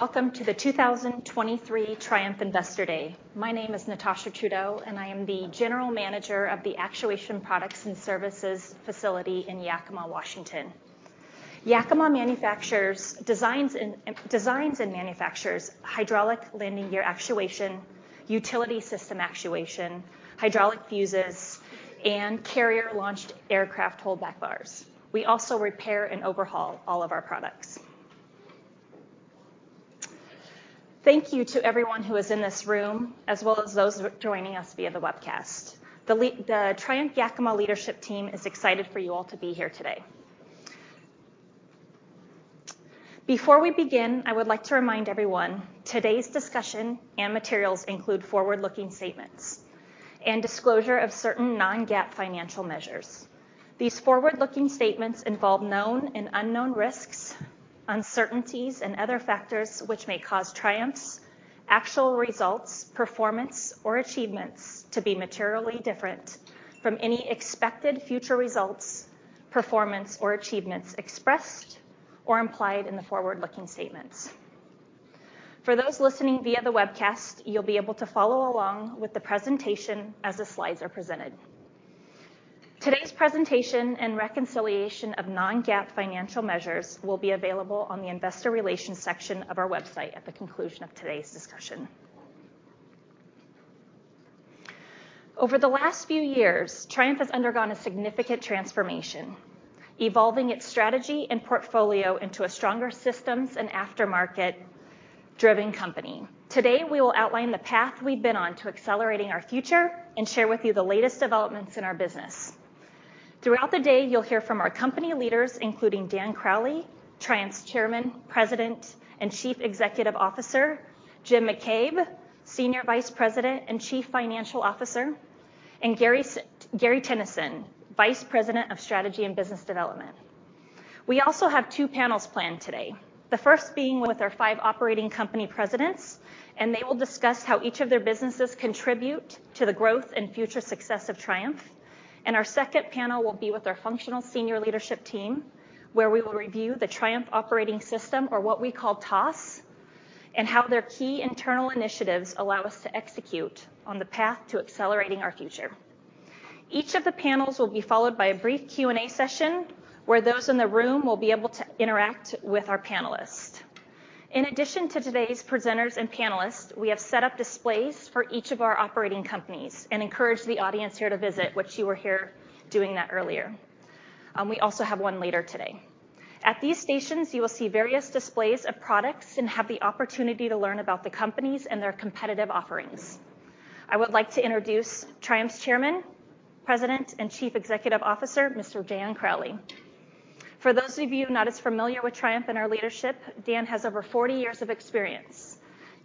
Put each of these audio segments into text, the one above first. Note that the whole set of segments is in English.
Welcome to the 2023 Triumph Investor Day. My name is Natasha Trudeau, and I am the General Manager of the Actuation Products and Services facility in Yakima, Washington. Yakima designs and manufactures hydraulic landing gear actuation, utility system actuation, hydraulic fuses, and carrier-launched aircraft holdback bars. We also repair and overhaul all of our products. Thank you to everyone who is in this room, as well as those joining us via the webcast. The Triumph Yakima leadership team is excited for you all to be here today. Before we begin, I would like to remind everyone, today's discussion and materials include forward-looking statements and disclosure of certain non-GAAP financial measures. These forward-looking statements involve known and unknown risks, uncertainties, and other factors which may cause Triumph's actual results, performance, or achievements to be materially different from any expected future results, performance, or achievements expressed or implied in the forward-looking statements. For those listening via the webcast, you'll be able to follow along with the presentation as the slides are presented. Today's presentation and reconciliation of non-GAAP financial measures will be available on the investor relations section of our website at the conclusion of today's discussion. Over the last few years, Triumph has undergone a significant transformation, evolving its strategy and portfolio into a stronger systems and aftermarket-driven company. Today, we will outline the path we've been on to accelerating our future and share with you the latest developments in our business. Throughout the day, you'll hear from our company leaders, including Dan Crowley, Triumph's Chairman, President, and Chief Executive Officer, Jim McCabe, Senior Vice President and Chief Financial Officer, and Gary Tenison, Vice President of Strategy and Business Development. We also have two panels planned today, the first being with our five operating company presidents, and they will discuss how each of their businesses contribute to the growth and future success of Triumph. Our second panel will be with our functional senior leadership team, where we will review the Triumph Operating System, or what we call TOS, and how their key internal initiatives allow us to execute on the path to accelerating our future. Each of the panels will be followed by a brief Q&A session, where those in the room will be able to interact with our panelists. In addition to today's presenters and panelists, we have set up displays for each of our operating companies and encourage the audience here to visit, which you were here doing that earlier. We also have one later today. At these stations, you will see various displays of products and have the opportunity to learn about the companies and their competitive offerings. I would like to introduce Triumph's Chairman, President, and Chief Executive Officer, Mr. Dan Crowley. For those of you not as familiar with Triumph and our leadership, Dan has over 40 years of experience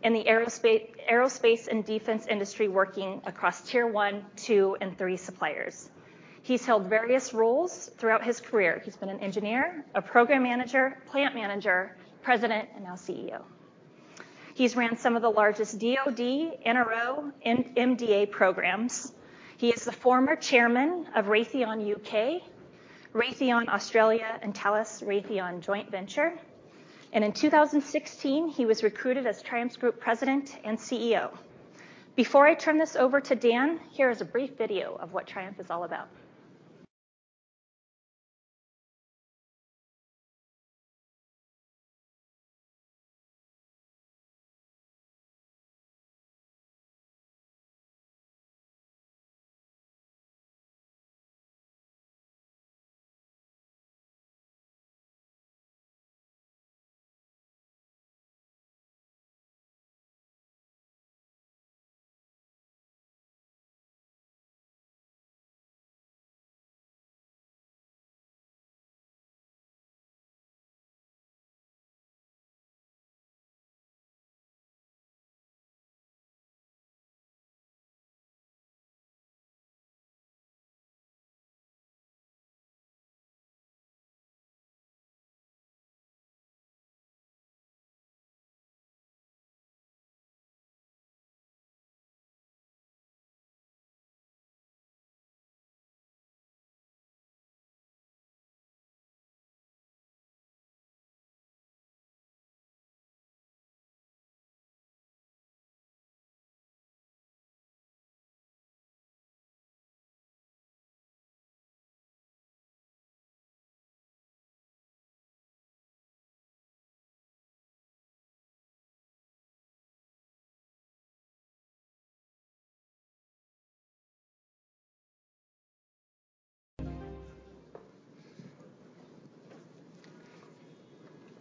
in the aerospace and defense industry, working across tier one, two, and three suppliers. He's held various roles throughout his career. He's been an engineer, a program manager, plant manager, president, and now CEO. He's ran some of the largest DoD, NRO, and MDA programs. He is the former chairman of Raytheon UK, Raytheon Australia, and Thales Raytheon Joint Venture, and in 2016, he was recruited as Triumph's Group President and CEO. Before I turn this over to Dan, here is a brief video of what Triumph is all about.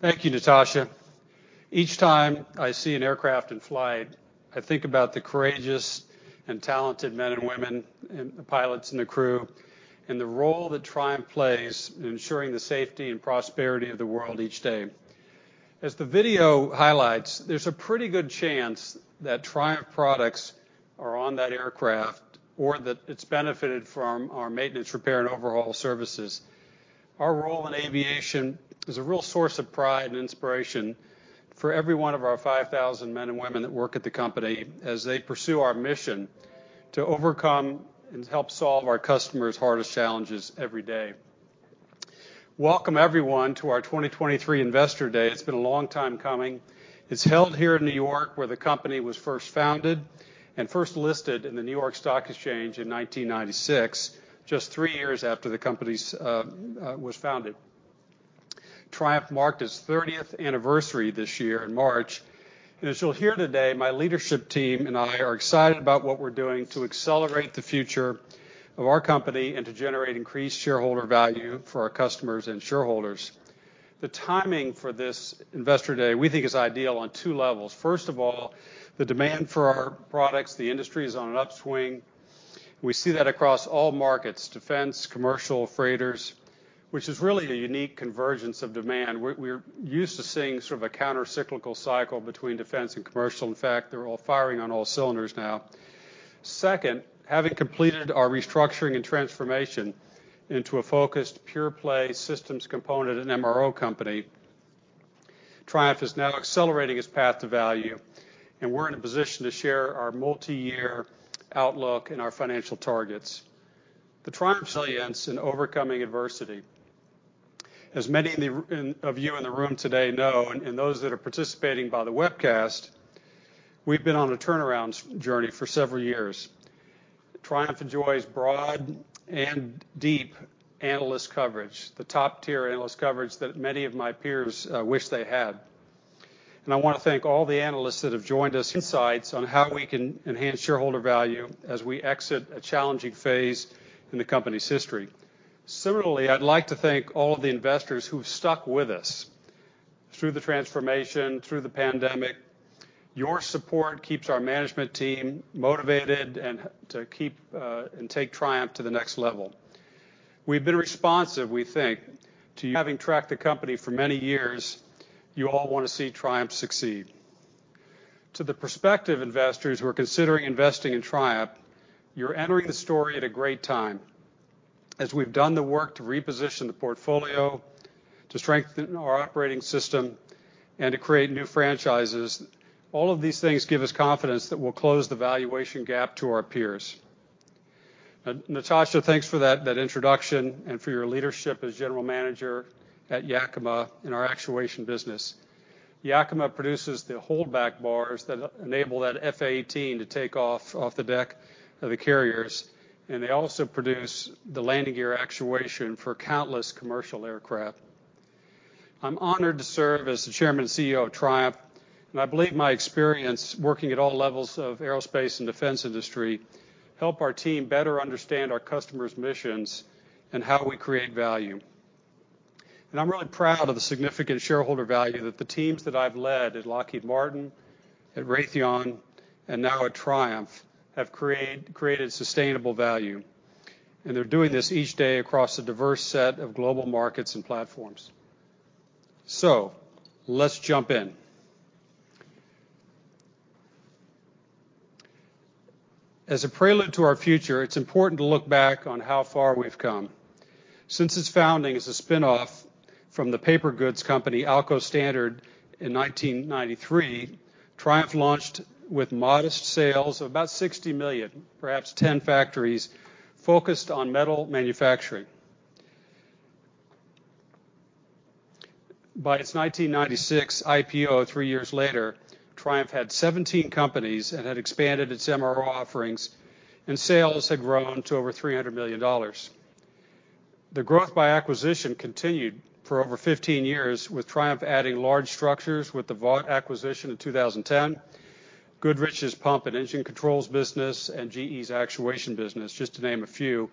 Thank you, Natasha. Each time I see an aircraft in flight, I think about the courageous and talented men and women and the pilots and the crew, and the role that Triumph plays in ensuring the safety and prosperity of the world each day. As the video highlights, there's a pretty good chance that Triumph products are on that aircraft or that it's benefited from our maintenance, repair, and overhaul services. Our role in aviation is a real source of pride and inspiration for every one of our 5,000 men and women that work at the company as they pursue our mission to overcome and help solve our customers' hardest challenges every day.... Welcome everyone to our 2023 Investor Day. It's been a long time coming. It's held here in New York, where the company was first founded and first listed in the New York Stock Exchange in 1996, just three years after the company was founded. Triumph marked its thirtieth anniversary this year in March, and as you'll hear today, my leadership team and I are excited about what we're doing to accelerate the future of our company and to generate increased shareholder value for our customers and shareholders. The timing for this Investor Day, we think, is ideal on two levels. First of all, the demand for our products, the industry, is on an upswing. We see that across all markets: defense, commercial, freighters, which is really a unique convergence of demand. We're used to seeing sort of a countercyclical cycle between defense and commercial. In fact, they're all firing on all cylinders now. Second, having completed our restructuring and transformation into a focused, pure-play systems component and MRO company, Triumph is now accelerating its path to value, and we're in a position to share our multiyear outlook and our financial targets. The Triumph resilience in overcoming adversity. As many of you in the room today know, and those that are participating by the webcast, we've been on a turnaround journey for several years. Triumph enjoys broad and deep analyst coverage, the top-tier analyst coverage that many of my peers wish they had. And I want to thank all the analysts that have joined us, insights on how we can enhance shareholder value as we exit a challenging phase in the company's history. Similarly, I'd like to thank all of the investors who've stuck with us through the transformation, through the pandemic. Your support keeps our management team motivated and to keep, and take Triumph to the next level. We've been responsive, we think, to you having tracked the company for many years, you all want to see Triumph succeed. To the prospective investors who are considering investing in Triumph, you're entering the story at a great time. As we've done the work to reposition the portfolio, to strengthen our operating system and to create new franchises, all of these things give us confidence that we'll close the valuation gap to our peers. Natasha, thanks for that, that introduction and for your leadership as General Manager at Yakima in our actuation business. Yakima produces the holdback bars that enable that F-18 to take off the deck of the carriers, and they also produce the landing gear actuation for countless commercial aircraft. I'm honored to serve as the Chairman and CEO of Triumph, and I believe my experience working at all levels of aerospace and defense industry helps our team better understand our customers' missions and how we create value. I'm really proud of the significant shareholder value that the teams that I've led at Lockheed Martin, at Raytheon, and now at Triumph have created sustainable value. They're doing this each day across a diverse set of global markets and platforms. Let's jump in. As a prelude to our future, it's important to look back on how far we've come. Since its founding as a spinoff from the paper goods company, Alco Standard, in 1993, Triumph launched with modest sales of about $60 million, perhaps 10 factories, focused on metal manufacturing. By its 1996 IPO, three years later, Triumph had 17 companies and had expanded its MRO offerings, and sales had grown to over $300 million. The growth by acquisition continued for over 15 years, with Triumph adding large structures with the Vought acquisition in 2010, Goodrich's pump and engine controls business, and GE's actuation business, just to name a few,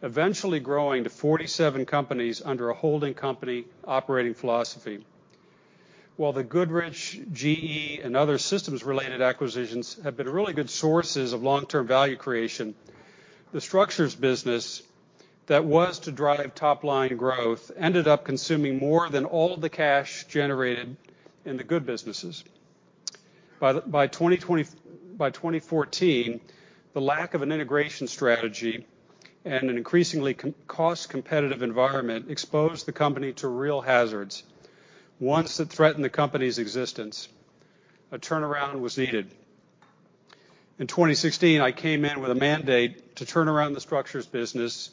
eventually growing to 47 companies under a holding company operating philosophy. While the Goodrich, GE, and other systems-related acquisitions have been really good sources of long-term value creation, the structures business that was to drive top-line growth ended up consuming more than all of the cash generated in the good businesses. By 2014, the lack of an integration strategy and an increasingly cost competitive environment exposed the company to real hazards. Once it threatened the company's existence, a turnaround was needed. In 2016, I came in with a mandate to turn around the structures business,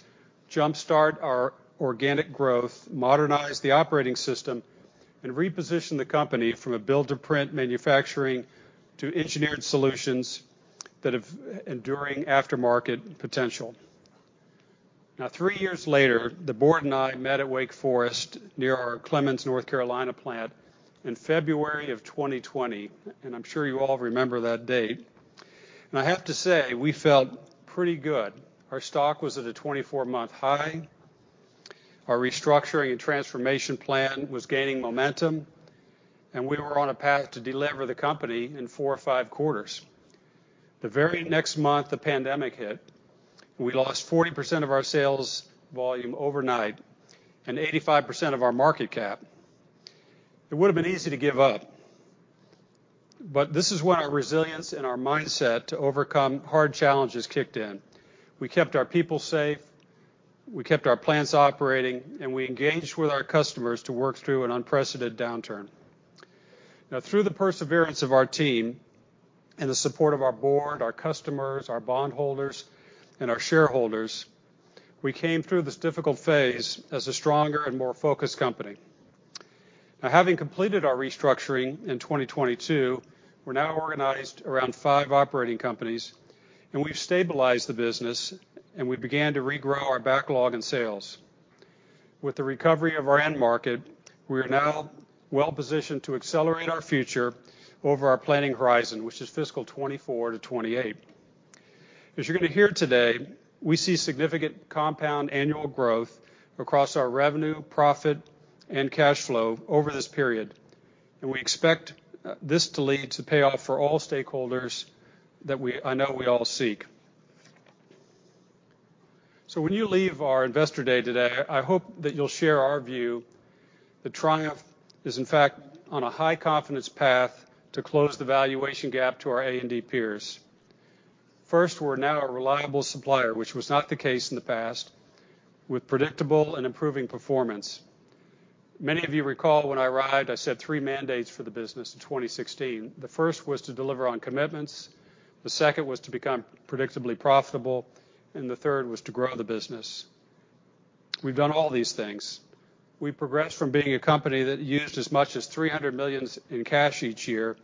jumpstart our organic growth, modernize the operating system, and reposition the company from a build-to-print manufacturing to engineered solutions that have enduring aftermarket potential. Now, three years later, the board and I met at Wake Forest near our Clemmons, North Carolina plant in February of 2020, and I'm sure you all remember that date. And I have to say, we felt pretty good. Our stock was at a 24-month high, our restructuring and transformation plan was gaining momentum, and we were on a path to deliver the company in four or five quarters. The very next month, the pandemic hit, and we lost 40% of our sales volume overnight and 85% of our market cap. It would have been easy to give up, but this is when our resilience and our mindset to overcome hard challenges kicked in. We kept our people safe, we kept our plants operating, and we engaged with our customers to work through an unprecedented downturn... Now, through the perseverance of our team and the support of our board, our customers, our bondholders, and our shareholders, we came through this difficult phase as a stronger and more focused company. Now, having completed our restructuring in 2022, we're now organized around five operating companies, and we've stabilized the business, and we began to regrow our backlog in sales. With the recovery of our end market, we are now well-positioned to accelerate our future over our planning horizon, which is fiscal 2024-2028. As you're going to hear today, we see significant compound annual growth across our revenue, profit, and cash flow over this period, and we expect this to lead to payoff for all stakeholders, I know we all seek. So when you leave our investor day today, I hope that you'll share our view that Triumph is, in fact, on a high-confidence path to close the valuation gap to our A&D peers. First, we're now a reliable supplier, which was not the case in the past, with predictable and improving performance. Many of you recall when I arrived, I set three mandates for the business in 2016. The first was to deliver on commitments, the second was to become predictably profitable, and the third was to grow the business. We've done all these things. We progressed from being a company that used as much as $300 million in cash each year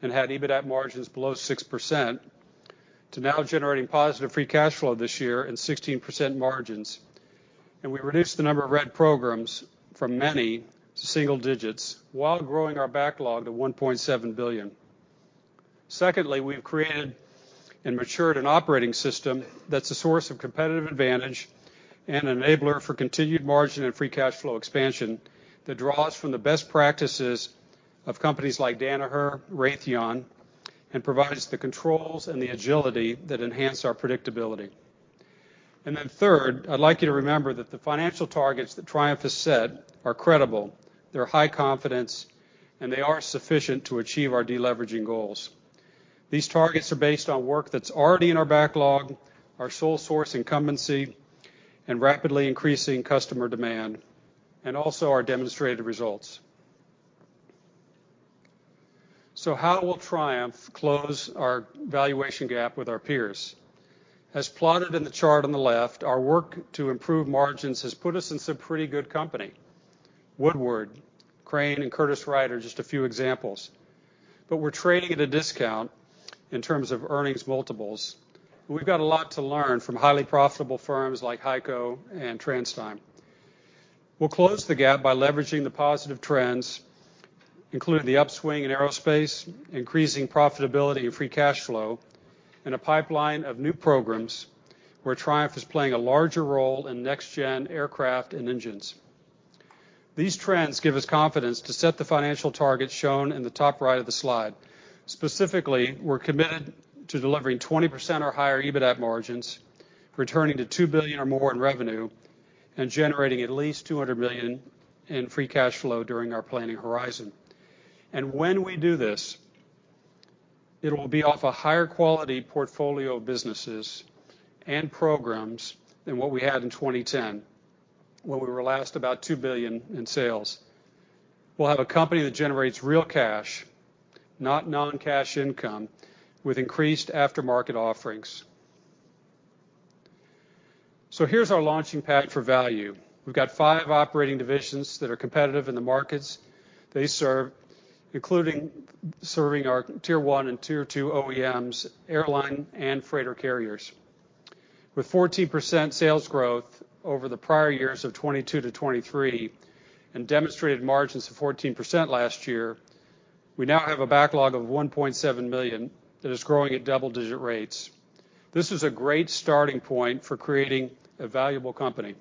and had EBITDA margins below 6%, to now generating positive free cash flow this year and 16% margins. We reduced the number of red programs from many to single digits while growing our backlog to $1.7 billion. Secondly, we've created and matured an operating system that's a source of competitive advantage and enabler for continued margin and free cash flow expansion that draws from the best practices of companies like Danaher, Raytheon, and provides the controls and the agility that enhance our predictability. Then third, I'd like you to remember that the financial targets that Triumph has set are credible, they're high confidence, and they are sufficient to achieve our deleveraging goals. These targets are based on work that's already in our backlog, our sole source incumbency, and rapidly increasing customer demand, and also our demonstrated results. So how will Triumph close our valuation gap with our peers? As plotted in the chart on the left, our work to improve margins has put us in some pretty good company. Woodward, Crane, and Curtiss-Wright are just a few examples. But we're trading at a discount in terms of earnings multiples. We've got a lot to learn from highly profitable firms like HEICO and TransDigm. We'll close the gap by leveraging the positive trends, including the upswing in aerospace, increasing profitability and free cash flow, and a pipeline of new programs where Triumph is playing a larger role in next-gen aircraft and engines. These trends give us confidence to set the financial targets shown in the top right of the slide. Specifically, we're committed to delivering 20% or higher EBITDA margins, returning to $2 billion or more in revenue, and generating at least $200 million in free cash flow during our planning horizon. And when we do this, it will be off a higher quality portfolio of businesses and programs than what we had in 2010, when we were last about $2 billion in sales. We'll have a company that generates real cash, not non-cash income, with increased aftermarket offerings. So here's our launching pad for value. We've got five operating divisions that are competitive in the markets they serve, including serving our Tier One and Tier Two OEMs, airline, and freighter carriers. With 14% sales growth over the prior years of 2022-2023, and demonstrated margins of 14% last year, we now have a backlog of $1.7 billion that is growing at double-digit rates. This is a great starting point for creating a valuable company.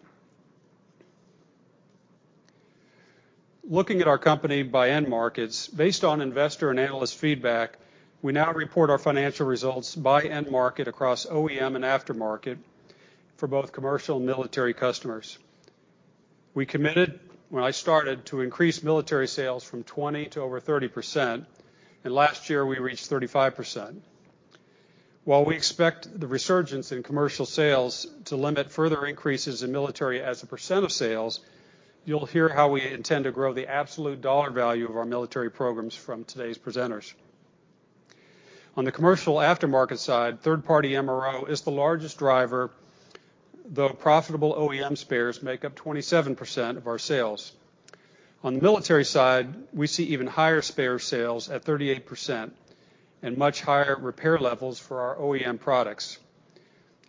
Looking at our company by end markets, based on investor and analyst feedback, we now report our financial results by end market across OEM and aftermarket for both commercial and military customers. We committed, when I started, to increase military sales from 20% to over 30%, and last year we reached 35%. While we expect the resurgence in commercial sales to limit further increases in military as a percent of sales, you'll hear how we intend to grow the absolute dollar value of our military programs from today's presenters. On the commercial aftermarket side, third-party MRO is the largest driver, though profitable OEM spares make up 27% of our sales. On the military side, we see even higher spare sales at 38% and much higher repair levels for our OEM products.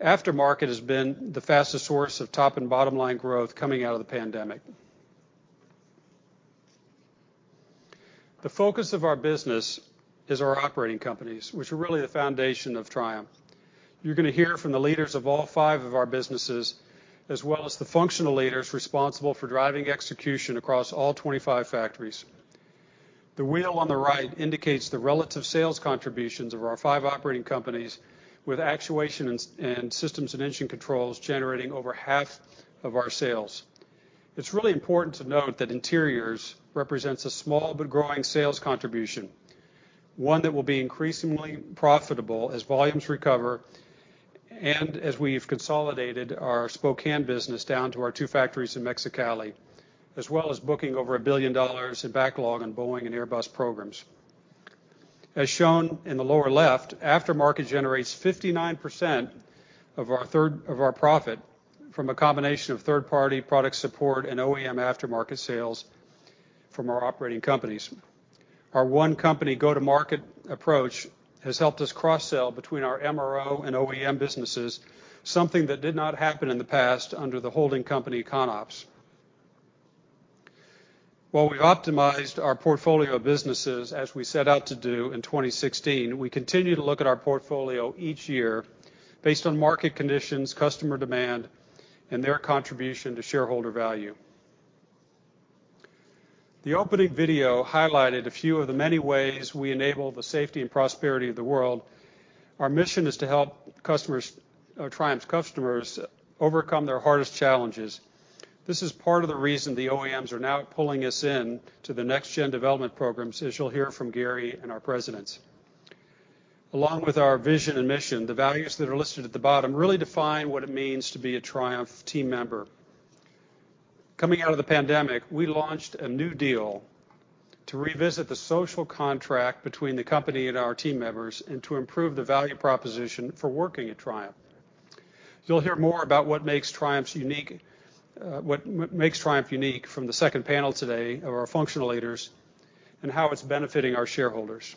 Aftermarket has been the fastest source of top and bottom line growth coming out of the pandemic. The focus of our business is our operating companies, which are really the foundation of Triumph. You're gonna hear from the leaders of all five of our businesses, as well as the functional leaders responsible for driving execution across all 25 factories. The wheel on the right indicates the relative sales contributions of our five operating companies, with Actuation and Systems and Engine Controls generating over half of our sales. It's really important to note that Interiors represents a small but growing sales contribution. one that will be increasingly profitable as volumes recover, and as we've consolidated our Spokane business down to our two factories in Mexicali, as well as booking over $1 billion in backlog on Boeing and Airbus programs. As shown in the lower left, aftermarket generates 59% of our profit from a combination of third-party product support and OEM aftermarket sales from our operating companies. Our one company go-to-market approach has helped us cross-sell between our MRO and OEM businesses, something that did not happen in the past under the holding company ConOps. While we optimized our portfolio of businesses as we set out to do in 2016, we continue to look at our portfolio each year based on market conditions, customer demand, and their contribution to shareholder value. The opening video highlighted a few of the many ways we enable the safety and prosperity of the world. Our mission is to help customers, Triumph's customers overcome their hardest challenges. This is part of the reason the OEMs are now pulling us in to the next-gen development programs, as you'll hear from Gary and our presidents. Along with our vision and mission, the values that are listed at the bottom really define what it means to be a Triumph team member. Coming out of the pandemic, we launched a New Deal to revisit the social contract between the company and our team members and to improve the value proposition for working at Triumph. You'll hear more about what makes Triumph unique from the second panel today of our functional leaders and how it's benefiting our shareholders.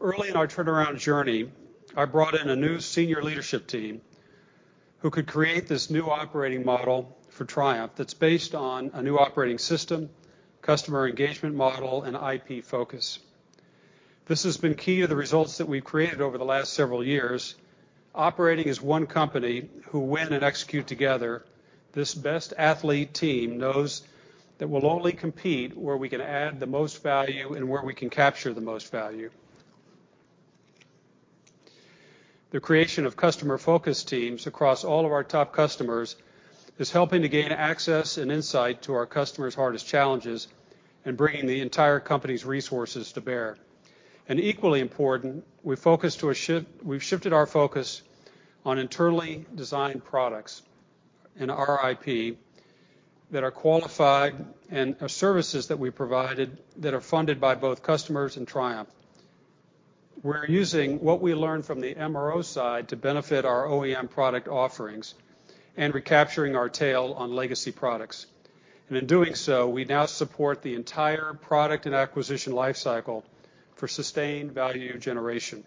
Early in our turnaround journey, I brought in a new senior leadership team who could create this new operating model for Triumph that's based on a new operating system, customer engagement model, and IP focus. This has been key to the results that we've created over the last several years. Operating as one company who win and execute together, this best athlete team knows that we'll only compete where we can add the most value and where we can capture the most value. The creation of customer focus teams across all of our top customers is helping to gain access and insight to our customers' hardest challenges and bringing the entire company's resources to bear. Equally important, we've shifted our focus on internally designed products and our IP that are qualified, and services that we provided that are funded by both customers and Triumph. We're using what we learned from the MRO side to benefit our OEM product offerings and recapturing our tail on legacy products. In doing so, we now support the entire product and acquisition lifecycle for sustained value generation.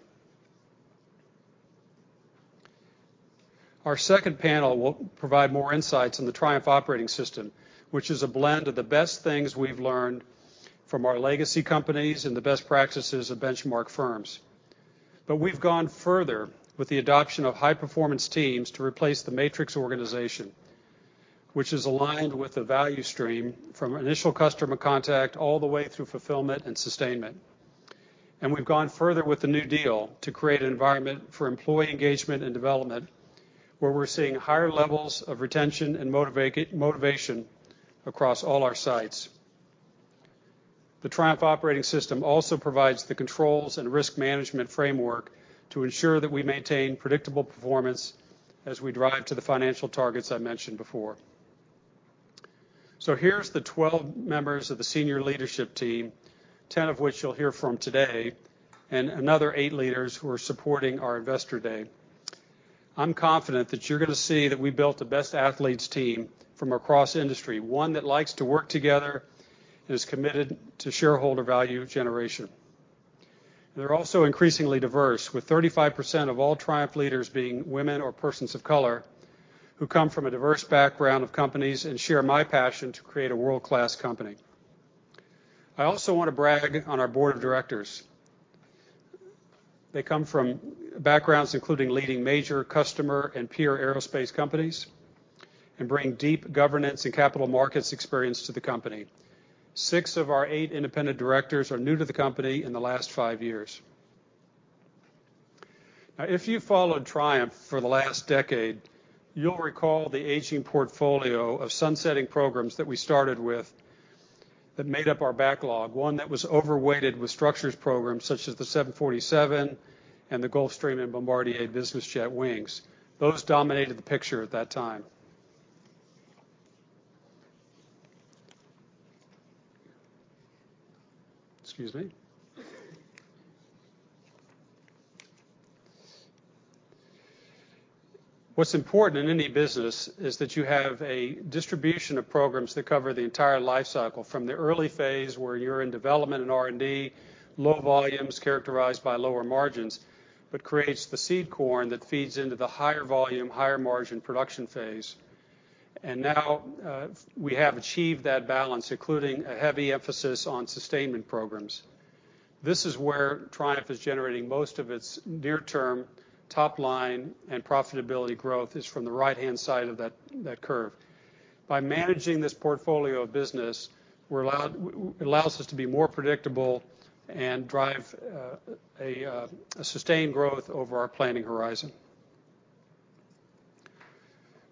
Our second panel will provide more insights on the Triumph Operating System, which is a blend of the best things we've learned from our legacy companies and the best practices of benchmark firms. We've gone further with the adoption of high-performance teams to replace the matrix organization, which is aligned with the value stream from initial customer contact all the way through fulfillment and sustainment. We've gone further with the New Deal to create an environment for employee engagement and development, where we're seeing higher levels of retention and motivation across all our sites. The Triumph Operating System also provides the controls and risk management framework to ensure that we maintain predictable performance as we drive to the financial targets I mentioned before. Here's the 12 members of the senior leadership team, 10 of which you'll hear from today, and another 8 leaders who are supporting our Investor Day. I'm confident that you're going to see that we built the best athletes team from across industry, one that likes to work together and is committed to shareholder value generation. And they're also increasingly diverse, with 35% of all Triumph leaders being women or persons of color, who come from a diverse background of companies and share my passion to create a world-class company. I also want to brag on our board of directors. They come from backgrounds, including leading major customer and peer aerospace companies, and bring deep governance and capital markets experience to the company. 6 of our 8 independent directors are new to the company in the last 5 years. Now, if you followed Triumph for the last decade, you'll recall the aging portfolio of sunsetting programs that we started with that made up our backlog, one that was overweighted with structures programs such as the 747 and the Gulfstream and Bombardier Business Jet wings. Those dominated the picture at that time. Excuse me. What's important in any business is that you have a distribution of programs that cover the entire life cycle, from the early phase, where you're in development and R&D, low volumes characterized by lower margins, but creates the seed corn that feeds into the higher volume, higher margin production phase. And now, we have achieved that balance, including a heavy emphasis on sustainment programs. This is where Triumph is generating most of its near-term top line, and profitability growth is from the right-hand side of that curve. By managing this portfolio of business, it allows us to be more predictable and drive a sustained growth over our planning horizon...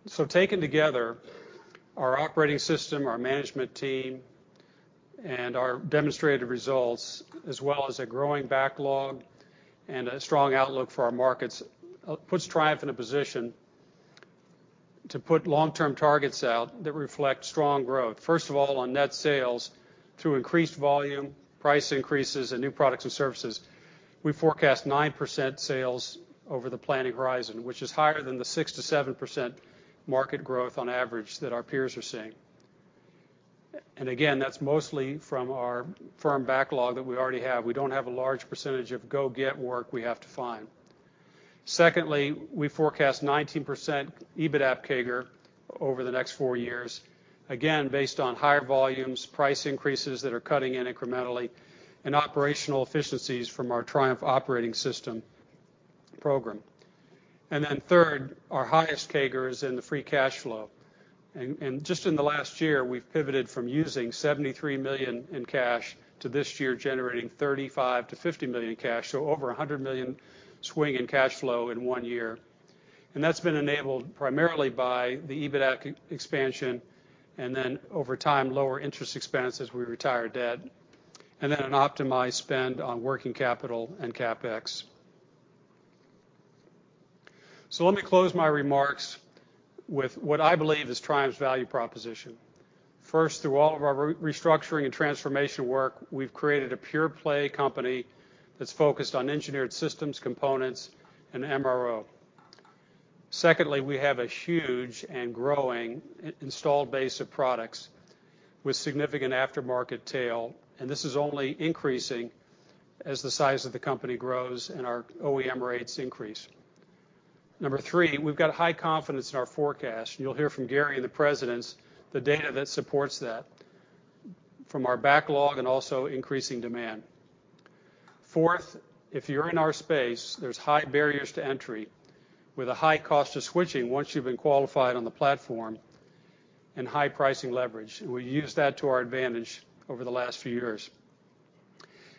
So taken together, our operating system, our management team, and our demonstrated results, as well as a growing backlog and a strong outlook for our markets, puts Triumph in a position to put long-term targets out that reflect strong growth. First of all, on net sales, through increased volume, price increases, and new products and services, we forecast 9% sales over the planning horizon, which is higher than the 6%-7% market growth on average that our peers are seeing. And again, that's mostly from our firm backlog that we already have. We don't have a large percentage of go-get work we have to find. Secondly, we forecast 19% EBITDA CAGR over the next 4 years, again, based on higher volumes, price increases that are cutting in incrementally, and operational efficiencies from our Triumph Operating System program. Then third, our highest CAGR is in the free cash flow. And just in the last year, we've pivoted from using $73 million in cash to this year generating $35 million-$50 million in cash, so over $100 million swing in cash flow in one year. And that's been enabled primarily by the EBITDA ex-expansion, and then over time, lower interest expense as we retire debt, and then an optimized spend on working capital and CapEx. So let me close my remarks with what I believe is Triumph's value proposition. First, through all of our restructuring and transformation work, we've created a pure-play company that's focused on engineered systems, components, and MRO. Secondly, we have a huge and growing installed base of products with significant aftermarket tail, and this is only increasing as the size of the company grows and our OEM rates increase. Number 3, we've got high confidence in our forecast. You'll hear from Gary and the presidents, the data that supports that from our backlog and also increasing demand. Fourth, if you're in our space, there's high barriers to entry, with a high cost of switching once you've been qualified on the platform, and high pricing leverage. We've used that to our advantage over the last few years.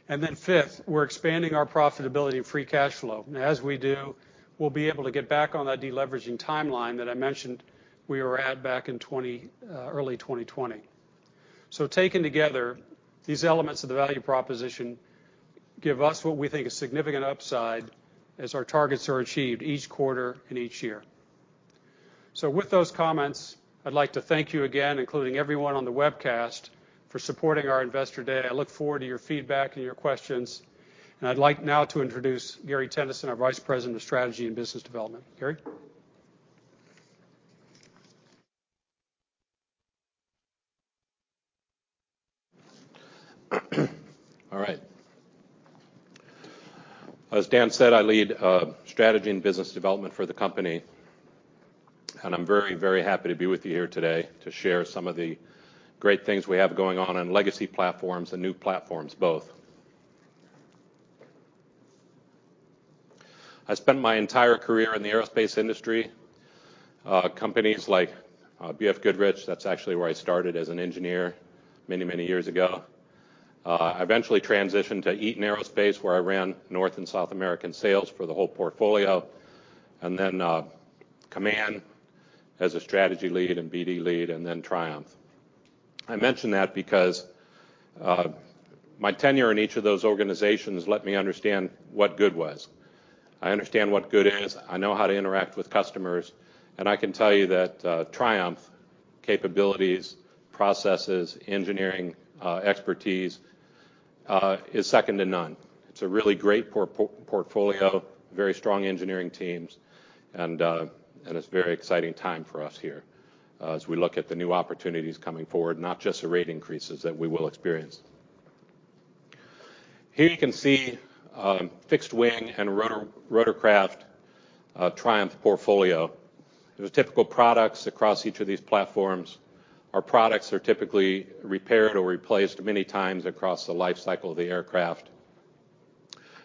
And then fifth, we're expanding our profitability and free cash flow. And as we do, we'll be able to get back on that deleveraging timeline that I mentioned we were at back in 20, early 2020. So taken together, these elements of the value proposition give us what we think is significant upside as our targets are achieved each quarter and each year. With those comments, I'd like to thank you again, including everyone on the webcast, for supporting our Investor Day. I look forward to your feedback and your questions, and I'd like now to introduce Gary Tenison, our Vice President of Strategy and Business Development. Gary? All right. As Dan said, I lead Strategy and Business Development for the company, and I'm very, very happy to be with you here today to share some of the great things we have going on in legacy platforms and new platforms both. I spent my entire career in the aerospace industry, companies like BFGoodrich, that's actually where I started as an engineer many, many years ago. I eventually transitioned to Eaton Aerospace, where I ran North and South American sales for the whole portfolio, and then Kaman as a strategy lead and BD lead, and then Triumph. I mention that because my tenure in each of those organizations let me understand what good was. I understand what good is, I know how to interact with customers, and I can tell you that Triumph capabilities, processes, engineering, expertise is second to none. It's a really great portfolio, very strong engineering teams, and it's a very exciting time for us here as we look at the new opportunities coming forward, not just the rate increases that we will experience. Here you can see fixed wing and rotorcraft Triumph portfolio. The typical products across each of these platforms, our products are typically repaired or replaced many times across the lifecycle of the aircraft.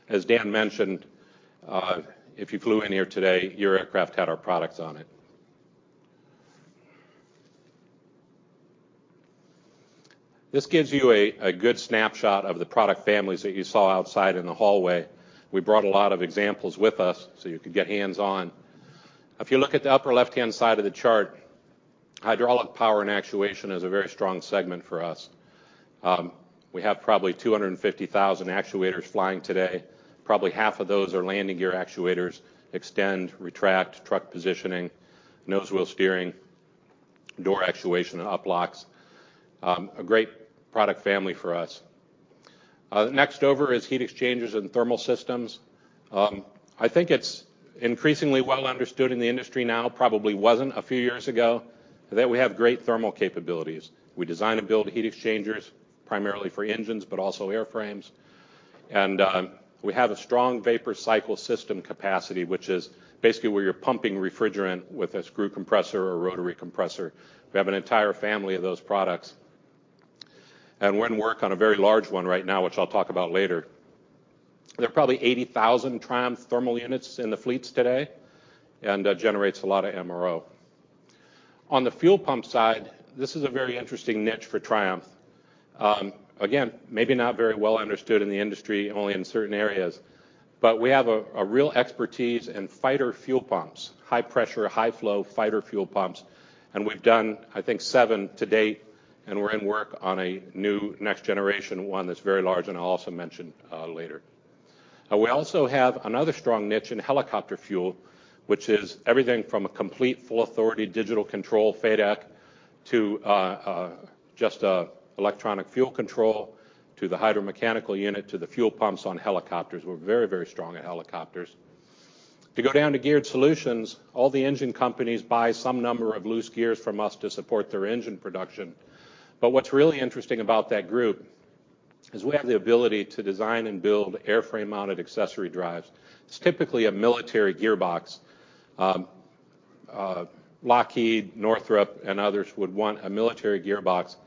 As Dan mentioned, if you flew in here today, your aircraft had our products on it. This gives you a good snapshot of the product families that you saw outside in the hallway. We brought a lot of examples with us, so you could get hands-on. If you look at the upper left-hand side of the chart, hydraulic power and actuation is a very strong segment for us. We have probably 250,000 actuators flying today. Probably half of those are landing gear actuators, extend, retract, truck positioning, nose wheel steering, door actuation, and uplocks. A great product family for us. Next over is heat exchangers and thermal systems. I think it's increasingly well understood in the industry now, probably wasn't a few years ago, that we have great thermal capabilities. We design and build heat exchangers primarily for engines, but also airframes. And, we have a strong vapor cycle system capacity, which is basically where you're pumping refrigerant with a screw compressor or rotary compressor. We have an entire family of those products. We're in work on a very large one right now, which I'll talk about later. There are probably 80,000 Triumph thermal units in the fleets today, and that generates a lot of MRO. On the fuel pump side, this is a very interesting niche for Triumph... Again, maybe not very well understood in the industry, only in certain areas, but we have a real expertise in fighter fuel pumps, high pressure, high flow, fighter fuel pumps. And we've done, I think, 7 to date, and we're in work on a new next generation one that's very large, and I'll also mention later. We also have another strong niche in helicopter fuel, which is everything from a complete full authority digital control FADEC to just a electronic fuel control, to the hydromechanical unit, to the fuel pumps on helicopters. We're very, very strong at helicopters. If you go down to Geared Solutions, all the engine companies buy some number of loose gears from us to support their engine production. But what's really interesting about that group is we have the ability to design and build airframe-mounted accessory drives. It's typically a military gearbox. Lockheed, Northrop, and others would want a military gearbox.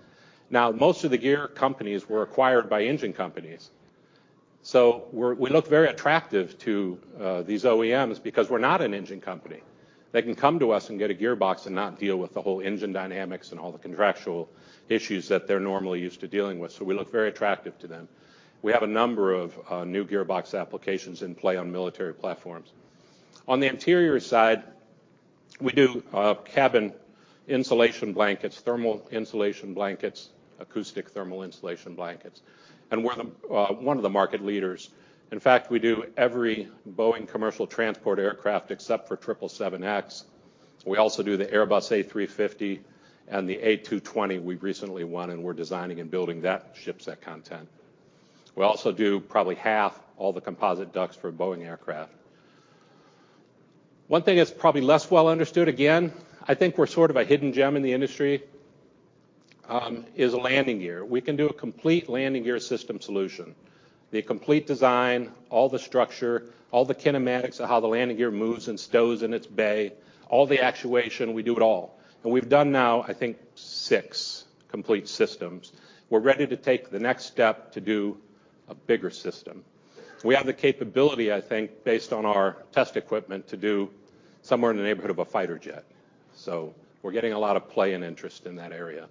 Now, most of the gear companies were acquired by engine companies, so we look very attractive to these OEMs because we're not an engine company. They can come to us and get a gearbox and not deal with the whole engine dynamics and all the contractual issues that they're normally used to dealing with, so we look very attractive to them. We have a number of new gearbox applications in play on military platforms. On the interior side, we do cabin insulation blankets, thermal insulation blankets, acoustic thermal insulation blankets, and we're the one of the market leaders. In fact, we do every Boeing commercial transport aircraft except for 777X. We also do the Airbus A350 and the A220 we've recently won, and we're designing and building that shipset content. We also do probably half all the composite ducts for Boeing aircraft. One thing that's probably less well understood, again, I think we're sort of a hidden gem in the industry, is landing gear. We can do a complete landing gear system solution, the complete design, all the structure, all the kinematics of how the landing gear moves and stows in its bay, all the actuation, we do it all. And we've done now, I think, six complete systems. We're ready to take the next step to do a bigger system. We have the capability, I think, based on our test equipment, to do somewhere in the neighborhood of a fighter jet, so we're getting a lot of play and interest in that area.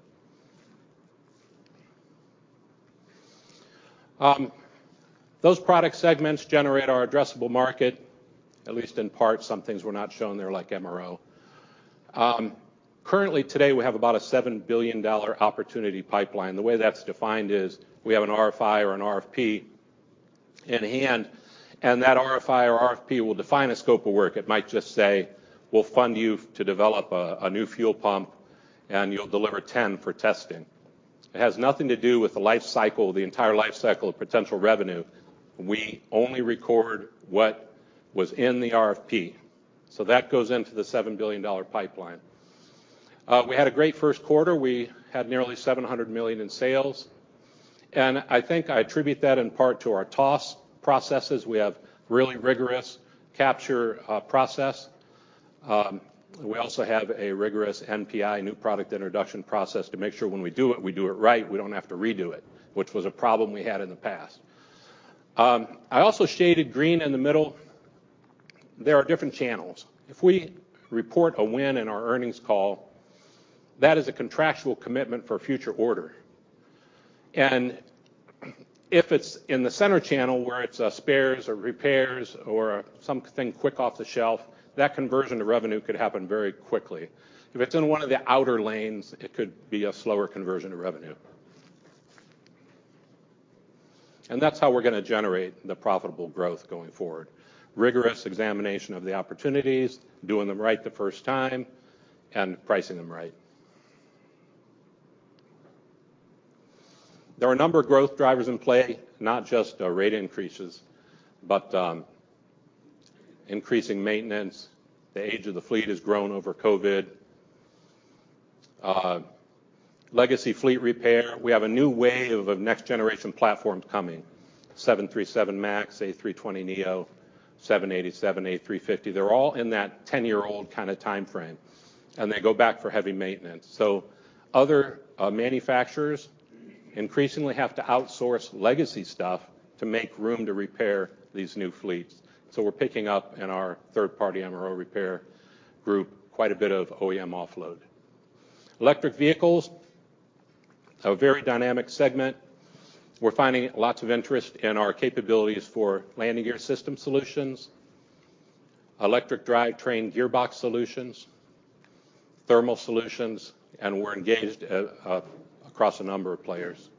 Those product segments generate our addressable market, at least in part. Some things were not shown there, like MRO. Currently, today, we have about a $7 billion opportunity pipeline. The way that's defined is we have an RFI or an RFP in hand, and that RFI or RFP will define a scope of work. It might just say, "We'll fund you to develop a new fuel pump, and you'll deliver 10 for testing." It has nothing to do with the life cycle, the entire life cycle of potential revenue. We only record what was in the RFP, so that goes into the $7 billion pipeline. We had a great first quarter. We had nearly $700 million in sales, and I think I attribute that in part to our TOS processes. We have really rigorous capture process. We also have a rigorous NPI, New Product Introduction, process to make sure when we do it, we do it right, we don't have to redo it, which was a problem we had in the past. I also shaded green in the middle. There are different channels. If we report a win in our earnings call, that is a contractual commitment for a future order, and if it's in the center channel, where it's spares or repairs or something quick off the shelf, that conversion to revenue could happen very quickly. If it's in one of the outer lanes, it could be a slower conversion to revenue. And that's how we're gonna generate the profitable growth going forward. Rigorous examination of the opportunities, doing them right the first time, and pricing them right. There are a number of growth drivers in play, not just, rate increases, but increasing maintenance. The age of the fleet has grown over COVID. Legacy fleet repair, we have a new wave of next generation platforms coming, 737 MAX, A320neo, 787, A350. They're all in that 10-year-old kind of timeframe, and they go back for heavy maintenance. So other, manufacturers increasingly have to outsource legacy stuff to make room to repair these new fleets. So we're picking up in our third-party MRO repair group, quite a bit of OEM offload. Electric vehicles, a very dynamic segment. We're finding lots of interest in our capabilities for landing gear system solutions, electric drivetrain gearbox solutions, thermal solutions, and we're engaged across a number of players.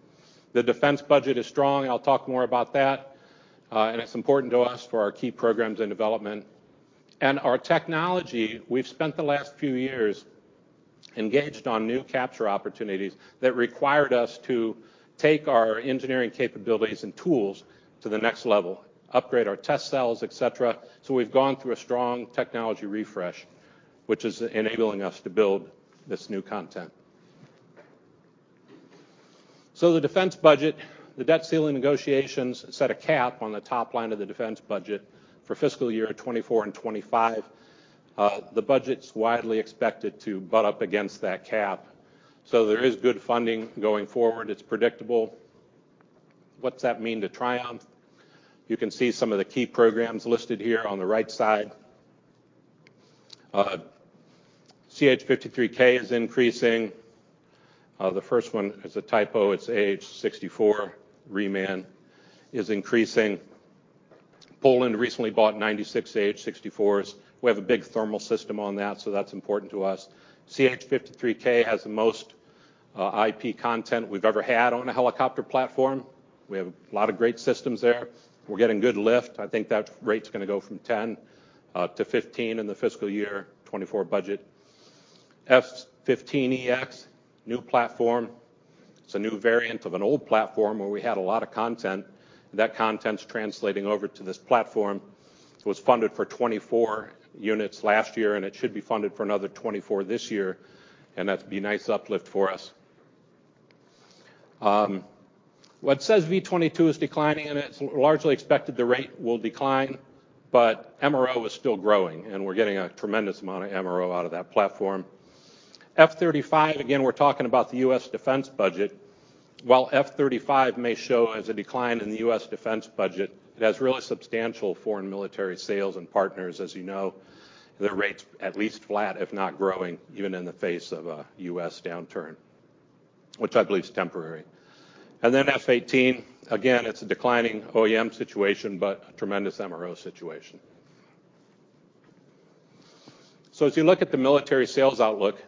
The defense budget is strong. I'll talk more about that, and it's important to us for our key programs and development. Our technology, we've spent the last few years engaged on new capture opportunities that required us to take our engineering capabilities and tools to the next level, upgrade our test cells, et cetera. So we've gone through a strong technology refresh, which is enabling us to build this new content. The defense budget, the debt ceiling negotiations set a cap on the top line of the defense budget for fiscal year 2024 and 2025. The budget's widely expected to butt up against that cap, so there is good funding going forward. It's predictable. What's that mean to Triumph? You can see some of the key programs listed here on the right side.... CH-53K is increasing. The first one is a typo, it's AH-64, Reman is increasing. Poland recently bought 96 AH-64s. We have a big thermal system on that, so that's important to us. CH-53K has the most, IP content we've ever had on a helicopter platform. We have a lot of great systems there. We're getting good lift. I think that rate's gonna go from 10 to 15 in the fiscal year 2024 budget. F-15EX, new platform. It's a new variant of an old platform where we had a lot of content. That content's translating over to this platform. It was funded for 24 units last year, and it should be funded for another 24 this year, and that's be a nice uplift for us. What says V-22 is declining, and it's largely expected the rate will decline, but MRO is still growing, and we're getting a tremendous amount of MRO out of that platform. F-35, again, we're talking about the U.S. defense budget. While F-35 may show as a decline in the U.S. defense budget, it has really substantial foreign military sales and partners. As you know, the rate's at least flat, if not growing, even in the face of a U.S. downturn, which I believe is temporary. And then F-18, again, it's a declining OEM situation, but a tremendous MRO situation. So as you look at the military sales outlook,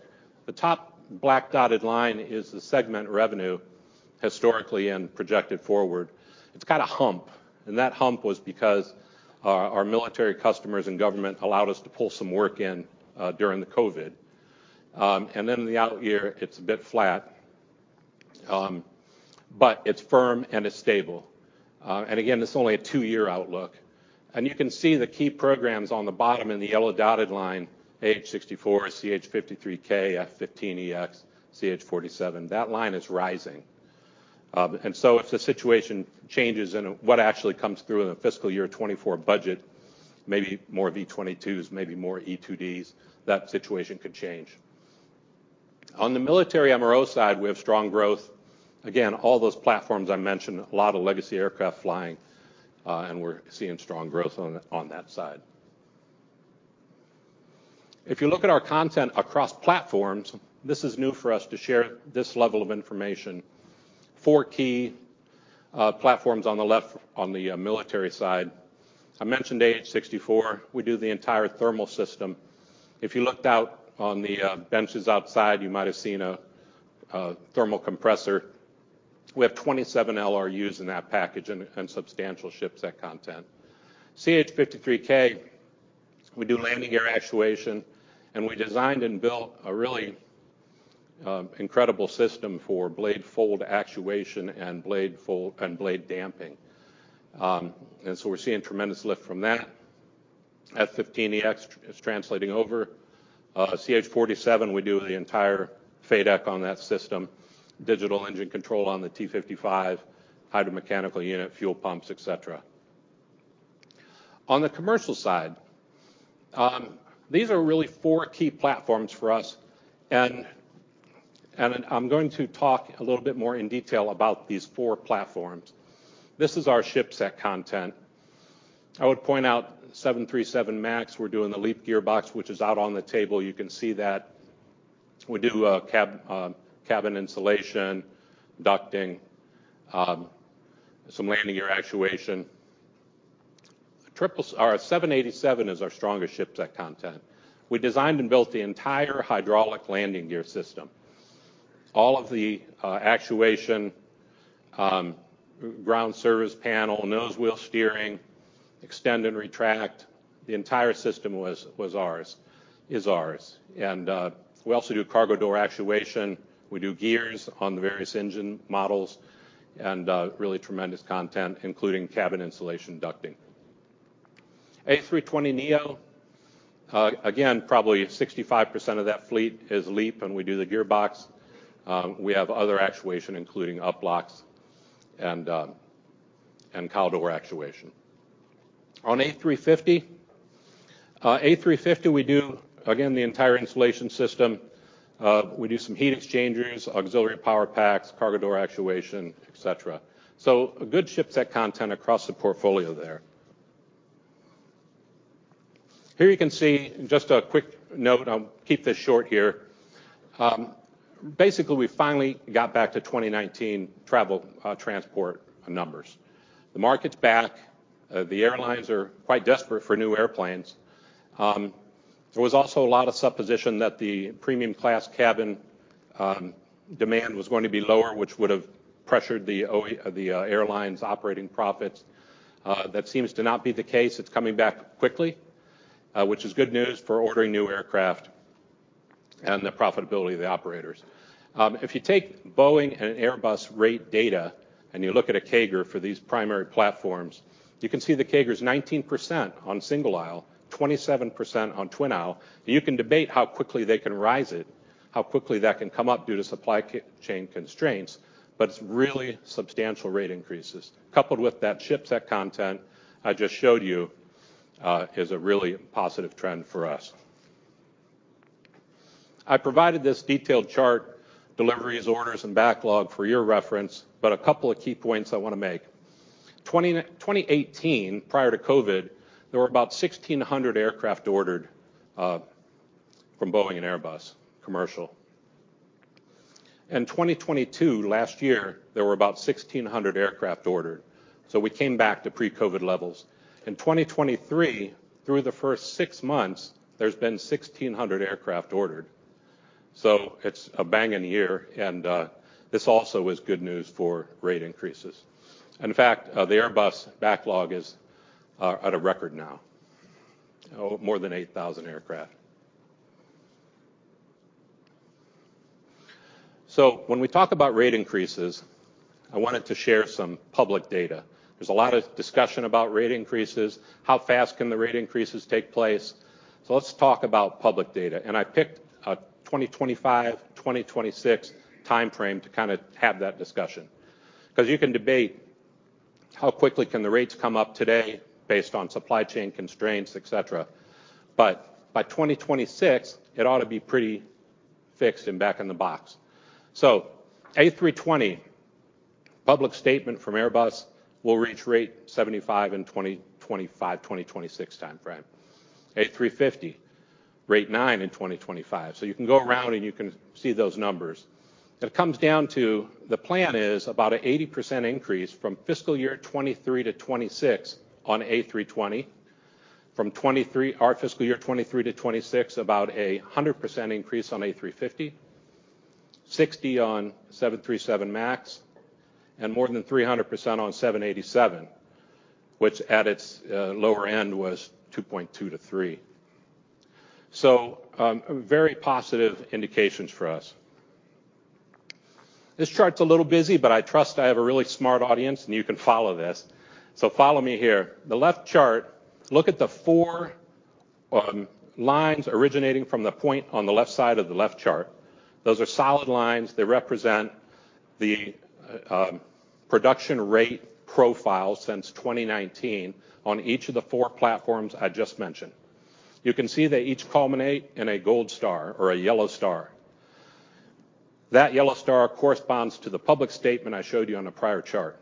the top black dotted line is the segment revenue, historically and projected forward. It's got a hump, and that hump was because our military customers and government allowed us to pull some work in during the COVID. And then in the out year, it's a bit flat, but it's firm and it's stable. And again, this is only a two-year outlook. And you can see the key programs on the bottom in the yellow dotted line, AH-64, CH-53K, F-15EX, CH-47, that line is rising. And so if the situation changes and what actually comes through in the fiscal year 2024 budget, maybe more V-22s, maybe more E-2Ds, that situation could change. On the military MRO side, we have strong growth. Again, all those platforms I mentioned, a lot of legacy aircraft flying, and we're seeing strong growth on that side. If you look at our content across platforms, this is new for us to share this level of information. Four key platforms on the left, on the military side. I mentioned AH-64, we do the entire thermal system. If you looked out on the benches outside, you might have seen a thermal compressor. We have 27 LRUs in that package and substantial shipset content. CH-53K, we do landing gear actuation, and we designed and built a really incredible system for blade fold actuation and blade fold and blade damping. And so we're seeing tremendous lift from that. F-15EX is translating over. CH-47, we do the entire FADEC on that system, digital engine control on the T55, hydromechanical unit, fuel pumps, et cetera. On the commercial side, these are really four key platforms for us, and I'm going to talk a little bit more in detail about these four platforms. This is our shipset content. I would point out 737 MAX, we're doing the LEAP gearbox, which is out on the table. You can see that. We do cabin insulation, ducting, some landing gear actuation. Our 787 is our strongest shipset content. We designed and built the entire hydraulic landing gear system. All of the actuation, ground service panel, nose wheel steering, extend and retract, the entire system was, was ours, is ours. And we also do cargo door actuation, we do gears on the various engine models, and really tremendous content, including cabin insulation, ducting. A320neo, again, probably 65% of that fleet is LEAP, and we do the gearbox. We have other actuation, including uplocks and cowl door actuation. On A350, A350, we do, again, the entire insulation system. We do some heat exchangers, auxiliary power packs, cargo door actuation, et cetera. So a good shipset content across the portfolio there. Here you can see, just a quick note, I'll keep this short here. Basically, we finally got back to 2019 travel, transport numbers. The market's back, the airlines are quite desperate for new airplanes. There was also a lot of supposition that the premium class cabin demand was going to be lower, which would have pressured the airline's operating profits. That seems to not be the case. It's coming back quickly, which is good news for ordering new aircraft and the profitability of the operators. If you take Boeing and Airbus rate data and you look at a CAGR for these primary platforms, you can see the CAGR is 19% on single-aisle, 27% on twin-aisle. You can debate how quickly they can rise it, how quickly that can come up due to supply chain constraints, but it's really substantial rate increases. Coupled with that shipset content I just showed you is a really positive trend for us... I provided this detailed chart, deliveries, orders, and backlog for your reference, but a couple of key points I wanna make. 2018, prior to COVID, there were about 1,600 aircraft ordered from Boeing and Airbus, commercial. In 2022, last year, there were about 1,600 aircraft ordered, so we came back to pre-COVID levels. In 2023, through the first six months, there's been 1,600 aircraft ordered, so it's a bangin' year, and this also is good news for rate increases. In fact, the Airbus backlog is at a record now, more than 8,000 aircraft. So when we talk about rate increases, I wanted to share some public data. There's a lot of discussion about rate increases. How fast can the rate increases take place? So let's talk about public data, and I picked a 2025/2026 timeframe to kinda have that discussion. 'Cause you can debate how quickly can the rates come up today based on supply chain constraints, et cetera, but by 2026, it ought to be pretty fixed and back in the box. So A320, public statement from Airbus will reach rate 75 in 2025, 2026 timeframe. A350, rate 9 in 2025. So you can go around, and you can see those numbers. It comes down to the plan is about an 80% increase from fiscal year 2023 to 2026 on A320, from 2023—our fiscal year 2023 to 2026, about a 100% increase on A350, 60% on 737 MAX, and more than 300% on 787, which at its lower end was 2.2-3. So, very positive indications for us. This chart's a little busy, but I trust I have a really smart audience, and you can follow this. So follow me here. The left chart, look at the four lines originating from the point on the left side of the left chart. Those are solid lines. They represent the production rate profile since 2019 on each of the four platforms I just mentioned. You can see they each culminate in a gold star or a yellow star. That yellow star corresponds to the public statement I showed you on the prior chart.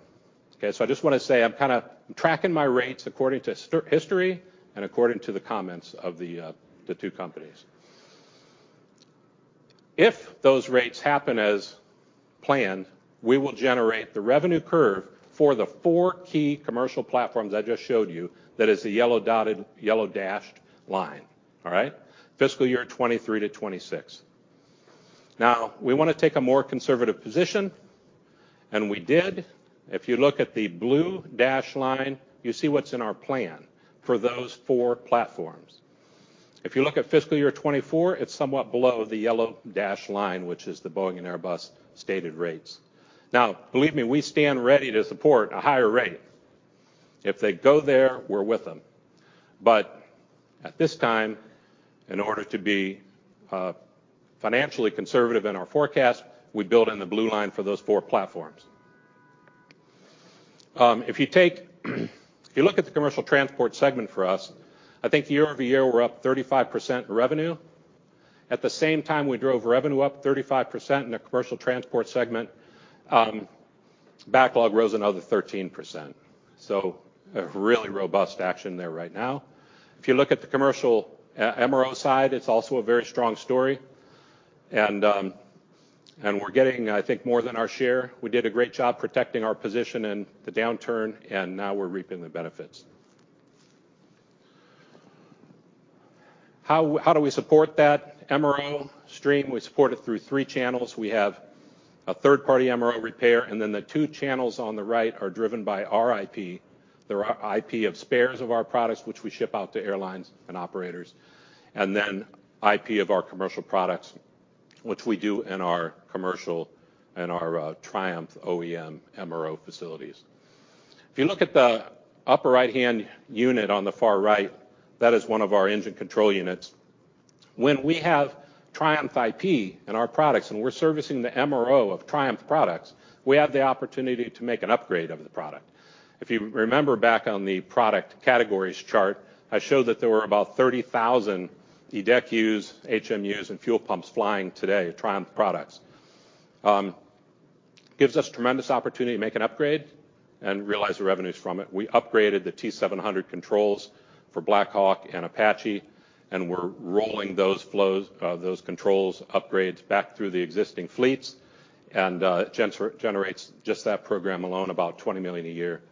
Okay, so I just wanna say, I'm kinda tracking my rates according to stated history and according to the comments of the two companies. If those rates happen as planned, we will generate the revenue curve for the four key commercial platforms I just showed you. That is the yellow dotted, yellow dashed line. All right? Fiscal year 2023 to 2026. Now, we wanna take a more conservative position, and we did. If you look at the blue dashed line, you see what's in our plan for those four platforms. If you look at fiscal year 2024, it's somewhat below the yellow dashed line, which is the Boeing and Airbus stated rates. Now, believe me, we stand ready to support a higher rate. If they go there, we're with them. But at this time, in order to be financially conservative in our forecast, we built in the blue line for those four platforms. If you take, if you look at the commercial transport segment for us, I think year-over-year, we're up 35% revenue. At the same time, we drove revenue up 35% in the commercial transport segment, backlog rose another 13%, so a really robust action there right now. If you look at the commercial MRO side, it's also a very strong story, and we're getting, I think, more than our share. We did a great job protecting our position in the downturn, and now we're reaping the benefits. How do we support that MRO stream? We support it through three channels. We have a third-party MRO repair, and then the two channels on the right are driven by our IP. They're our IP of spares of our products, which we ship out to airlines and operators, and then IP of our commercial products, which we do in our commercial and our Triumph OEM MRO facilities. If you look at the upper right-hand unit on the far right, that is one of our engine control units. When we have Triumph IP in our products, and we're servicing the MRO of Triumph products, we have the opportunity to make an upgrade of the product. If you remember back on the product categories chart, I showed that there were about 30,000 EDECUs, HMUs, and fuel pumps flying today, Triumph products. Gives us tremendous opportunity to make an upgrade and realize the revenues from it. We upgraded the T700 controls for Black Hawk and Apache, and we're rolling those control upgrades back through the existing fleets, and generates just that program alone, about $20 million a year,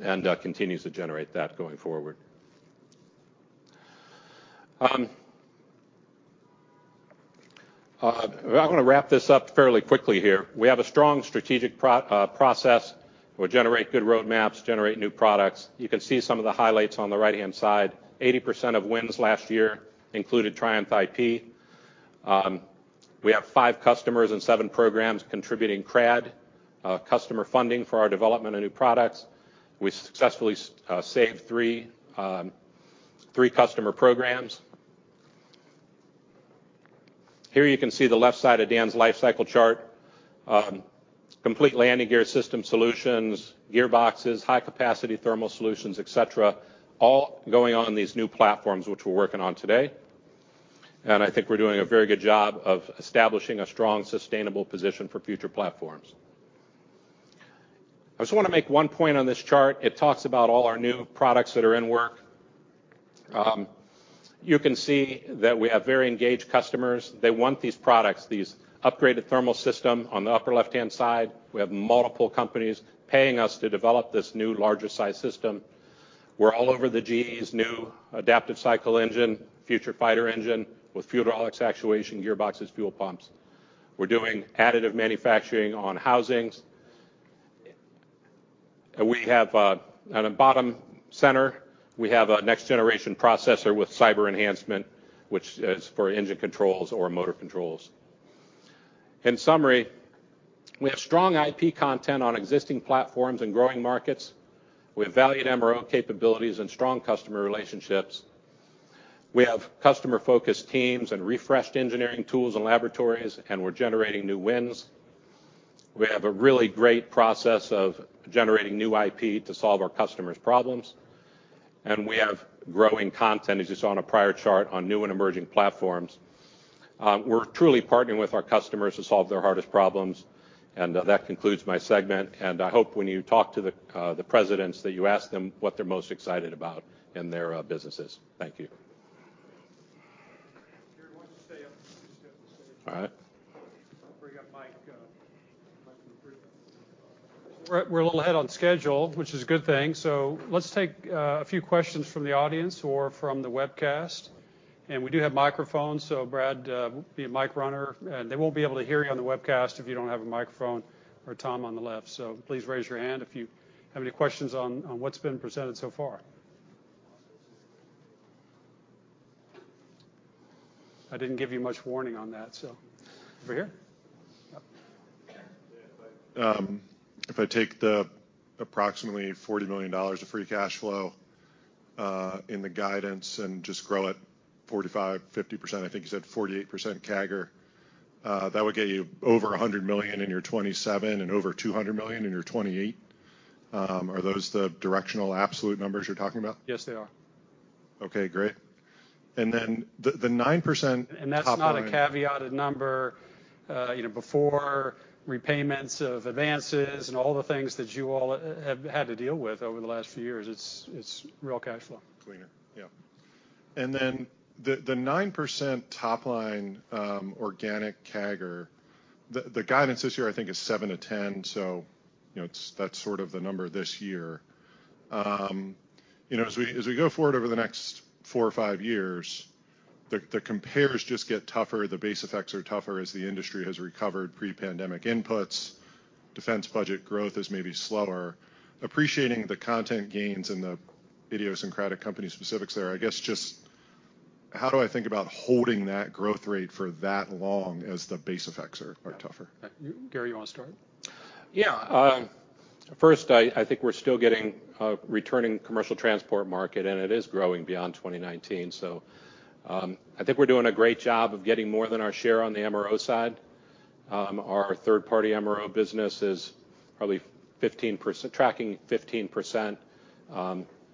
and continues to generate that going forward. I'm gonna wrap this up fairly quickly here. We have a strong strategic process. We generate good roadmaps, generate new products. You can see some of the highlights on the right-hand side. 80% of wins last year included Triumph IP. We have five customers and seven programs contributing CRAD customer funding for our development of new products. We successfully saved three customer programs. Here, you can see the left side of Dan's life cycle chart. Complete landing gear system solutions, gearboxes, high-capacity thermal solutions, et cetera, all going on these new platforms which we're working on today. And I think we're doing a very good job of establishing a strong, sustainable position for future platforms. I just wanna make one point on this chart. It talks about all our new products that are in work. You can see that we have very engaged customers. They want these products, these upgraded thermal system. On the upper left-hand side, we have multiple companies paying us to develop this new, larger-sized system. We're all over the GE's new Adaptive Cycle Engine, future fighter engine, with fuel hydraulics, actuation, gearboxes, fuel pumps. We're doing additive manufacturing on housings. And we have, on the bottom center, we have a next-generation processor with cyber enhancement, which is for engine controls or motor controls. In summary, we have strong IP content on existing platforms and growing markets. We have valued MRO capabilities and strong customer relationships. We have customer-focused teams and refreshed engineering tools and laboratories, and we're generating new wins. We have a really great process of generating new IP to solve our customers' problems, and we have growing content, as you saw on a prior chart, on new and emerging platforms. We're truly partnering with our customers to solve their hardest problems, and that concludes my segment, and I hope when you talk to the presidents, that you ask them what they're most excited about in their businesses. Thank you. Gary, why don't you stay up? Just stay up. All right. I'll bring up McCabe. We're a little ahead on schedule, which is a good thing, so let's take a few questions from the audience or from the webcast. And we do have microphones, so Brad, be a mic runner, and they won't be able to hear you on the webcast if you don't have a microphone, or Tom on the left. So please raise your hand if you have any questions on what's been presented so far. I didn't give you much warning on that, so... Over here? Yep. If I take the approximately $40 million of free cash flow in the guidance and just grow it 45%-50%, I think you said 48% CAGR, that would get you over $100 million in your 2027 and over $200 million in your 2028. Are those the directional absolute numbers you're talking about? Yes, they are. Okay, great. And then the 9%- That's not a caveated number, you know, before repayments of advances and all the things that you all have had to deal with over the last few years. It's real cash flow. Cleaner. Yeah. And then the nine percent top-line organic CAGR, the guidance this year, I think, is 7%-10%, so you know, it's—that's sort of the number this year. You know, as we go forward over the next four or five years, the compares just get tougher, the base effects are tougher as the industry has recovered pre-pandemic inputs, defense budget growth is maybe slower. Appreciating the content gains in the idiosyncratic company specifics there, I guess just how do I think about holding that growth rate for that long as the base effects are tougher? Gary, you wanna start? Yeah. First, I think we're still getting a returning commercial transport market, and it is growing beyond 2019. So, I think we're doing a great job of getting more than our share on the MRO side. Our third-party MRO business is probably 15%, tracking 15%,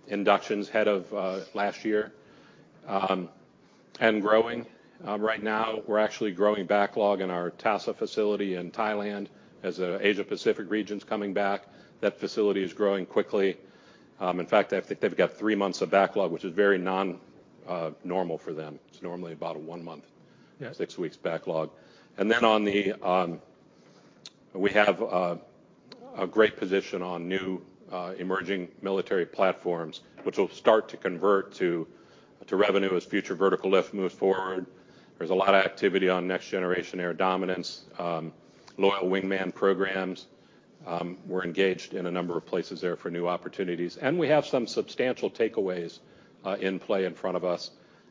inductions ahead of last year, and growing. Right now, we're actually growing backlog in our TASA facility in Thailand. As the Asia-Pacific region's coming back, that facility is growing quickly. In fact, I think they've got three months of backlog, which is very non-normal for them. It's normally about a one-month- Yeah. Six weeks backlog. And then on the we have a great position on new emerging military platforms, which will start to convert to revenue as Future Vertical Lift moves forward. There's a lot of activity on Next-Generation Air Dominance, Loyal Wingman programs. We're engaged in a number of places there for new opportunities, and we have some substantial takeaways in play in front of us.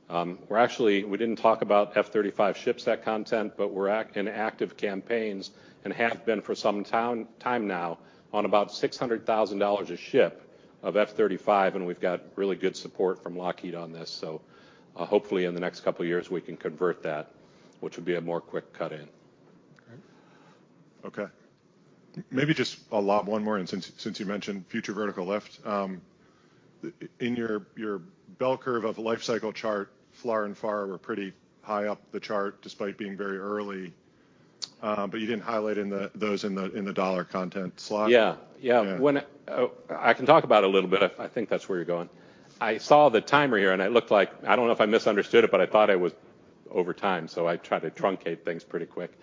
We're actually. We didn't talk about F-35 shipset content, but we're in active campaigns and have been for some time now on about $600,000 a ship of F-35, and we've got really good support from Lockheed on this. So, hopefully, in the next couple years, we can convert that, which would be a more quick cut in. Great. Okay. Maybe just one more, and since you mentioned Future Vertical Lift, in your bell curve of lifecycle chart, FLRAA and FARA were pretty high up the chart, despite being very early, but you didn't highlight those in the dollar content slide. Yeah. Yeah. Yeah. When I can talk about it a little bit. I think that's where you're going. I saw the timer here, and it looked like I don't know if I misunderstood it, but I thought I was over time, so I tried to truncate things pretty quick.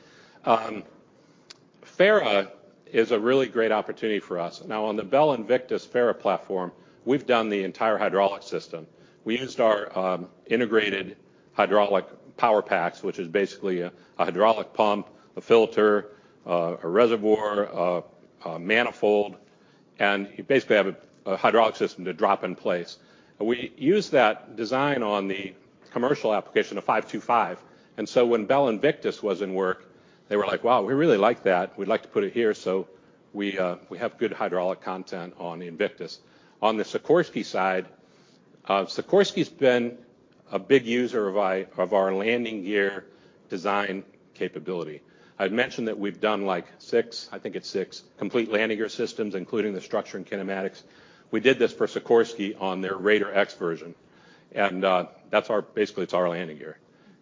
FARA is a really great opportunity for us. Now, on the Bell Invictus FARA platform, we've done the entire hydraulic system. We used our integrated hydraulic power packs, which is basically a hydraulic pump, a filter, a reservoir, a manifold, and you basically have a hydraulic system to drop in place. And we used that design on the commercial application of 525, and so when Bell Invictus was in work, they were like: "Wow, we really like that. We'd like to put it here." So we have good hydraulic content on the Invictus. On the Sikorsky side. Sikorsky's been a big user of our landing gear design capability. I'd mentioned that we've done, like, 6, I think it's 6, complete landing gear systems, including the structure and kinematics. We did this for Sikorsky on their Raider X version, and that's our, basically, it's our landing gear.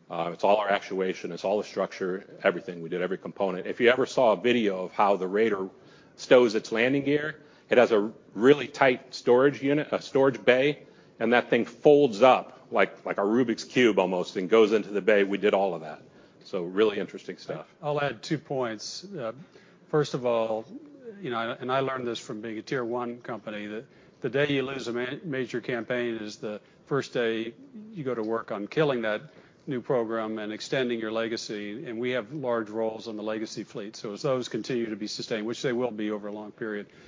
It's all our actuation, it's all the structure, everything. We did every component. If you ever saw a video of how the Raider stows its landing gear, it has a really tight storage unit, a storage bay, and that thing folds up, like, like a Rubik's Cube almost, and goes into the bay. We did all of that, so really interesting stuff. I'll add two points. First of all, you know, I learned this from being a tier one company, that the day you lose a major campaign is the first day you go to work on killing that new program and extending your legacy, and we have large roles on the legacy fleet. So as those continue to be sustained, which they will be over a long period, we'll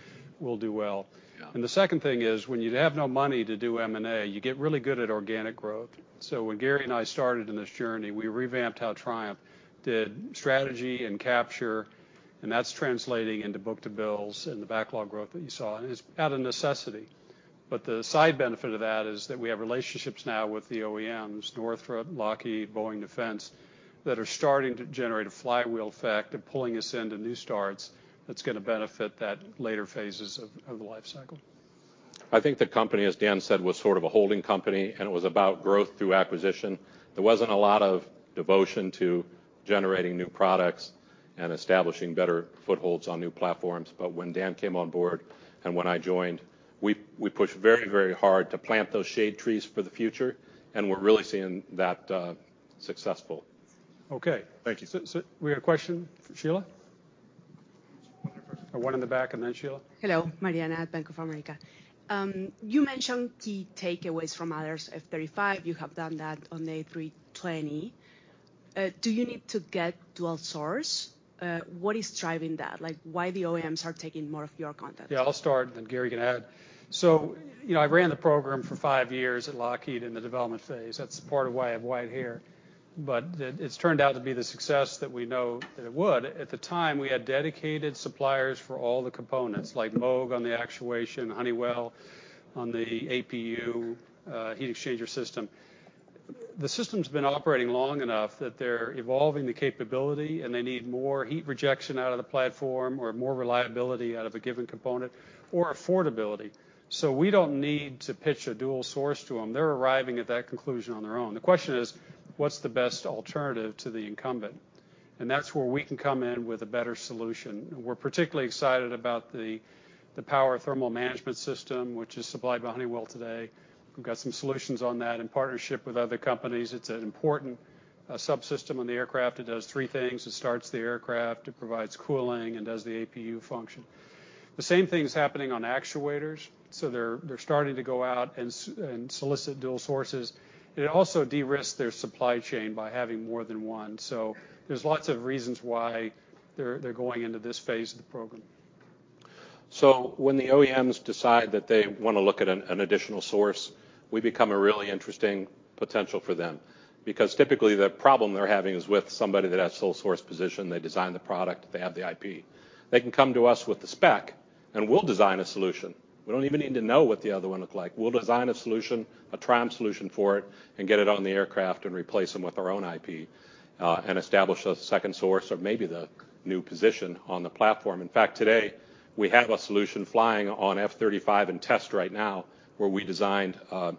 do well. Yeah. The second thing is, when you have no money to do M&A, you get really good at organic growth. So when Gary and I started in this journey, we revamped how Triumph did strategy and capture, and that's translating into book-to-bill and the backlog growth that you saw, and it's out of necessity. But the side benefit of that is that we have relationships now with the OEMs, Northrop, Lockheed, Boeing Defense, that are starting to generate a flywheel effect and pulling us into new starts that's gonna benefit that later phases of the life cycle. I think the company, as Dan said, was sort of a holding company, and it was about growth through acquisition. There wasn't a lot of devotion to generating new products and establishing better footholds on new platforms. But when Dan came on board, and when I joined, we pushed very, very hard to plant those shade trees for the future, and we're really seeing that successful. Okay. Thank you. So, we had a question from Sheila. One in the back, and then Sheila. Hello, Mariana at Bank of America. You mentioned key takeaways from others, F-35, you have done that on the A320. Do you need to get dual source? What is driving that? Like, why the OEMs are taking more of your content? Yeah, I'll start, and then Gary can add. So, you know, I ran the program for five years at Lockheed in the development phase. That's part of why I have white hair, but it's turned out to be the success that we know that it would. At the time, we had dedicated suppliers for all the components, like Moog on the actuation, Honeywell on the APU, heat exchanger system. The system's been operating long enough that they're evolving the capability, and they need more heat rejection out of the platform or more reliability out of a given component or affordability. So we don't need to pitch a dual source to them. They're arriving at that conclusion on their own. The question is, what's the best alternative to the incumbent? And that's where we can come in with a better solution. We're particularly excited about the Power Thermal Management System, which is supplied by Honeywell today. We've got some solutions on that in partnership with other companies. It's an important subsystem on the aircraft. It does three things: It starts the aircraft, it provides cooling, and does the APU function. The same thing is happening on actuators, so they're starting to go out and solicit dual sources. It also de-risks their supply chain by having more than one. So there's lots of reasons why they're going into this phase of the program. So when the OEMs decide that they want to look at an additional source, we become a really interesting potential for them because typically, the problem they're having is with somebody that has sole source position. They design the product, they have the IP. They can come to us with the spec, and we'll design a solution. We don't even need to know what the other one looked like. We'll design a solution, a Triumph solution for it, and get it on the aircraft and replace them with our own IP, and establish a second source or maybe the new position on the platform. In fact, today, we have a solution flying on F-35 and test right now, where we designed a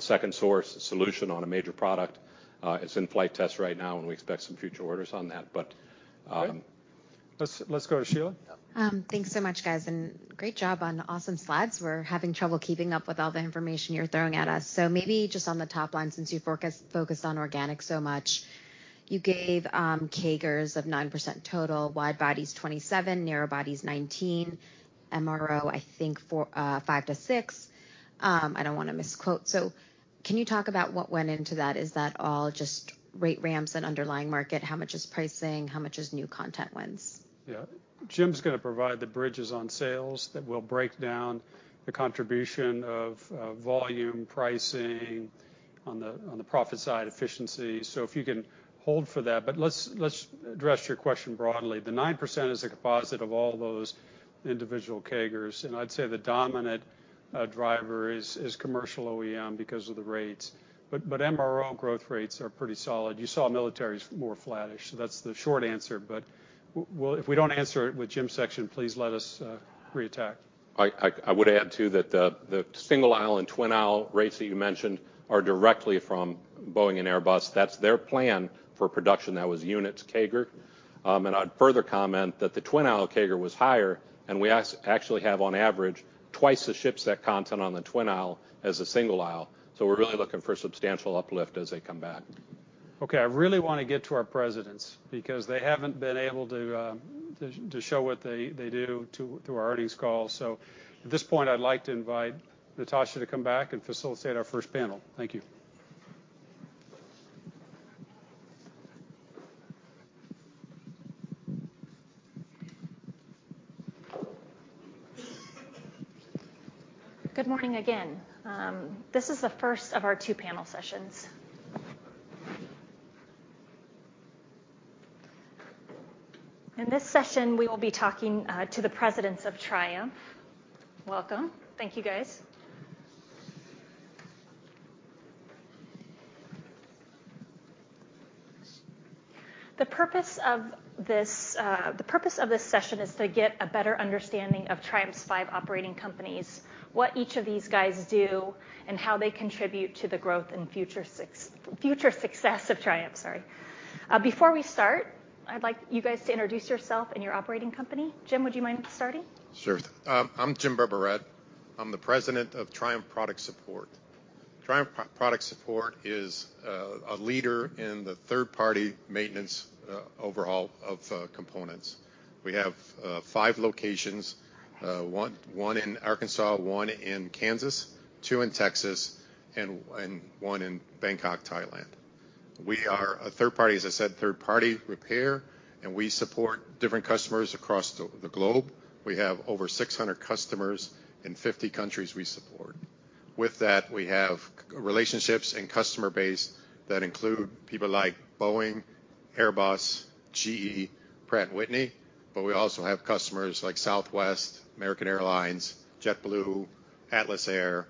second source solution on a major product. It's in flight test right now, and we expect some future orders on that, but- Let's go to Sheila. Thanks so much, guys, and great job on awesome slides. We're having trouble keeping up with all the information you're throwing at us. So maybe just on the top line, since you've focused on organic so much, you gave, CAGRs of 9% total, wide bodies 27, narrow bodies 19, MRO, I think 4, five to six. I don't wanna misquote. So can you talk about what went into that? Is that all just rate ramps and underlying market? How much is pricing? How much is new content wins? Yeah. Jim's gonna provide the bridges on sales that will break down the contribution of volume, pricing, on the profit side, efficiency. So if you can hold for that, but let's address your question broadly. The 9% is a composite of all those individual CAGRs, and I'd say the dominant driver is commercial OEM because of the rates. But MRO growth rates are pretty solid. You saw military's more flattish, so that's the short answer. But well, if we don't answer it with Jim's section, please let us reattack. I would add, too, that the single-aisle and twin-aisle rates that you mentioned are directly from Boeing and Airbus. That's their plan for production. That was units CAGR. I'd further comment that the twin-aisle CAGR was higher, and we actually have, on average, twice the shipset content on the twin-aisle as a single-aisle. So we're really looking for substantial uplift as they come back. Okay, I really want to get to our presidents because they haven't been able to show what they do to our earnings call. So at this point, I'd like to invite Natasha to come back and facilitate our first panel. Thank you. Good morning again. This is the first of our two-panel sessions. In this session, we will be talking to the presidents of Triumph. Welcome. Thank you, guys. The purpose of this session is to get a better understanding of Triumph's five operating companies, what each of these guys do, and how they contribute to the growth and future success of Triumph, sorry. Before we start, I'd like you guys to introduce yourself and your operating company. Jim, would you mind starting? Sure. I'm Jim Berberet. I'm the president of Triumph Product Support. Triumph Product Support is a leader in the third-party maintenance, overhaul of components. We have 5 locations, 1 in Arkansas, 1 in Kansas, 2 in Texas, and 1 in Bangkok, Thailand. We are a third party, as I said, third-party repair, and we support different customers across the globe. We have over 600 customers in 50 countries we support. With that, we have relationships and customer base that include people like Boeing, Airbus, GE, Pratt & Whitney, but we also have customers like Southwest, American Airlines, JetBlue, Atlas Air,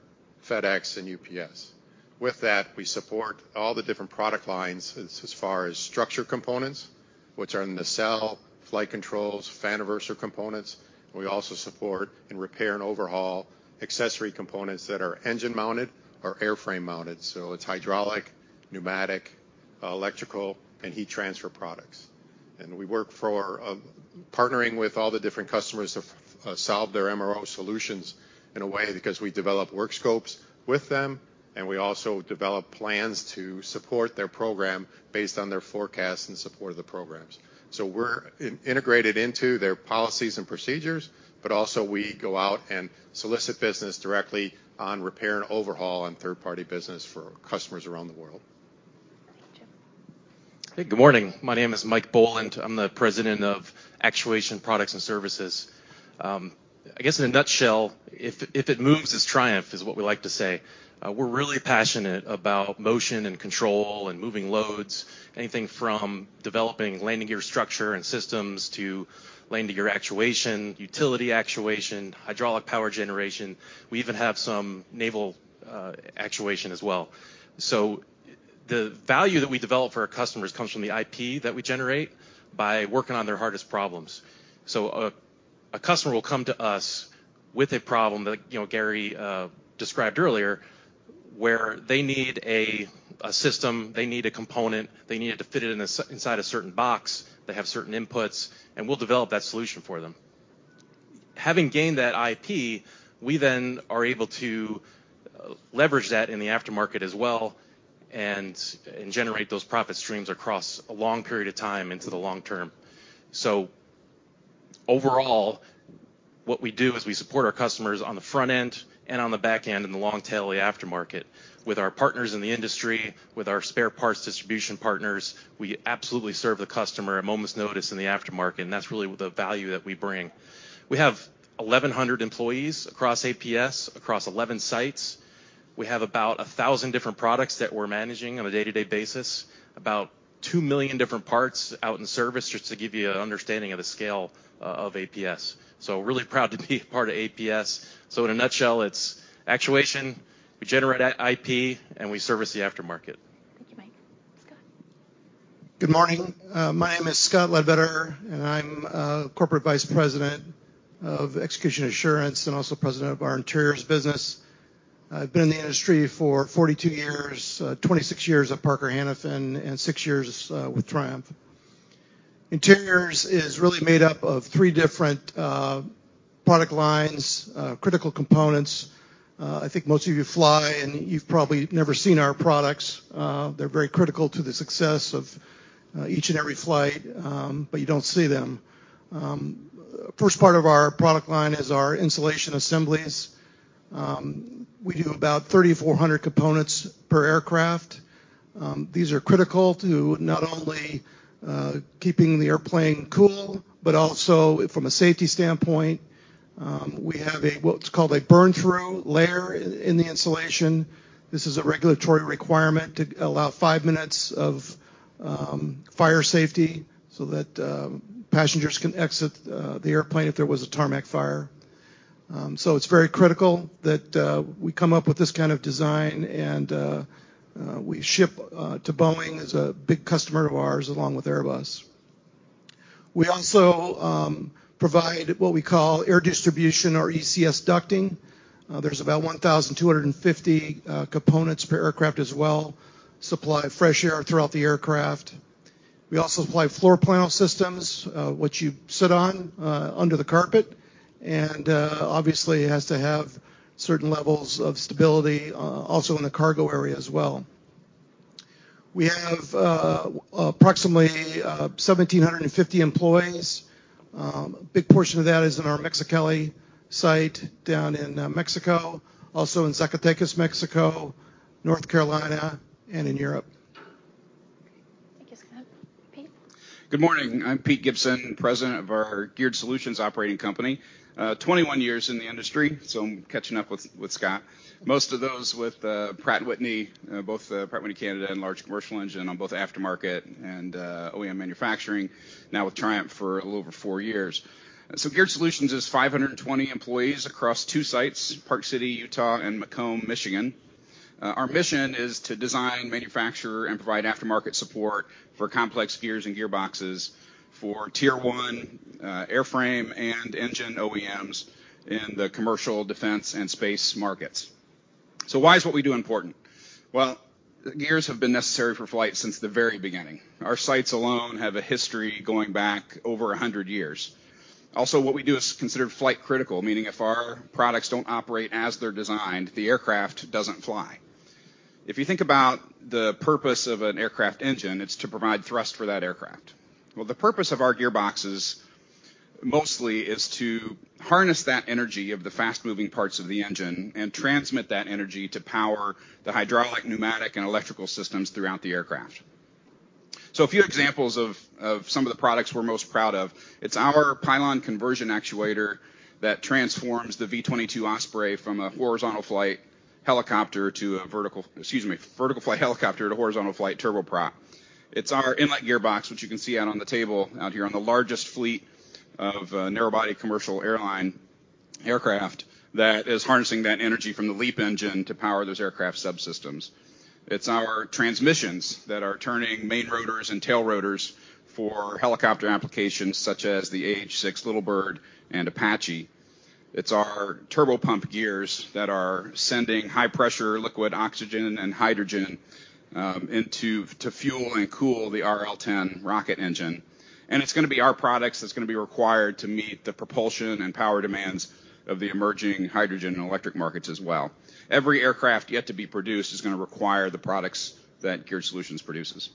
FedEx, and UPS. With that, we support all the different product lines as far as structure components, which are nacelle, flight controls, fan reverser components. We also support and repair and overhaul accessory components that are engine-mounted or airframe-mounted, so it's hydraulic, pneumatic, electrical, and heat transfer products. We work for partnering with all the different customers to solve their MRO solutions in a way, because we develop work scopes with them, and we also develop plans to support their program based on their forecast and support of the programs. We're integrated into their policies and procedures, but also we go out and solicit business directly on repair and overhaul and third-party business for customers around the world. Thank you. Hey, good morning. My name is Mike Boland. I'm the President of Actuation Products and Services. I guess in a nutshell, if it moves, it's Triumph, is what we like to say. We're really passionate about motion and control and moving loads, anything from developing landing gear structure and systems to landing gear actuation, utility actuation, hydraulic power generation. We even have some naval actuation as well. So the value that we develop for our customers comes from the IP that we generate by working on their hardest problems. So a customer will come to us with a problem that, you know, Gary described earlier, where they need a system, they need a component, they need it to fit inside a certain box, they have certain inputs, and we'll develop that solution for them. Having gained that IP, we then are able to, leverage that in the aftermarket as well and, and generate those profit streams across a long period of time into the long term. So overall, what we do is we support our customers on the front end and on the back end in the long tail of the aftermarket. With our partners in the industry, with our spare parts distribution partners, we absolutely serve the customer at moment's notice in the aftermarket, and that's really the value that we bring. We have 1,100 employees across APS, across 11 sites. We have about 1,000 different products that we're managing on a day-to-day basis, about 2 million different parts out in service, just to give you an understanding of the scale, of APS. So really proud to be a part of APS. So in a nutshell, it's actuation, we generate IP, and we service the aftermarket. Thank you, Mike. Scott? Good morning. My name is Scott Ledbetter, and I'm Corporate Vice President of Execution Assurance and also President of our Interiors business. I've been in the industry for 42 years, 26 years at Parker Hannifin, and six years with Triumph. Interiors is really made up of three different product lines, critical components. I think most of you fly, and you've probably never seen our products. They're very critical to the success of each and every flight, but you don't see them. First part of our product line is our insulation assemblies. We do about 3,400 components per aircraft. These are critical to not only keeping the airplane cool, but also from a safety standpoint, we have a what's called a burn-through layer in the insulation. This is a regulatory requirement to allow 5 minutes of fire safety so that passengers can exit the airplane if there was a tarmac fire. So it's very critical that we come up with this kind of design, and we ship to Boeing is a big customer of ours, along with Airbus. We also provide what we call air distribution or ECS ducting. There's about 1,250 components per aircraft as well, supply fresh air throughout the aircraft. We also supply floor panel systems, which you sit on, under the carpet, and obviously, it has to have certain levels of stability also in the cargo area as well. We have approximately 1,750 employees. A big portion of that is in our Mexicali site down in Mexico, also in Zacatecas, Mexico, North Carolina, and in Europe. Good morning. I'm Pete Gibson, president of our Geared Solutions operating company. Twenty-one years in the industry, so I'm catching up with, with Scott. Most of those with Pratt & Whitney, both Pratt & Whitney Canada and Large Commercial Engine on both aftermarket and OEM manufacturing, now with Triumph for a little over 4 years. So Geared Solutions is 520 employees across two sites, Park City, Utah, and Macomb, Michigan. Our mission is to design, manufacture, and provide aftermarket support for complex gears and gearboxes for Tier one airframe and engine OEMs in the commercial, defense, and space markets. So why is what we do important? Well, gears have been necessary for flight since the very beginning. Our sites alone have a history going back over 100 years. Also, what we do is considered flight-critical, meaning if our products don't operate as they're designed, the aircraft doesn't fly. If you think about the purpose of an aircraft engine, it's to provide thrust for that aircraft. Well, the purpose of our gearboxes, mostly, is to harness that energy of the fast-moving parts of the engine and transmit that energy to power the hydraulic, pneumatic, and electrical systems throughout the aircraft. So a few examples of some of the products we're most proud of: it's our pylon conversion actuator that transforms the V-22 Osprey from a horizontal flight helicopter to a vertical... Excuse me, vertical flight helicopter to horizontal flight turboprop. It's our inlet gearbox, which you can see out on the table out here on the largest fleet of narrow-body commercial airline aircraft, that is harnessing that energy from the LEAP engine to power those aircraft subsystems. It's our transmissions that are turning main rotors and tail rotors for helicopter applications such as the AH-6 Little Bird and Apache. It's our turbopump gears that are sending high-pressure liquid oxygen and hydrogen into to fuel and cool the RL-10 rocket engine. And it's gonna be our products that's gonna be required to meet the propulsion and power demands of the emerging hydrogen and electric markets as well. Every aircraft yet to be produced is gonna require the products that Geared Solutions produces.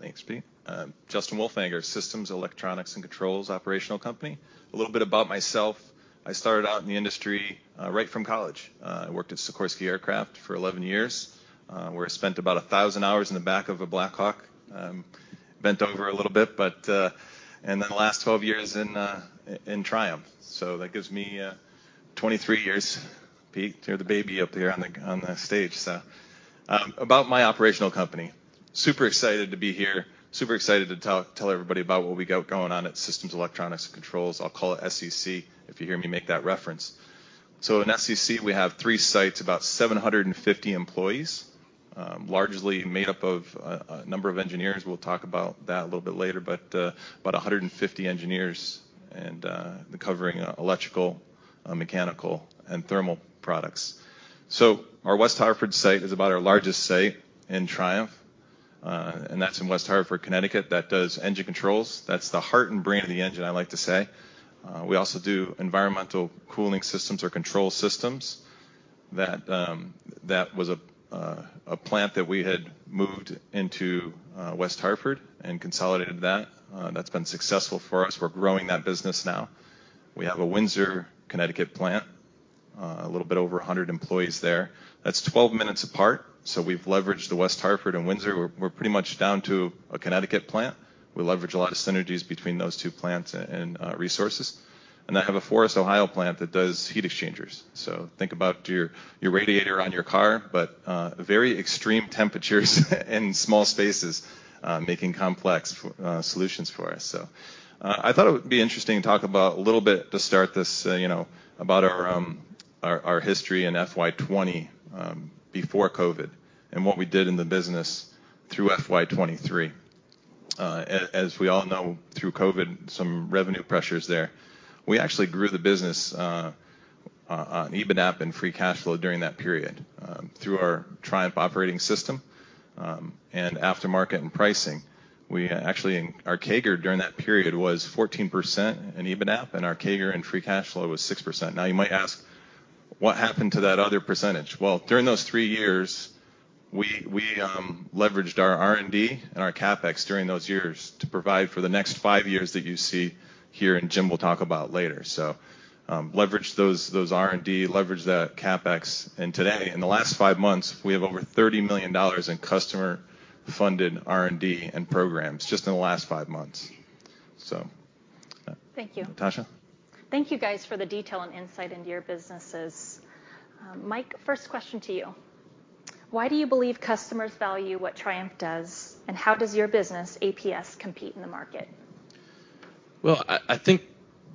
Thanks, Pete. Justin Wolfanger, Systems, Electronics, and Controls Operational Company. A little bit about myself, I started out in the industry, right from college. I worked at Sikorsky Aircraft for 11 years, where I spent about 1,000 hours in the back of a Black Hawk, bent over a little bit, but... And then the last 12 years in, in Triumph. So that gives me, 23 years. Pete, you're the baby up here on the stage, so. About my operational company, super excited to be here, super excited to tell everybody about what we got going on at Systems, Electronics, and Controls. I'll call it SEC if you hear me make that reference. So in SEC, we have 3 sites, about 750 employees, largely made up of a number of engineers. We'll talk about that a little bit later, but about 150 engineers, and covering electrical, mechanical, and thermal products. So our West Hartford site is about our largest site in Triumph, and that's in West Hartford, Connecticut. That does engine controls. That's the heart and brain of the engine, I like to say. We also do environmental cooling systems or control systems. That was a plant that we had moved into West Hartford and consolidated that. That's been successful for us. We're growing that business now. We have a Windsor, Connecticut, plant, a little bit over 100 employees there. That's 12 minutes apart, so we've leveraged the West Hartford and Windsor. We're pretty much down to a Connecticut plant. We leverage a lot of synergies between those two plants and resources. I have a Forest, Ohio, plant that does heat exchangers. So think about your radiator on your car, but very extreme temperatures in small spaces, making complex solutions for us. I thought it would be interesting to talk about a little bit, to start this, you know, about our history in FY 2020, before COVID, and what we did in the business through FY 2023. As we all know, through COVID, some revenue pressures there. We actually grew the business on EBITDAP and free cash flow during that period, through our Triumph Operating System, and aftermarket and pricing. We actually, in... Our CAGR during that period was 14% in EBITDAP, and our CAGR in free cash flow was 6%. Now, you might ask, what happened to that other percentage? Well, during those three years, we leveraged our R&D and our CapEx during those years to provide for the next five years that you see here, and Jim will talk about later. So, leveraged those R&D, leveraged that CapEx, and today, in the last five months, we have over $30 million in customer-funded R&D and programs, just in the last five months. So, Thank you. Natasha? Thank you, guys, for the detail and insight into your businesses. Mike, first question to you. Why do you believe customers value what Triumph does, and how does your business, APS, compete in the market? Well, I think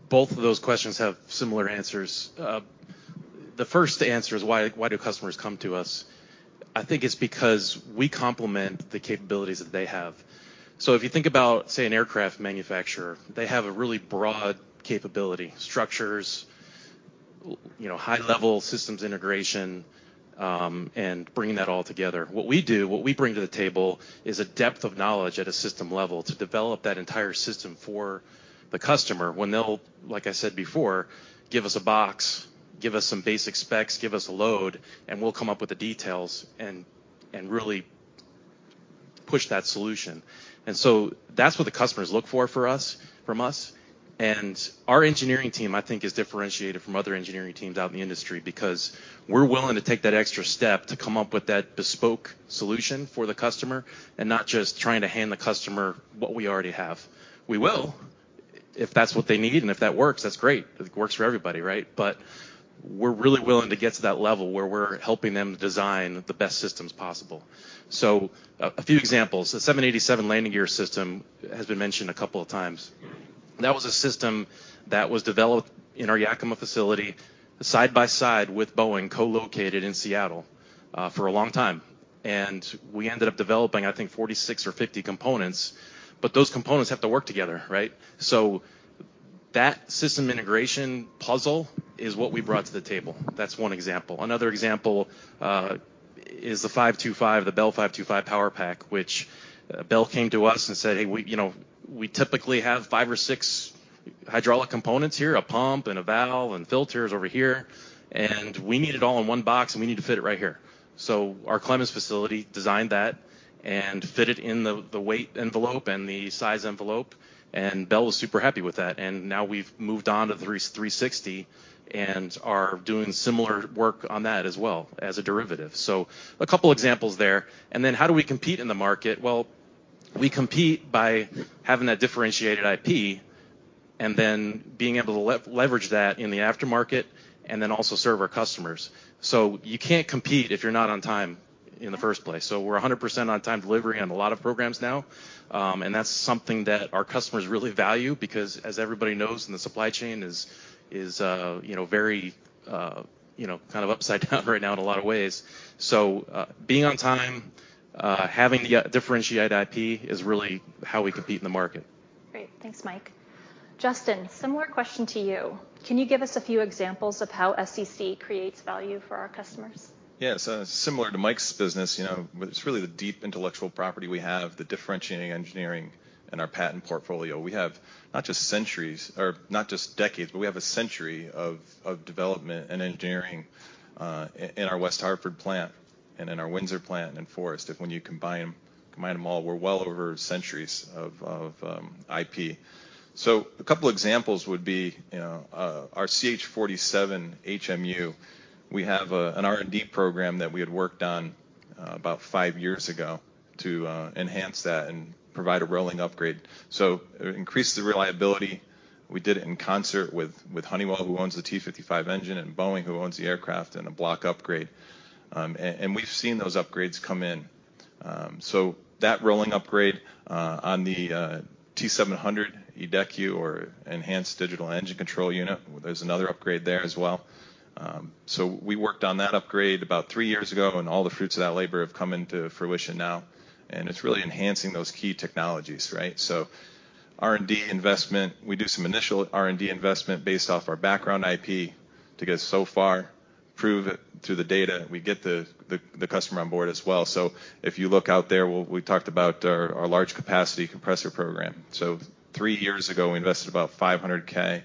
both of those questions have similar answers. The first answer is, why do customers come to us? I think it's because we complement the capabilities that they have. So if you think about, say, an aircraft manufacturer, they have a really broad capability: structures, you know, high-level systems integration, and bringing that all together. What we do, what we bring to the table, is a depth of knowledge at a system level to develop that entire system for the customer when they'll, like I said before, give us a box, give us some basic specs, give us a load, and we'll come up with the details and really push that solution. And so that's what the customers look for for us, from us. And our engineering team, I think, is differentiated from other engineering teams out in the industry, because we're willing to take that extra step to come up with that bespoke solution for the customer, and not just trying to hand the customer what we already have. We will, if that's what they need, and if that works, that's great. It works for everybody, right? But we're really willing to get to that level where we're helping them design the best systems possible. So a, a few examples: the 787 landing gear system has been mentioned a couple of times. That was a system that was developed in our Yakima facility, side by side with Boeing, co-located in Seattle for a long time. We ended up developing, I think, 46 or 50 components, but those components have to work together, right? So that system integration puzzle is what we brought to the table. That's one example. Another example is the 525, the Bell 525 power pack, which Bell came to us and said, "Hey, you know, we typically have five or six hydraulic components here, a pump and a valve and filters over here, and we need it all in one box, and we need to fit it right here." So our Clemmons facility designed that and fit it in the weight envelope and the size envelope, and Bell was super happy with that. And now we've moved on to the 360 and are doing similar work on that as well, as a derivative. So a couple examples there. And then how do we compete in the market? Well, we compete by having that differentiated IP, and then being able to leverage that in the aftermarket, and then also serve our customers. So you can't compete if you're not on time in the first place. So we're 100% on-time delivery on a lot of programs now, and that's something that our customers really value, because as everybody knows, and the supply chain is, you know, very, you know, kind of upside down right now in a lot of ways. So, being on time, having the differentiated IP is really how we compete in the market. Great. Thanks, Mike. Justin, similar question to you. Can you give us a few examples of how SCC creates value for our customers? Yeah, so similar to Mike's business, you know, it's really the deep intellectual property we have, the differentiating engineering and our patent portfolio. We have not just centuries or not just decades, but we have a century of development and engineering in our West Hartford plant and in our Windsor plant and Forest. If, when you combine them, combine them all, we're well over centuries of IP. So a couple examples would be, you know, our CH-47 HMU. We have an R&D program that we had worked on about 5 years ago to enhance that and provide a rolling upgrade. So it increased the reliability. We did it in concert with Honeywell, who owns the T55 engine, and Boeing, who owns the aircraft and a block upgrade. And we've seen those upgrades come in. So that rolling upgrade on the T700 EDECU or Enhanced Digital Engine Control Unit, there's another upgrade there as well. So we worked on that upgrade about three years ago, and all the fruits of that labor have come into fruition now, and it's really enhancing those key technologies, right? So R&D investment, we do some initial R&D investment based off our background IP to get so far, prove it through the data, and we get the customer on board as well. So if you look out there, we talked about our large capacity compressor program. So three years ago, we invested about $500,000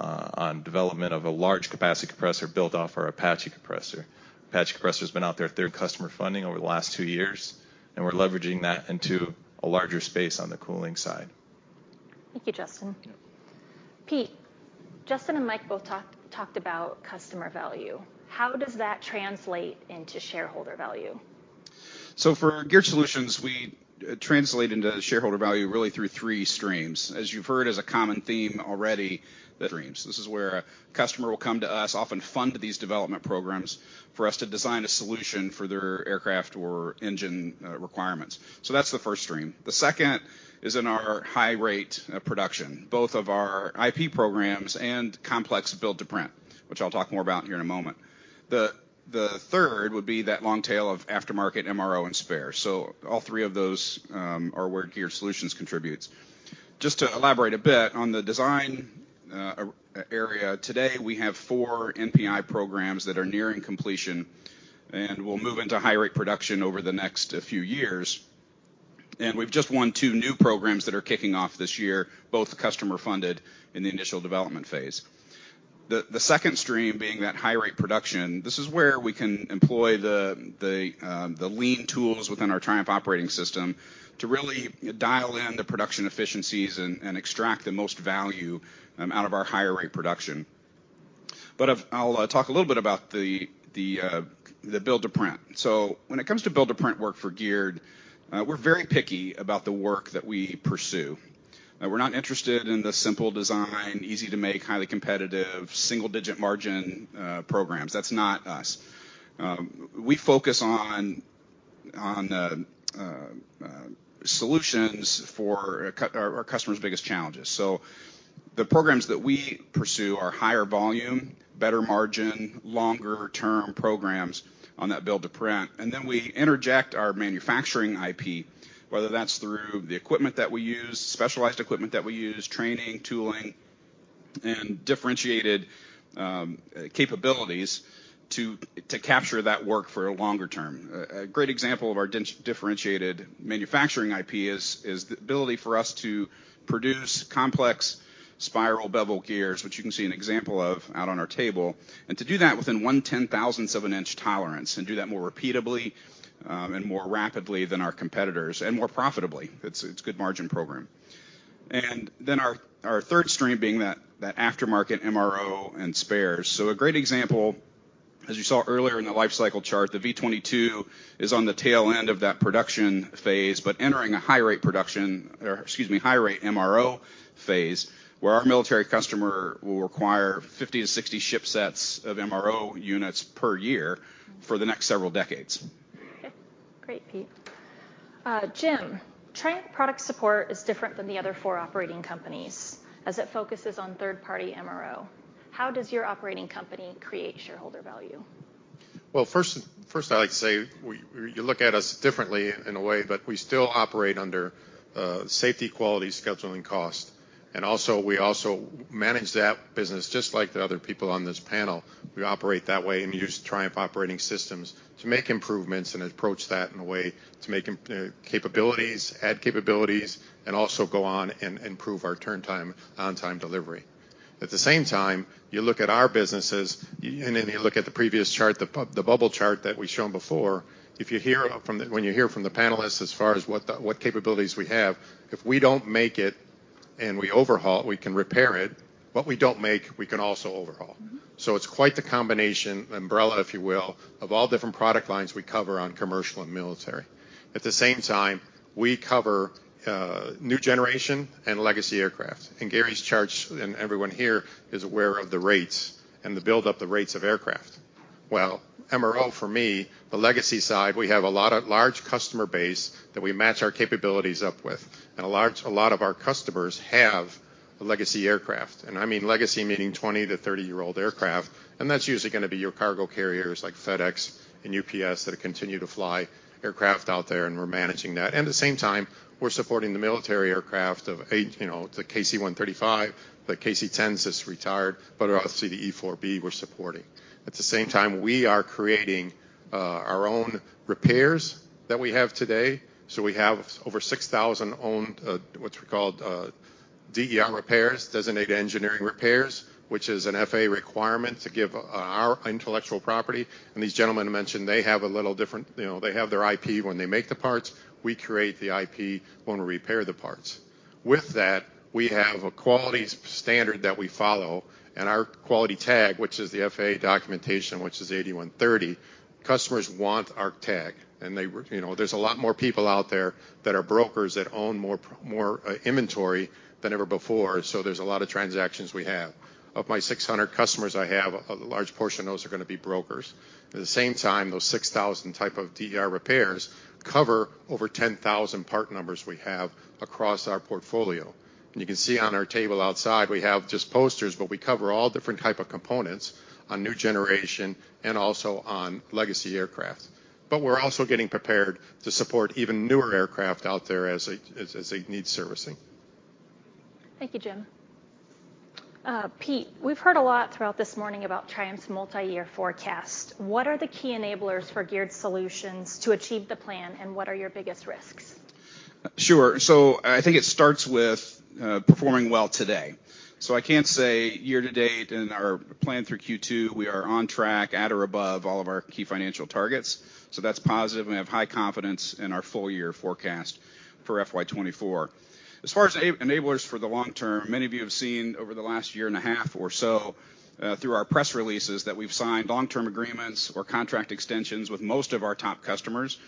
on development of a large capacity compressor built off our Apache compressor. Apache compressor's been out there through customer funding over the last two years, and we're leveraging that into a larger space on the cooling side. Thank you, Justin. Yep. Pete, Justin and Mike both talked about customer value. How does that translate into shareholder value? So for Geared Solutions, we translate into shareholder value really through three streams. As you've heard, as a common theme already, the streams. This is where a customer will come to us, often fund these development programs, for us to design a solution for their aircraft or engine, requirements. So that's the first stream. The second is in our high-rate, production, both of our IP programs and complex build-to-print, which I'll talk more about here in a moment. The, the third would be that long tail of aftermarket MRO and spare. So all three of those, are where Geared Solutions contributes. Just to elaborate a bit on the design area, today, we have four NPI programs that are nearing completion and will move into high-rate production over the next few years, and we've just won two new programs that are kicking off this year, both customer funded in the initial development phase. The second stream being that high-rate production, this is where we can employ the lean tools within our Triumph Operating System to really dial in the production efficiencies and extract the most value out of our higher rate production. But I'll talk a little bit about the build-to-print. So when it comes to build-to-print work for Geared, we're very picky about the work that we pursue. We're not interested in the simple design, easy to make, highly competitive, single-digit margin programs. That's not us. We focus on solutions for our customers' biggest challenges. So the programs that we pursue are higher volume, better margin, longer-term programs on that build-to-print, and then we interject our manufacturing IP, whether that's through the equipment that we use, specialized equipment that we use, training, tooling, and differentiated capabilities to capture that work for a longer term. A great example of our differentiated manufacturing IP is the ability for us to produce complex- Spiral bevel gears, which you can see an example of out on our table, and to do that within 0.0001 of an inch tolerance, and do that more repeatably, and more rapidly than our competitors, and more profitably. It's a good margin program. And then our third stream being that aftermarket MRO and spares. So a great example, as you saw earlier in the life cycle chart, the V-22 is on the tail end of that production phase, but entering a high-rate production, or excuse me, high-rate MRO phase, where our military customer will require 50-60 shipsets of MRO units per year for the next several decades. Okay, great, Pete. Jim, Triumph Product Support is different than the other four operating companies, as it focuses on third-party MRO. How does your operating company create shareholder value? Well, first I'd like to say, we, you look at us differently in a way, but we still operate under safety, quality, scheduling, cost. And also, we also manage that business just like the other people on this panel. We operate that way and use Triumph Operating Systems to make improvements and approach that in a way to make capabilities, add capabilities, and also go on and improve our turn time, on-time delivery. At the same time, you look at our businesses, and then you look at the previous chart, the bubble chart that we've shown before. When you hear from the panelists as far as what the capabilities we have, if we don't make it and we overhaul it, we can repair it. What we don't make, we can also overhaul. Mm-hmm. So it's quite the combination, umbrella, if you will, of all different product lines we cover on commercial and military. At the same time, we cover new generation and legacy aircraft. And Gary's charts, and everyone here, is aware of the rates and the build up the rates of aircraft. Well, MRO, for me, the legacy side, we have a lot of large customer base that we match our capabilities up with, and a lot of our customers have legacy aircraft, and I mean legacy meaning 20- to 30-year-old aircraft, and that's usually gonna be your cargo carriers like FedEx and UPS, that continue to fly aircraft out there, and we're managing that. And at the same time, we're supporting the military aircraft of eight, you know, the KC-135, the KC-10s is retired, but obviously, the E-4B, we're supporting. At the same time, we are creating our own repairs that we have today. So we have over 6,000 owned, what we call, DER repairs, Designated Engineering Repairs, which is an FAA requirement to give our intellectual property, and these gentlemen mentioned they have a little different. You know, they have their IP when they make the parts. We create the IP when we repair the parts. With that, we have a quality standard that we follow, and our quality tag, which is the FAA documentation, which is 8130, customers want our tag, and they you know, there's a lot more people out there that are brokers that own more more inventory than ever before, so there's a lot of transactions we have. Of my 600 customers I have, a large portion of those are gonna be brokers. At the same time, those 6,000 types of DER repairs cover over 10,000 part numbers we have across our portfolio. You can see on our table outside, we have just posters, but we cover all different types of components on new generation and also on legacy aircraft. We're also getting prepared to support even newer aircraft out there as they need servicing. Thank you, Jim. Pete, we've heard a lot throughout this morning about Triumph's multi-year forecast. What are the key enablers for geared solutions to achieve the plan, and what are your biggest risks? Sure. So I think it starts with performing well today. So I can say year to date and our plan through Q2, we are on track at or above all of our key financial targets, so that's positive, and we have high confidence in our full year forecast for FY 2024. As far as enablers for the long term, many of you have seen over the last year and a half or so through our press releases, that we've signed long-term agreements or contract extensions with most of our top customers,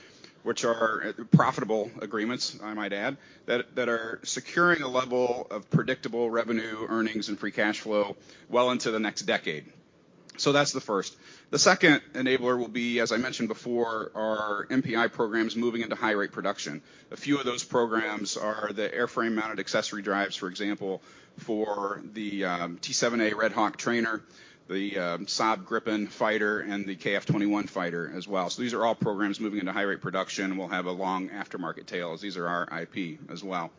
which are profitable agreements, I might add, that are securing a level of predictable revenue, earnings, and free cash flow well into the next decade. So that's the first. The second enabler will be, as I mentioned before, our NPI program is moving into high-rate production. A few of those programs are the airframe-mounted accessory drives, for example, for the T-7A Red Hawk trainer, the Saab Gripen fighter, and the KF-21 fighter as well. So these are all programs moving into high-rate production, and we'll have a long aftermarket tail, as these are our IP as well.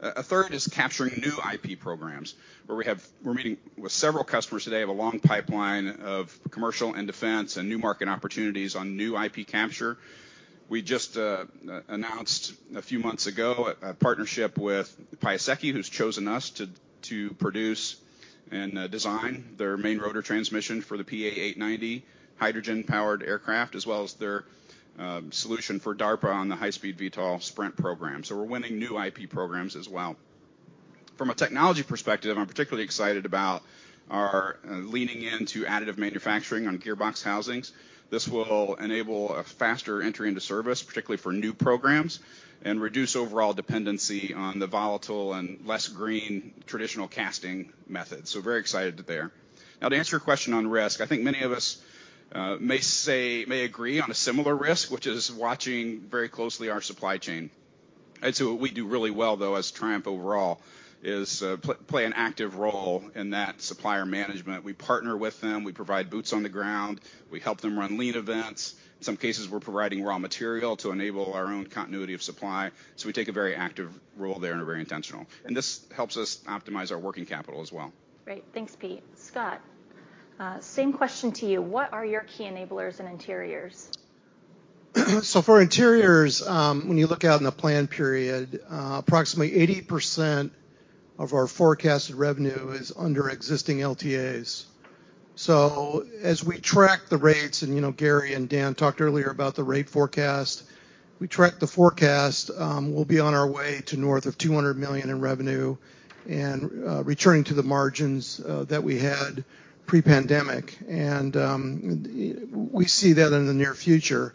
A third is capturing new IP programs, where we have. We're meeting with several customers today, have a long pipeline of commercial and defense and new market opportunities on new IP capture. We just announced a few months ago a partnership with Piasecki, who's chosen us to produce and design their main rotor transmission for the PA-890 hydrogen-powered aircraft, as well as their solution for DARPA on the high-speed V-tail SPRINT program. So we're winning new IP programs as well. From a technology perspective, I'm particularly excited about our leaning into additive manufacturing on gearbox housings. This will enable a faster entry into service, particularly for new programs, and reduce overall dependency on the volatile and less green traditional casting methods, so very excited there. Now, to answer your question on risk, I think many of us may say, may agree on a similar risk, which is watching very closely our supply chain. It's what we do really well, though, as Triumph overall, is play an active role in that supplier management. We partner with them. We provide boots on the ground. We help them run lean events. In some cases, we're providing raw material to enable our own continuity of supply. So we take a very active role there, and we're very intentional, and this helps us optimize our working capital as well. Great. Thanks, Pete. Scott, same question to you. What are your key enablers in Interiors? So for Interiors, when you look out in the plan period, approximately 80% of our forecasted revenue is under existing LTAs. So as we track the rates, and, you know, Gary and Dan talked earlier about the rate forecast, we track the forecast, we'll be on our way to north of $200 million in revenue and returning to the margins that we had pre-pandemic. We see that in the near future.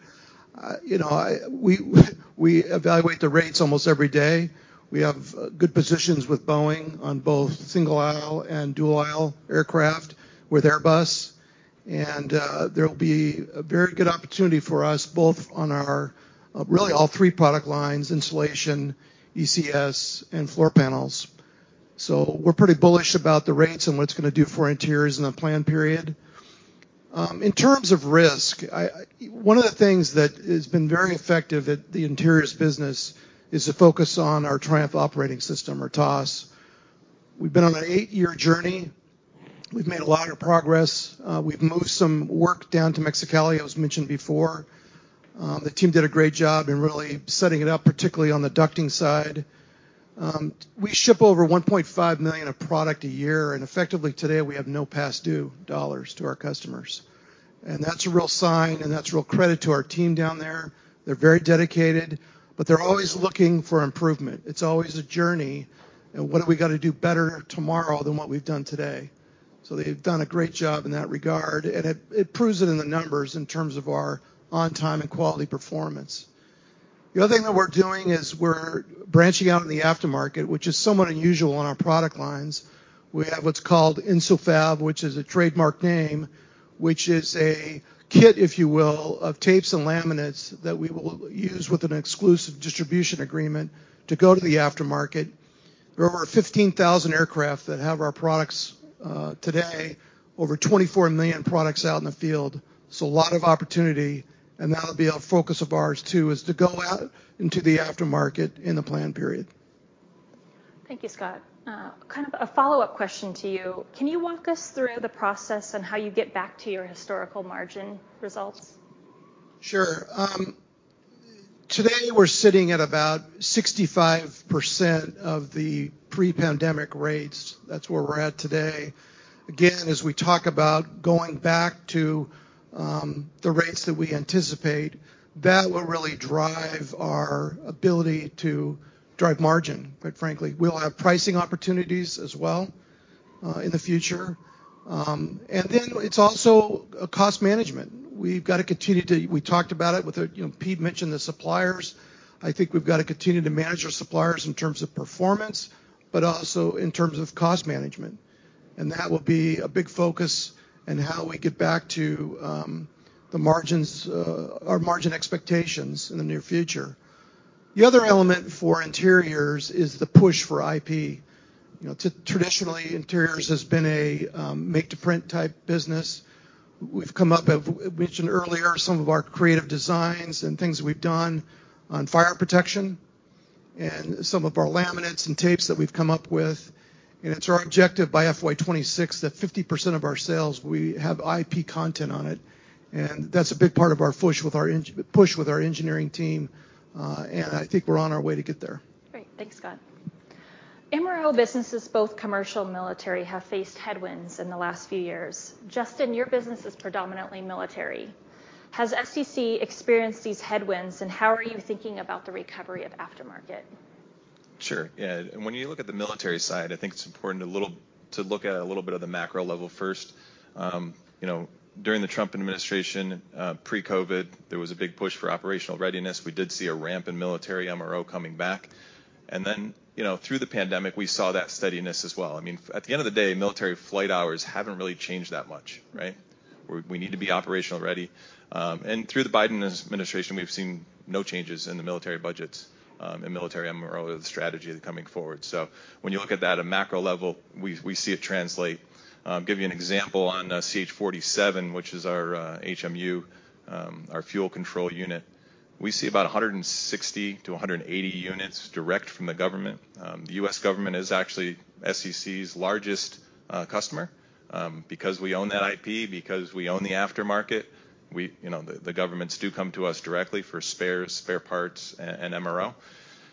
You know, we evaluate the rates almost every day. We have good positions with Boeing on both single-aisle and dual-aisle aircraft, with Airbus, and there will be a very good opportunity for us, both on our really all three product lines: insulation, ECS, and floor panels. So we're pretty bullish about the rates and what it's gonna do for Interiors in the plan period. In terms of risk, one of the things that has been very effective at the Interiors business is the focus on our Triumph Operating System or TOS. We've been on an eight-year journey. We've made a lot of progress. We've moved some work down to Mexicali, as mentioned before. The team did a great job in really setting it up, particularly on the ducting side. We ship over 1.5 million of product a year, and effectively today, we have no past due dollars to our customers. And that's a real sign, and that's real credit to our team down there. They're very dedicated, but they're always looking for improvement. It's always a journey, and what have we got to do better tomorrow than what we've done today? So they've done a great job in that regard, and it proves it in the numbers in terms of our on-time and quality performance. The other thing that we're doing is we're branching out in the aftermarket, which is somewhat unusual in our product lines. We have what's called InsulFab, which is a trademarked name, which is a kit, if you will, of tapes and laminates that we will use with an exclusive distribution agreement to go to the aftermarket. There are over 15,000 aircraft that have our products today, over 24 million products out in the field, so a lot of opportunity, and that'll be a focus of ours, too, is to go out into the aftermarket in the plan period. Thank you, Scott. Kind of a follow-up question to you. Can you walk us through the process on how you get back to your historical margin results? Sure. Today, we're sitting at about 65% of the pre-pandemic rates. That's where we're at today. Again, as we talk about going back to the rates that we anticipate, that will really drive our ability to drive margin, quite frankly. We'll have pricing opportunities as well in the future. And then it's also cost management. We've got to continue to... We talked about it with, you know, Pete mentioned the suppliers. I think we've got to continue to manage our suppliers in terms of performance, but also in terms of cost management, and that will be a big focus in how we get back to the margins, our margin expectations in the near future. The other element for Interiors is the push for IP. You know, traditionally, Interiors has been a make-to-print type business. We've come up with, mentioned earlier, some of our creative designs and things we've done on fire protection and some of our laminates and tapes that we've come up with, and it's our objective by FY 2026 that 50% of our sales, we have IP content on it, and that's a big part of our push with our engineering team, and I think we're on our way to get there. Great. Thanks, Scott. MRO businesses, both commercial and military, have faced headwinds in the last few years. Justin, your business is predominantly military. Has SEC experienced these headwinds, and how are you thinking about the recovery of aftermarket? Sure, yeah. And when you look at the military side, I think it's important to look at a little bit of the macro level first. You know, during the Trump administration, pre-COVID, there was a big push for operational readiness. We did see a ramp in military MRO coming back, and then, you know, through the pandemic, we saw that steadiness as well. I mean, at the end of the day, military flight hours haven't really changed that much, right? We need to be operational ready, and through the Biden administration, we've seen no changes in the military budgets, and military MRO, the strategy coming forward. So when you look at that, a macro level, we see it translate. Give you an example, on CH-47, which is our HMU, our fuel control unit, we see about 160-180 units direct from the government. The U.S. government is actually our largest customer. Because we own that IP, because we own the aftermarket, you know, the governments do come to us directly for spares, spare parts, and MRO.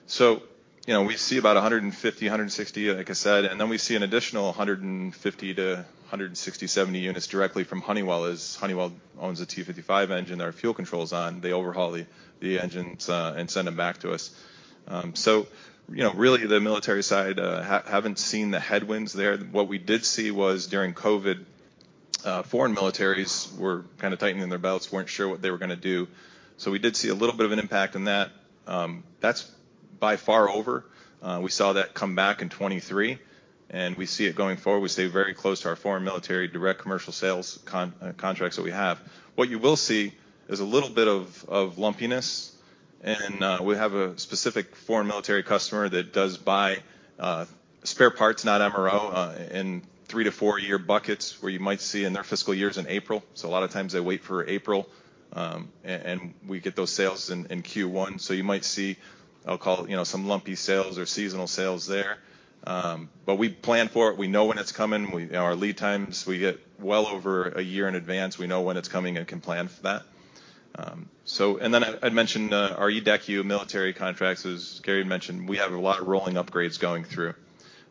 So, you know, we see about 150-160, like I said, and then we see an additional 150-160-170 units directly from Honeywell, as Honeywell owns the T55 engine, our fuel controls on. They overhaul the engines and send them back to us. So, you know, really, the military side haven't seen the headwinds there. What we did see was, during COVID, foreign militaries were kind of tightening their belts, weren't sure what they were gonna do. So we did see a little bit of an impact in that. That's by far over. We saw that come back in 2023, and we see it going forward. We stay very close to our foreign military direct commercial sales contracts that we have. What you will see is a little bit of lumpiness, and we have a specific foreign military customer that does buy spare parts, not MRO, in 3-4-year buckets, where you might see in their fiscal years in April. So a lot of times they wait for April, and we get those sales in Q1. So you might see, I'll call it, you know, some lumpy sales or seasonal sales there. But we plan for it. We know when it's coming. We, our lead times, we get well over a year in advance. We know when it's coming and can plan for that. So, and then I, I'd mentioned, our EDECU military contracts, as Gary mentioned, we have a lot of rolling upgrades going through.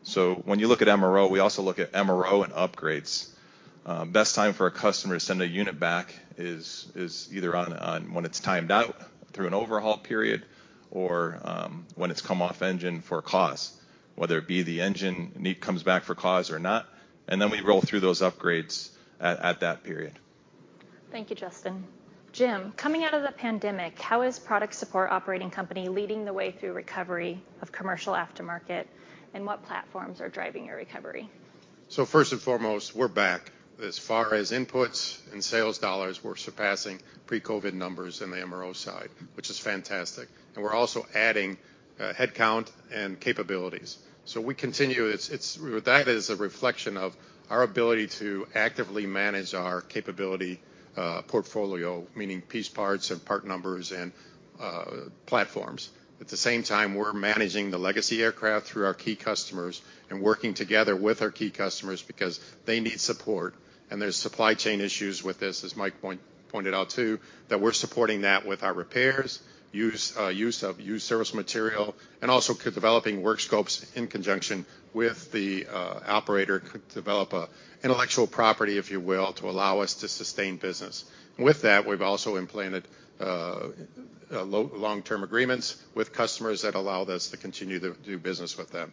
So when you look at MRO, we also look at MRO and upgrades. Best time for a customer to send a unit back is either on when it's timed out through an overhaul period or when it's come off engine for a cause, whether it be the engine comes back for cause or not, and then we roll through those upgrades at that period. Thank you, Justin. Jim, coming out of the pandemic, how is Product Support operating company leading the way through recovery of commercial aftermarket, and what platforms are driving your recovery? So first and foremost, we're back. As far as inputs and sales dollars, we're surpassing pre-COVID numbers in the MRO side, which is fantastic, and we're also adding headcount and capabilities. So we continue. Well, that is a reflection of our ability to actively manage our capability portfolio, meaning piece parts and part numbers and platforms. At the same time, we're managing the legacy aircraft through our key customers and working together with our key customers because they need support, and there's supply chain issues with this, as Mike pointed out, too, that we're supporting that with our repairs, use of used service material, and also developing work scopes in conjunction with the operator, could develop a intellectual property, if you will, to allow us to sustain business. With that, we've also implemented long-term agreements with customers that allow us to continue to do business with them.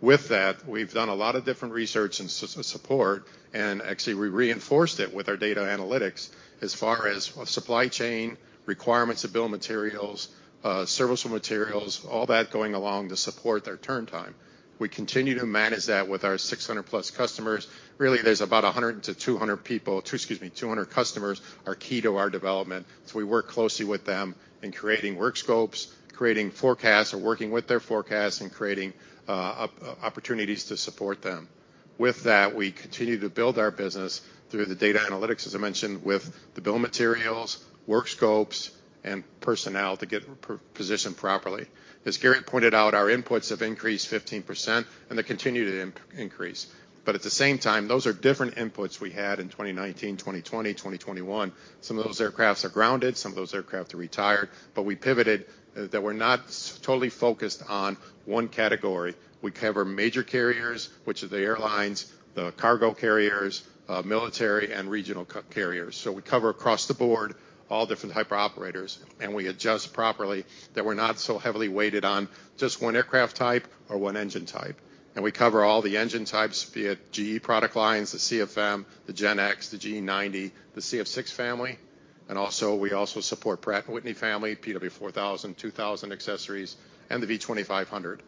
With that, we've done a lot of different research and support, and actually, we reinforced it with our data analytics as far as what supply chain requirements of bill of materials, serviceable materials, all that going along to support their turn time. We continue to manage that with our 600+ customers. Really, there's about 100 to 200... excuse me, 200 customers, are key to our development. So we work closely with them in creating work scopes, creating forecasts, or working with their forecasts, and creating opportunities to support them. With that, we continue to build our business through the data analytics, as I mentioned, with the bill of materials, work scopes, and personnel to get positioned properly. As Gary pointed out, our inputs have increased 15%, and they continue to increase. But at the same time, those are different inputs we had in 2019, 2020, 2021. Some of those aircraft are grounded, some of those aircraft are retired, but we pivoted that we're not totally focused on one category. We cover major carriers, which are the airlines, the cargo carriers, military and regional carriers. So we cover across the board, all different type of operators, and we adjust properly, that we're not so heavily weighted on just one aircraft type or one engine type. And we cover all the engine types, be it GE product lines, the CFM, the GEnx, the GE90, the CF6 family, and also, we also support Pratt & Whitney family, PW4000, 2000 accessories, and the V2500.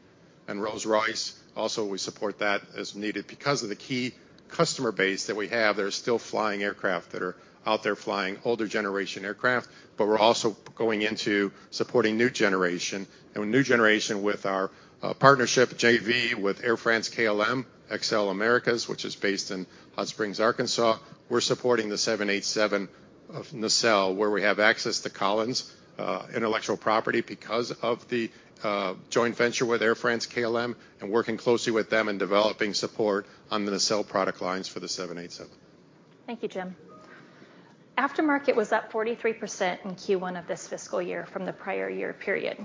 And Rolls-Royce, also, we support that as needed. Because of the key customer base that we have, there are still flying aircraft that are out there flying, older generation aircraft, but we're also going into supporting new generation, and new generation with our partnership JV with Air France-KLM, xCelle Americas, which is based in Hot Springs, Arkansas. We're supporting the 787 nacelle, where we have access to Collins intellectual property because of the joint venture with Air France-KLM, and working closely with them in developing support on the nacelle product lines for the 787. Thank you, Jim. Aftermarket was up 43% in Q1 of this fiscal year from the prior year period.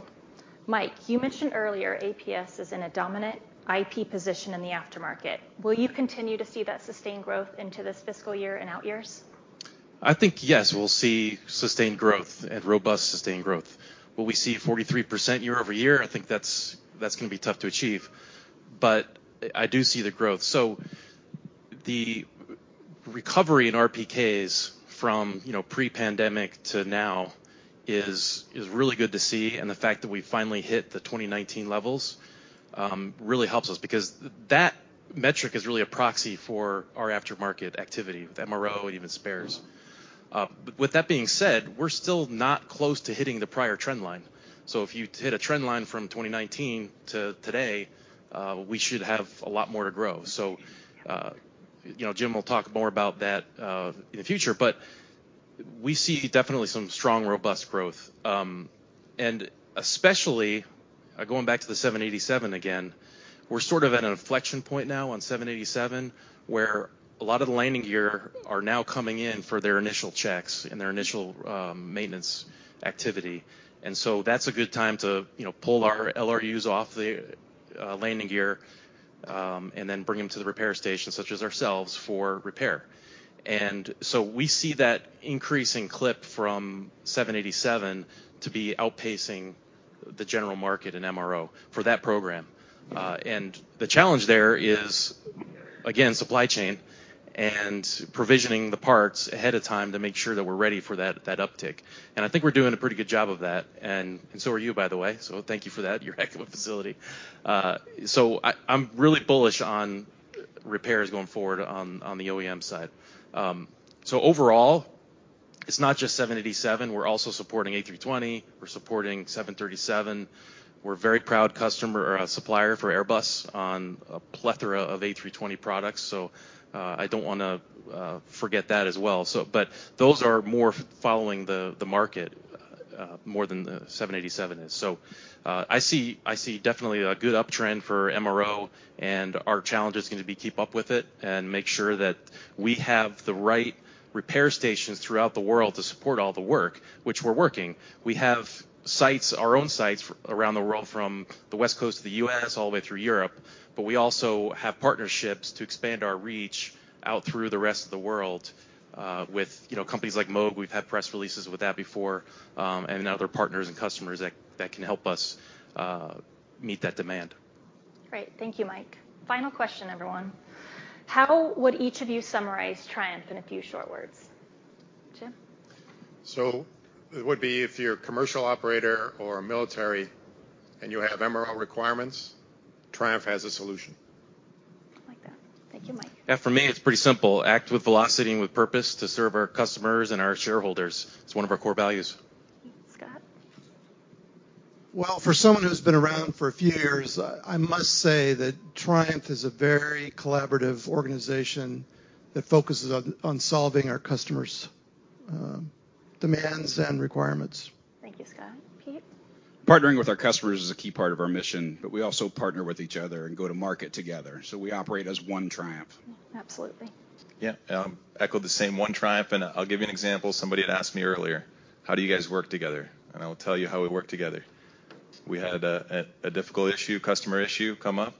Mike, you mentioned earlier, APS is in a dominant IP position in the aftermarket. Will you continue to see that sustained growth into this fiscal year and out years? I think, yes, we'll see sustained growth and robust sustained growth. Will we see 43% year-over-year? I think that's, that's going to be tough to achieve, but I do see the growth. So the recovery in RPKs from, you know, pre-pandemic to now is, is really good to see, and the fact that we finally hit the 2019 levels, really helps us because that metric is really a proxy for our aftermarket activity, with MRO, even spares. But with that being said, we're still not close to hitting the prior trend line. So if you hit a trend line from 2019 to today, we should have a lot more to grow. So, you know, Jim will talk more about that in the future, but we see definitely some strong, robust growth. And especially, going back to the 787 again, we're sort of at an inflection point now on 787, where a lot of the landing gear are now coming in for their initial checks and their initial maintenance activity. And so that's a good time to, you know, pull our LRUs off the landing gear and then bring them to the repair station, such as ourselves, for repair. And so we see that increasing clip from 787 to be outpacing the general market in MRO for that program. And the challenge there is, again, supply chain and provisioning the parts ahead of time to make sure that we're ready for that, that uptick. And I think we're doing a pretty good job of that, and so are you, by the way, so thank you for that, you're a heck of a facility. So I'm really bullish on repairs going forward on the OEM side. So overall, it's not just 787. We're also supporting A320, we're supporting 737. We're a very proud customer or a supplier for Airbus on a plethora of A320 products, so I don't wanna forget that as well. So but those are more following the market more than the 787 is. So I see definitely a good uptrend for MRO, and our challenge is going to be keep up with it and make sure that we have the right repair stations throughout the world to support all the work, which we're working. We have sites, our own sites, around the world from the West Coast of the U.S. all the way through Europe, but we also have partnerships to expand our reach out through the rest of the world, with, you know, companies like Moog. We've had press releases with that before, and other partners and customers that, that can help us, meet that demand. Great. Thank you, Mike. Final question, everyone: How would each of you summarize Triumph in a few short words? Jim? So it would be, if you're a commercial operator or a military and you have MRO requirements, Triumph has a solution. I like that. Thank you. Mike? Yeah, for me, it's pretty simple: Act with velocity and with purpose to serve our customers and our shareholders. It's one of our core values. Scott? Well, for someone who's been around for a few years, I must say that Triumph is a very collaborative organization that focuses on solving our customers' demands and requirements. Thank you, Scott. Pete? Partnering with our customers is a key part of our mission, but we also partner with each other and go to market together, so we operate as One Triumph. Absolutely. Yeah, echo the same One Triumph, and I'll give you an example. Somebody had asked me earlier, "How do you guys work together?" I will tell you how we work together. We had a difficult issue, customer issue come up.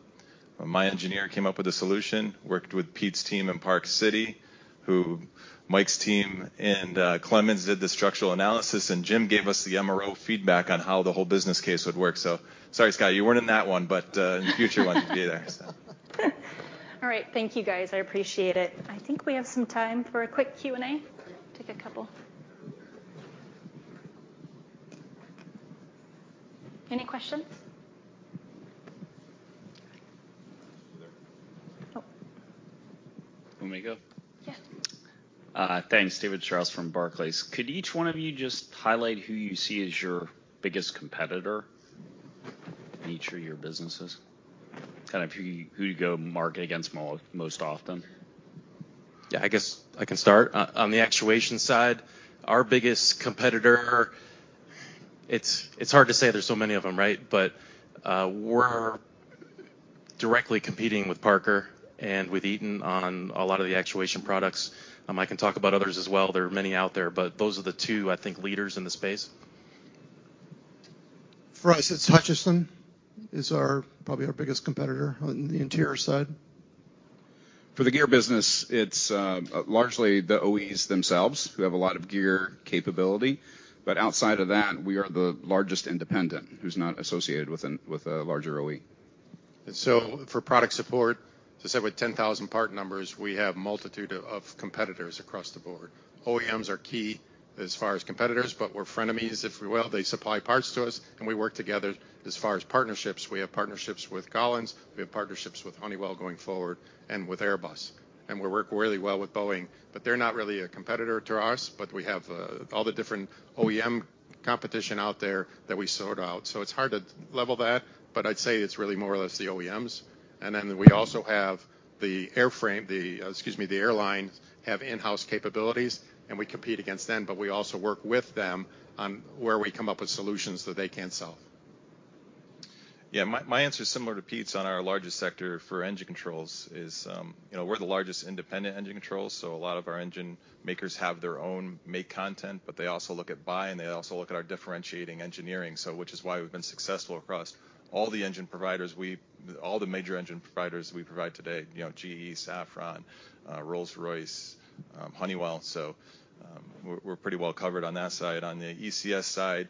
My engineer came up with a solution, worked with Pete's team in Park City, who Mike's team in Clemmons did the structural analysis, and Jim gave us the MRO feedback on how the whole business case would work. So sorry, Scott, you weren't in that one, but in the future you want to be there, so. All right. Thank you, guys. I appreciate it. I think we have some time for a quick Q&A. Take a couple. Any questions? Oh. Want me to go? Yeah. Thanks, David Strauss from Barclays. Could each one of you just highlight who you see as your biggest competitor in each of your businesses? Kind of who you go up against most often. Yeah, I guess I can start. On the actuation side, our biggest competitor, it's hard to say, there's so many of them, right? But we're directly competing with Parker and with Eaton on a lot of the actuation products. I can talk about others as well, there are many out there, but those are the two, I think, leaders in the space. For us, it's Hutchinson, probably our biggest competitor on the interior side. For the gear business, it's largely the OEs themselves, who have a lot of gear capability. But outside of that, we are the largest independent who's not associated with a larger OE. And so for product support, as I said, with 10,000 part numbers, we have a multitude of, of competitors across the board. OEMs are key as far as competitors, but we're frenemies, if we will. They supply parts to us, and we work together. As far as partnerships, we have partnerships with Collins, we have partnerships with Honeywell going forward, and with Airbus, and we work really well with Boeing. But they're not really a competitor to us, but we have, all the different OEM competition out there that we sort out. So it's hard to level that, but I'd say it's really more or less the OEMs. And then we also have the airframe, excuse me, the airlines have in-house capabilities, and we compete against them, but we also work with them on where we come up with solutions that they can't solve. Yeah, my answer is similar to Pete's on our largest sector for engine controls is, you know, we're the largest independent engine controls, so a lot of our engine makers have their own make content, but they also look at buy, and they also look at our differentiating engineering, so which is why we've been successful across all the major engine providers we provide today, you know, GE, Safran, Rolls-Royce, Honeywell. So, we're pretty well covered on that side. On the ECS side,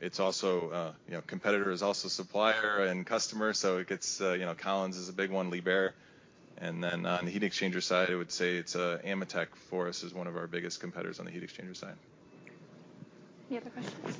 it's also, you know, competitor is also supplier and customer, so it gets... You know, Collins is a big one, Liebherr. And then on the heat exchanger side, I would say it's, AMETEK for us is one of our biggest competitors on the heat exchanger side. Any other questions?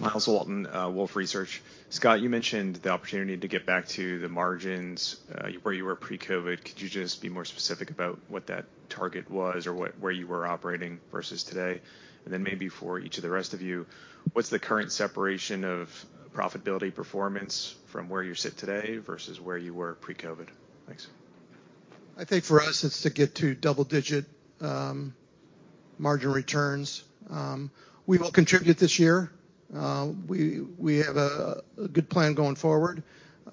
Myles Walton, Wolfe Research. Scott, you mentioned the opportunity to get back to the margins where you were pre-COVID. Could you just be more specific about what that target was or where you were operating versus today? And then maybe for each of the rest of you, what's the current separation of profitability performance from where you sit today versus where you were pre-COVID? Thanks. I think for us it's to get to double-digit margin returns. We will contribute this year. We have a good plan going forward.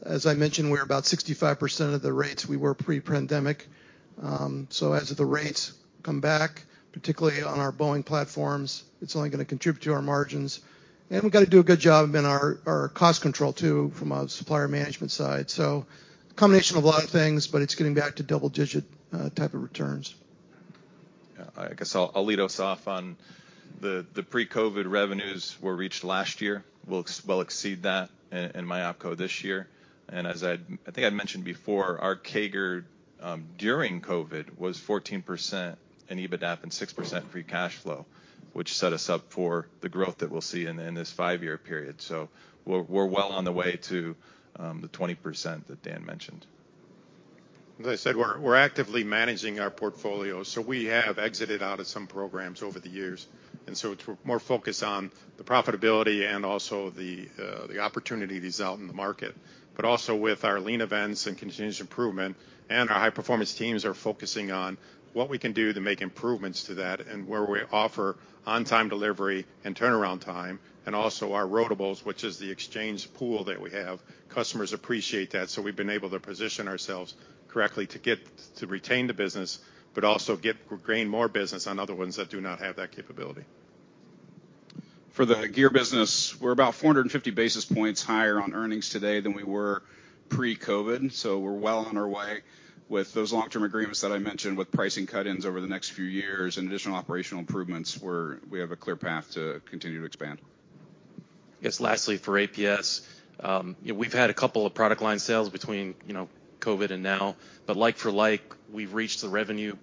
As I mentioned, we're about 65% of the rates we were pre-pandemic, so as the rates come back, particularly on our Boeing platforms, it's only gonna contribute to our margins. And we've got to do a good job in our cost control, too, from a supplier management side. So a combination of a lot of things, but it's getting back to double-digit type of returns. Yeah, I guess I'll lead us off on the pre-COVID revenues were reached last year. We'll exceed that in my opco this year. And as I think I'd mentioned before, our CAGR during COVID was 14% in EBITDA and 6% free cash flow, which set us up for the growth that we'll see in this five-year period. So we're well on the way to the 20% that Dan mentioned. As I said, we're actively managing our portfolio, so we have exited out of some programs over the years, and so it's more focused on the profitability and also the, the opportunity that is out in the market. But also with our lean events and continuous improvement, and our high-performance teams are focusing on what we can do to make improvements to that and where we offer on-time delivery and turnaround time, and also our rotables, which is the exchange pool that we have. Customers appreciate that, so we've been able to position ourselves correctly to get to retain the business, but also get, gain more business on other ones that do not have that capability. For the gear business, we're about 450 basis points higher on earnings today than we were pre-COVID. So we're well on our way with those long-term agreements that I mentioned, with pricing cut-ins over the next few years and additional operational improvements, we have a clear path to continue to expand. Yes, lastly, for APS, you know, we've had a couple of product line sales between, you know, COVID and now, but like for like, we've reached the revenue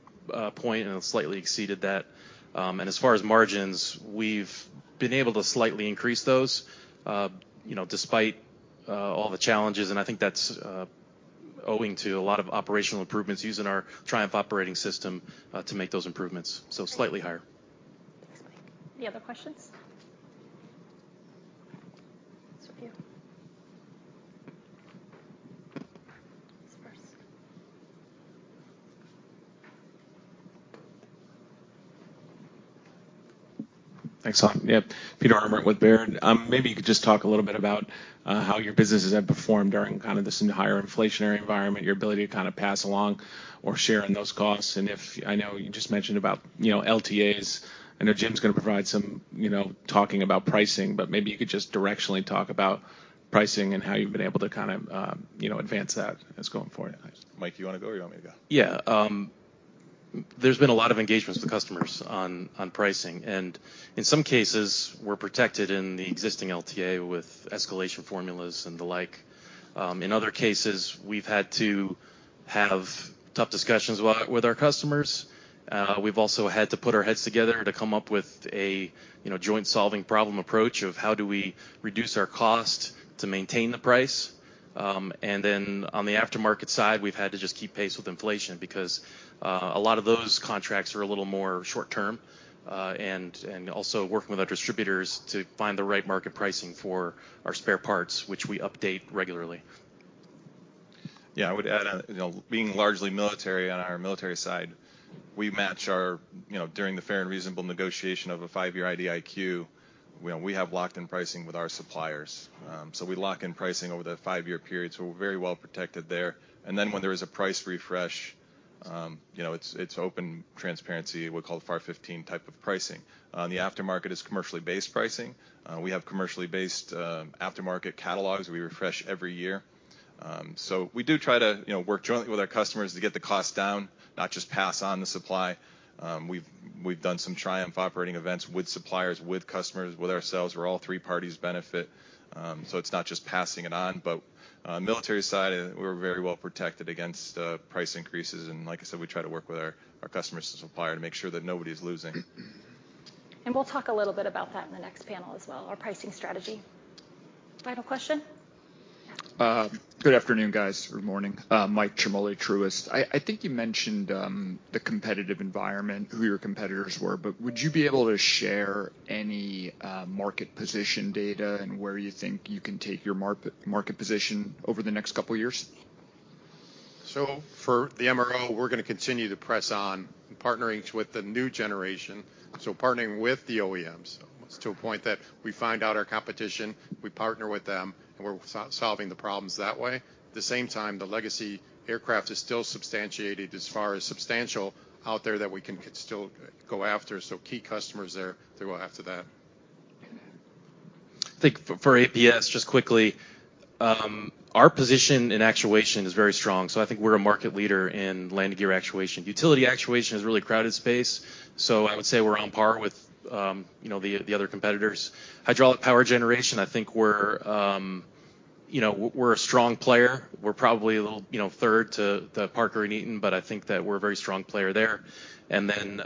point and slightly exceeded that. As far as margins, we've been able to slightly increase those, you know, despite all the challenges, and I think that's owing to a lot of operational improvements using our Triumph Operating System to make those improvements. So slightly higher. Thanks, Mike. Any other questions? It's with you. It's first. Thanks a lot. Yep, Peter Arment with Baird. Maybe you could just talk a little bit about how your businesses have performed during kind of this higher inflationary environment, your ability to kind of pass along or share in those costs. And if I know you just mentioned about, you know, LTAs. I know Jim's going to provide some, you know, talking about pricing, but maybe you could just directionally talk about pricing and how you've been able to kind of, you know, advance that as going forward. Mike, you want to go or you want me to go? Yeah, there's been a lot of engagements with customers on pricing, and in some cases, we're protected in the existing LTA with escalation formulas and the like. In other cases, we've had to have tough discussions with our customers. We've also had to put our heads together to come up with a, you know, joint solving problem approach of how do we reduce our cost to maintain the price. And then on the aftermarket side, we've had to just keep pace with inflation because a lot of those contracts are a little more short term. And also working with our distributors to find the right market pricing for our spare parts, which we update regularly. Yeah, I would add, you know, being largely military on our military side, we match our. You know, during the fair and reasonable negotiation of a 5-year IDIQ, we know we have locked in pricing with our suppliers. So we lock in pricing over the 5-year period, so we're very well protected there. And then when there is a price refresh, you know, it's open transparency, what's called FAR 15 type of pricing. The aftermarket is commercially based pricing. We have commercially based aftermarket catalogs we refresh every year. So we do try to, you know, work jointly with our customers to get the cost down, not just pass on the supply. We've done some Triumph operating events with suppliers, with customers, with ourselves, where all 3 parties benefit. So it's not just passing it on, but military side, we're very well protected against price increases. And like I said, we try to work with our customers and supplier to make sure that nobody's losing. We'll talk a little bit about that in the next panel as well, our pricing strategy. Final question? Good afternoon, guys, or morning. Mike Ciarmoli, Truist. I think you mentioned the competitive environment, who your competitors were, but would you be able to share any market position data and where you think you can take your market position over the next couple of years? So for the MRO, we're going to continue to press on partnering with the new generation, so partnering with the OEMs, to a point that we find out our competition, we partner with them, and we're solving the problems that way. At the same time, the legacy aircraft is still substantiated as far as substantial out there, that we can still go after. So key customers there, they go after that. I think for APS, just quickly, our position in actuation is very strong. So I think we're a market leader in landing gear actuation. Utility actuation is a really crowded space, so I would say we're on par with, you know, the other competitors. Hydraulic power generation, I think we're, you know, we're a strong player. We're probably a little, you know, third to Parker and Eaton, but I think that we're a very strong player there. And then,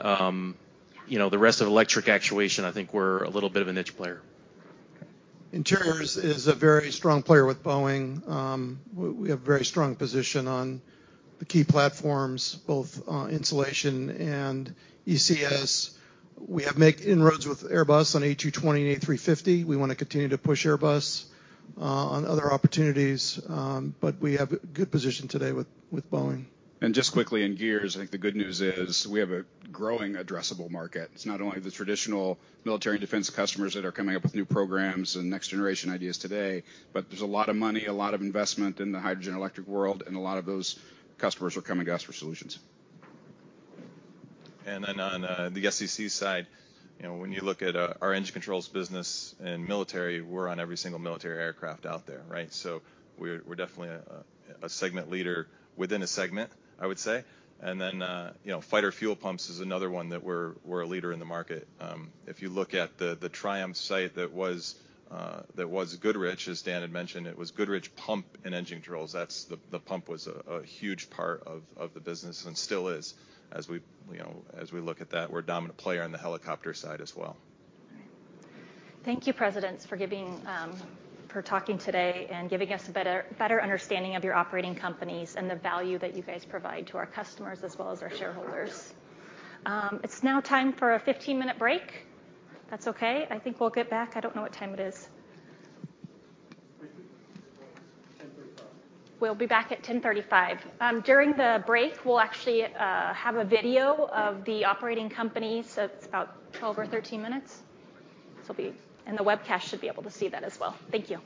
you know, the rest of electric actuation, I think we're a little bit of a niche player. Interiors is a very strong player with Boeing. We have very strong position on the key platforms, both, insulation and ECS. We have make inroads with Airbus on A220 and A350. We want to continue to push Airbus, on other opportunities, but we have a good position today with Boeing. And just quickly, in gears, I think the good news is we have a growing addressable market. It's not only the traditional military and defense customers that are coming up with new programs and next-generation ideas today, but there's a lot of money, a lot of investment in the hydrogen electric world, and a lot of those customers are coming to us for solutions. And then on the SEC side, you know, when you look at our engine controls business and military, we're on every single military aircraft out there, right? So we're definitely a segment leader within a segment, I would say. And then, you know, fighter fuel pumps is another one that we're a leader in the market. If you look at the Triumph site that was Goodrich, as Dan had mentioned, it was Goodrich Pump and Engine Controls. That's the pump was a huge part of the business and still is. As we, you know, as we look at that, we're a dominant player on the helicopter side as well. Thank you, presidents, for giving for talking today and giving us a better understanding of your operating companies and the value that you guys provide to our customers as well as our shareholders. It's now time for a 15-minute break. If that's okay, I think we'll get back... I don't know what time it is. I think it's 10:35. We'll be back at 10:35. During the break, we'll actually have a video of the operating company, so it's about 12 or 13 minutes. So the webcast should be able to see that as well. Thank you.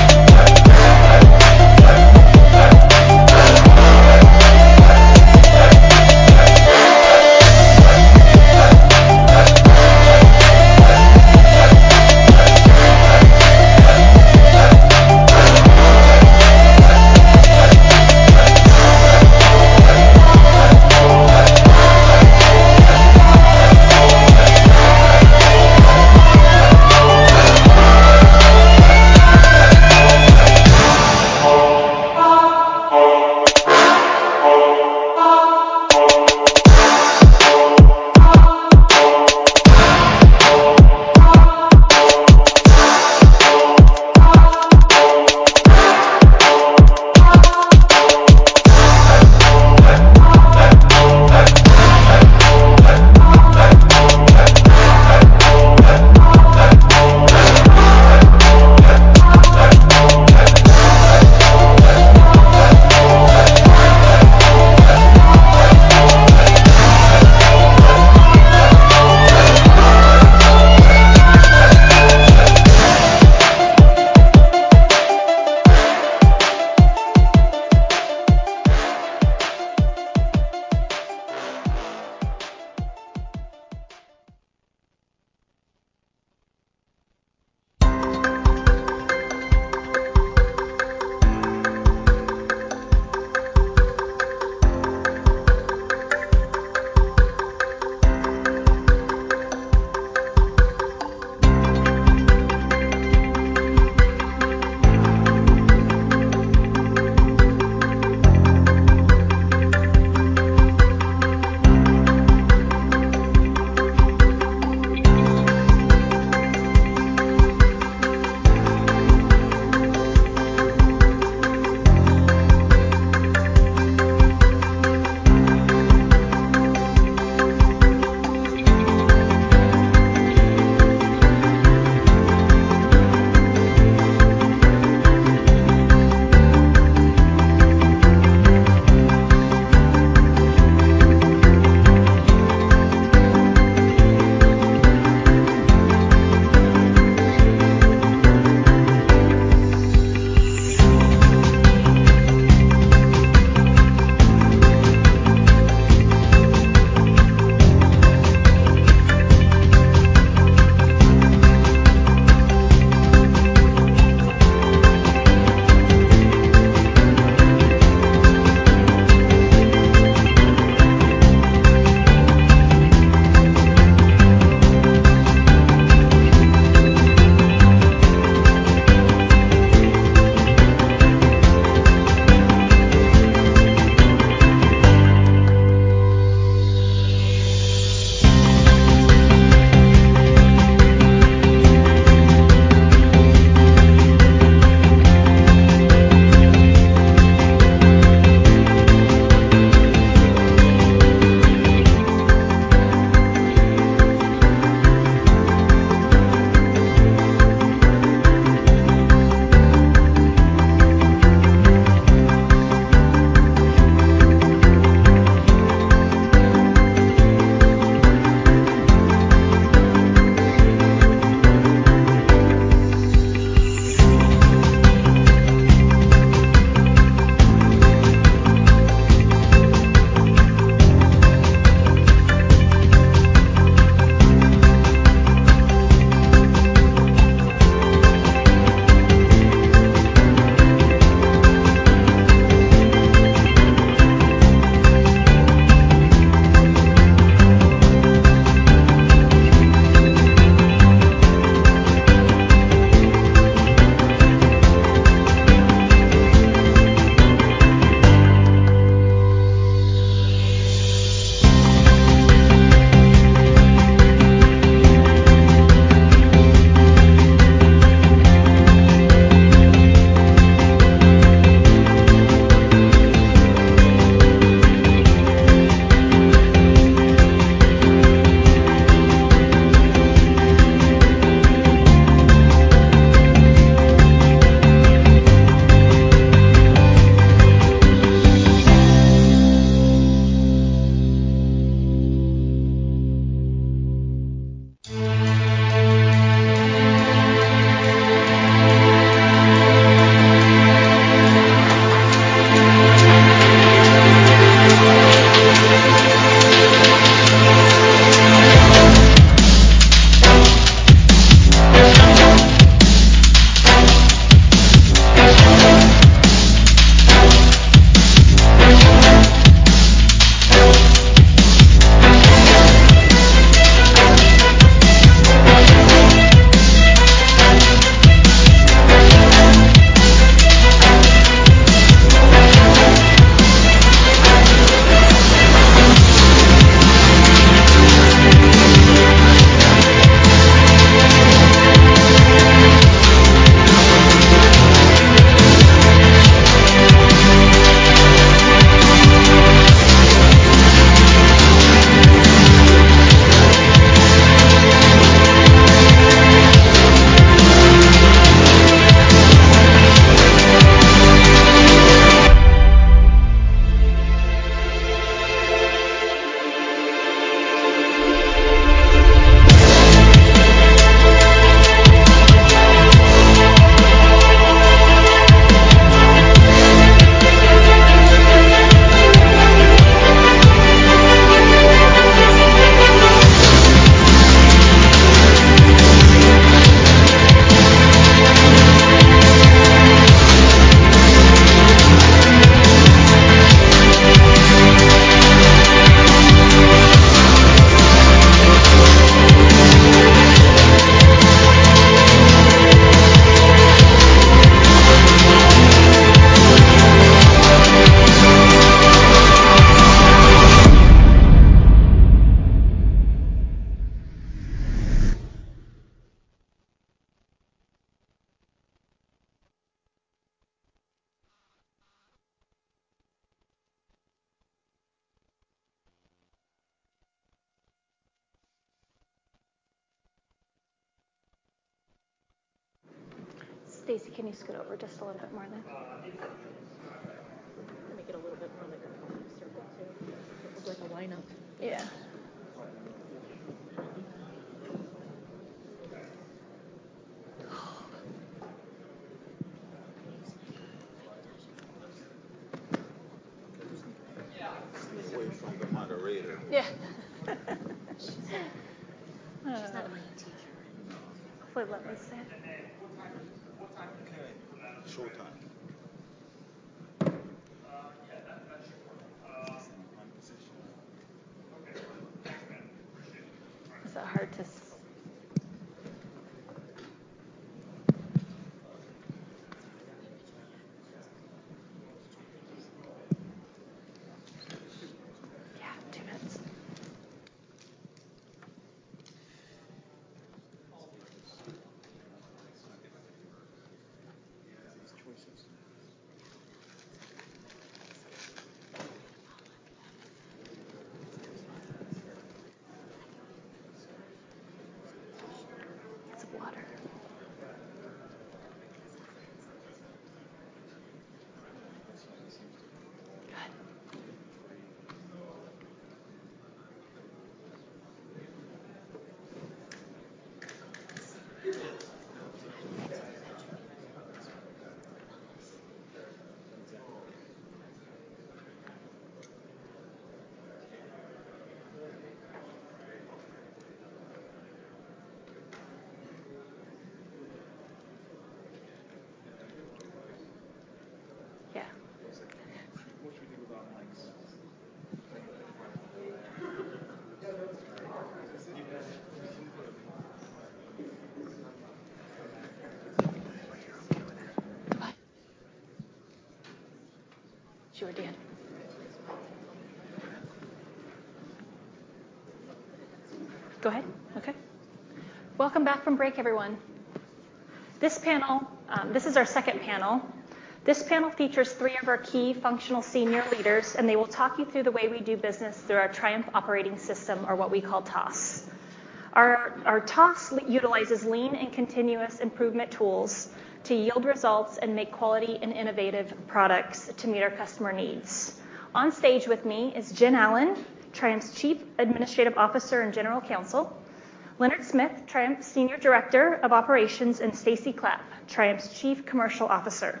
Leonard Smith, Triumph's Senior Director of Operations, and Stacey Clapp, Triumph's Chief Commercial Officer.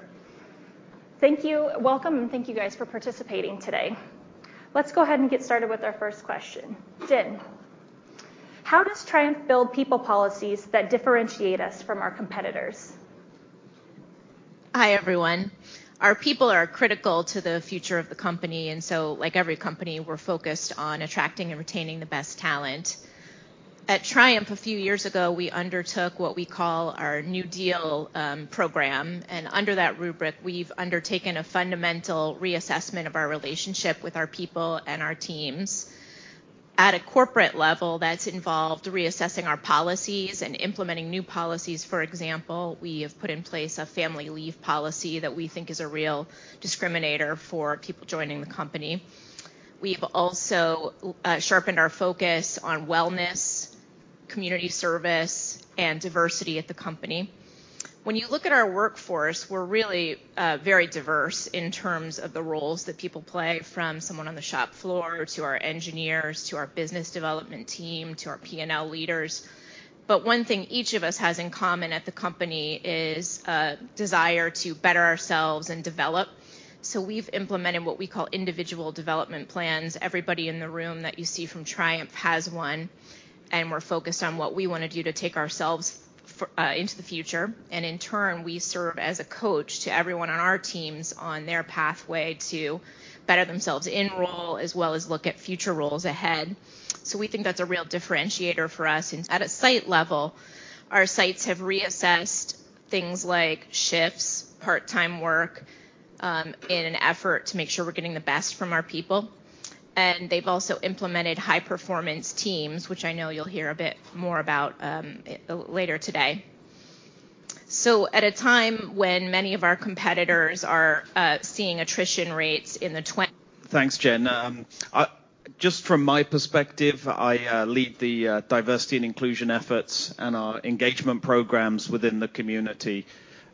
Thank you. Welcome, and thank you guys for participating today. Let's go ahead and get started with our first question. Jen, how does Triumph build people policies that differentiate us from our competitors? Hi, everyone. Our people are critical to the future of the company, and so like every company, we're focused on attracting and retaining the best talent. At Triumph, a few years ago, we undertook what we call our New Deal program, and under that rubric, we've undertaken a fundamental reassessment of our relationship with our people and our teams. At a corporate level, that's involved reassessing our policies and implementing new policies. For example, we have put in place a family leave policy that we think is a real discriminator for people joining the company. We've also sharpened our focus on wellness, community service, and diversity at the company. When you look at our workforce, we're really very diverse in terms of the roles that people play, from someone on the shop floor, to our engineers, to our business development team, to our P&L leaders. But one thing each of us has in common at the company is a desire to better ourselves and develop. So we've implemented what we call individual development plans. Everybody in the room that you see from Triumph has one, and we're focused on what we want to do to take ourselves for into the future, and in turn, we serve as a coach to everyone on our teams on their pathway to better themselves in role, as well as look at future roles ahead. So we think that's a real differentiator for us. And at a site level, our sites have reassessed things like shifts, part-time work in an effort to make sure we're getting the best from our people, and they've also implemented High Performance Teams, which I know you'll hear a bit more about later today. So at a time when many of our competitors are seeing attrition rates in the twen- Thanks, Jen. Just from my perspective, I lead the diversity and inclusion efforts and our engagement programs within the community,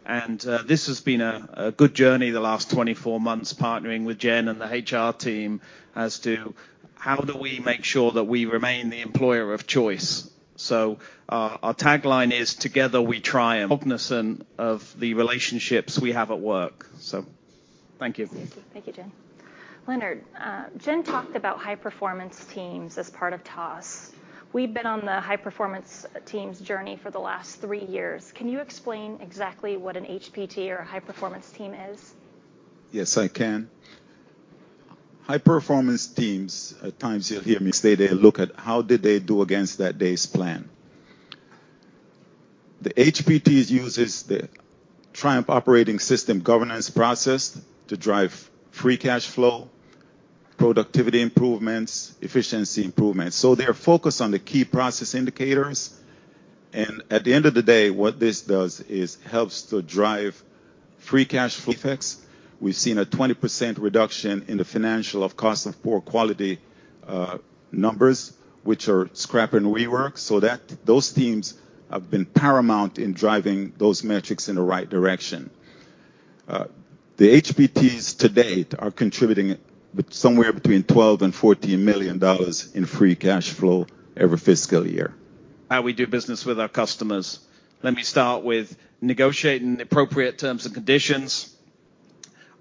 and this has been a good journey the last 24 months, partnering with Jen and the HR team as to how do we make sure that we remain the employer of choice. So our tagline is: Together, we Triumph, cognizant of the relationships we have at work. So thank you. Thank you, Jen. Leonard, Jen talked about High Performance Teams as part of TOS. We've been on the High Performance Teams journey for the last three years. Can you explain exactly what an HPT or a High Performance Team is? Yes, I can. High Performance Teams, at times you'll hear me say they look at how did they do against that day's plan. The HPTs uses the Triumph Operating System governance process to drive free cash flow, productivity improvements, efficiency improvements. So they're focused on the key process indicators, and at the end of the day, what this does is helps to drive free cash flow effects. We've seen a 20% reduction in the financial of cost of poor quality numbers, which are scrap and rework, so that those teams have been paramount in driving those metrics in the right direction. The HPTs to date are contributing with somewhere between $12 million and $14 million in free cash flow every fiscal year. How we do business with our customers. Let me start with negotiating the appropriate terms and conditions.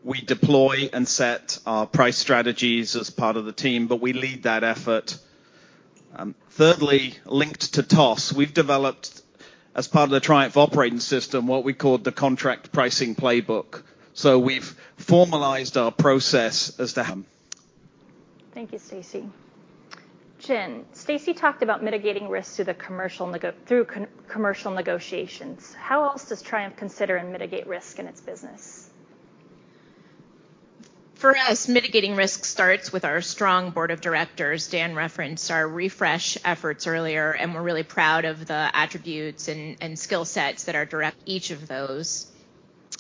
We deploy and set our price strategies as part of the team, but we lead that effort. Thirdly, linked to TOS, we've developed, as part of the Triumph Operating System, what we call the contract pricing playbook. So we've formalized our process as to them. Thank you, Stacey. Jen, Stacey talked about mitigating risks through commercial negotiations. How else does Triumph consider and mitigate risk in its business? For us, mitigating risk starts with our strong board of directors. Dan referenced our refresh efforts earlier, and we're really proud of the attributes and skill sets that are direct each of those.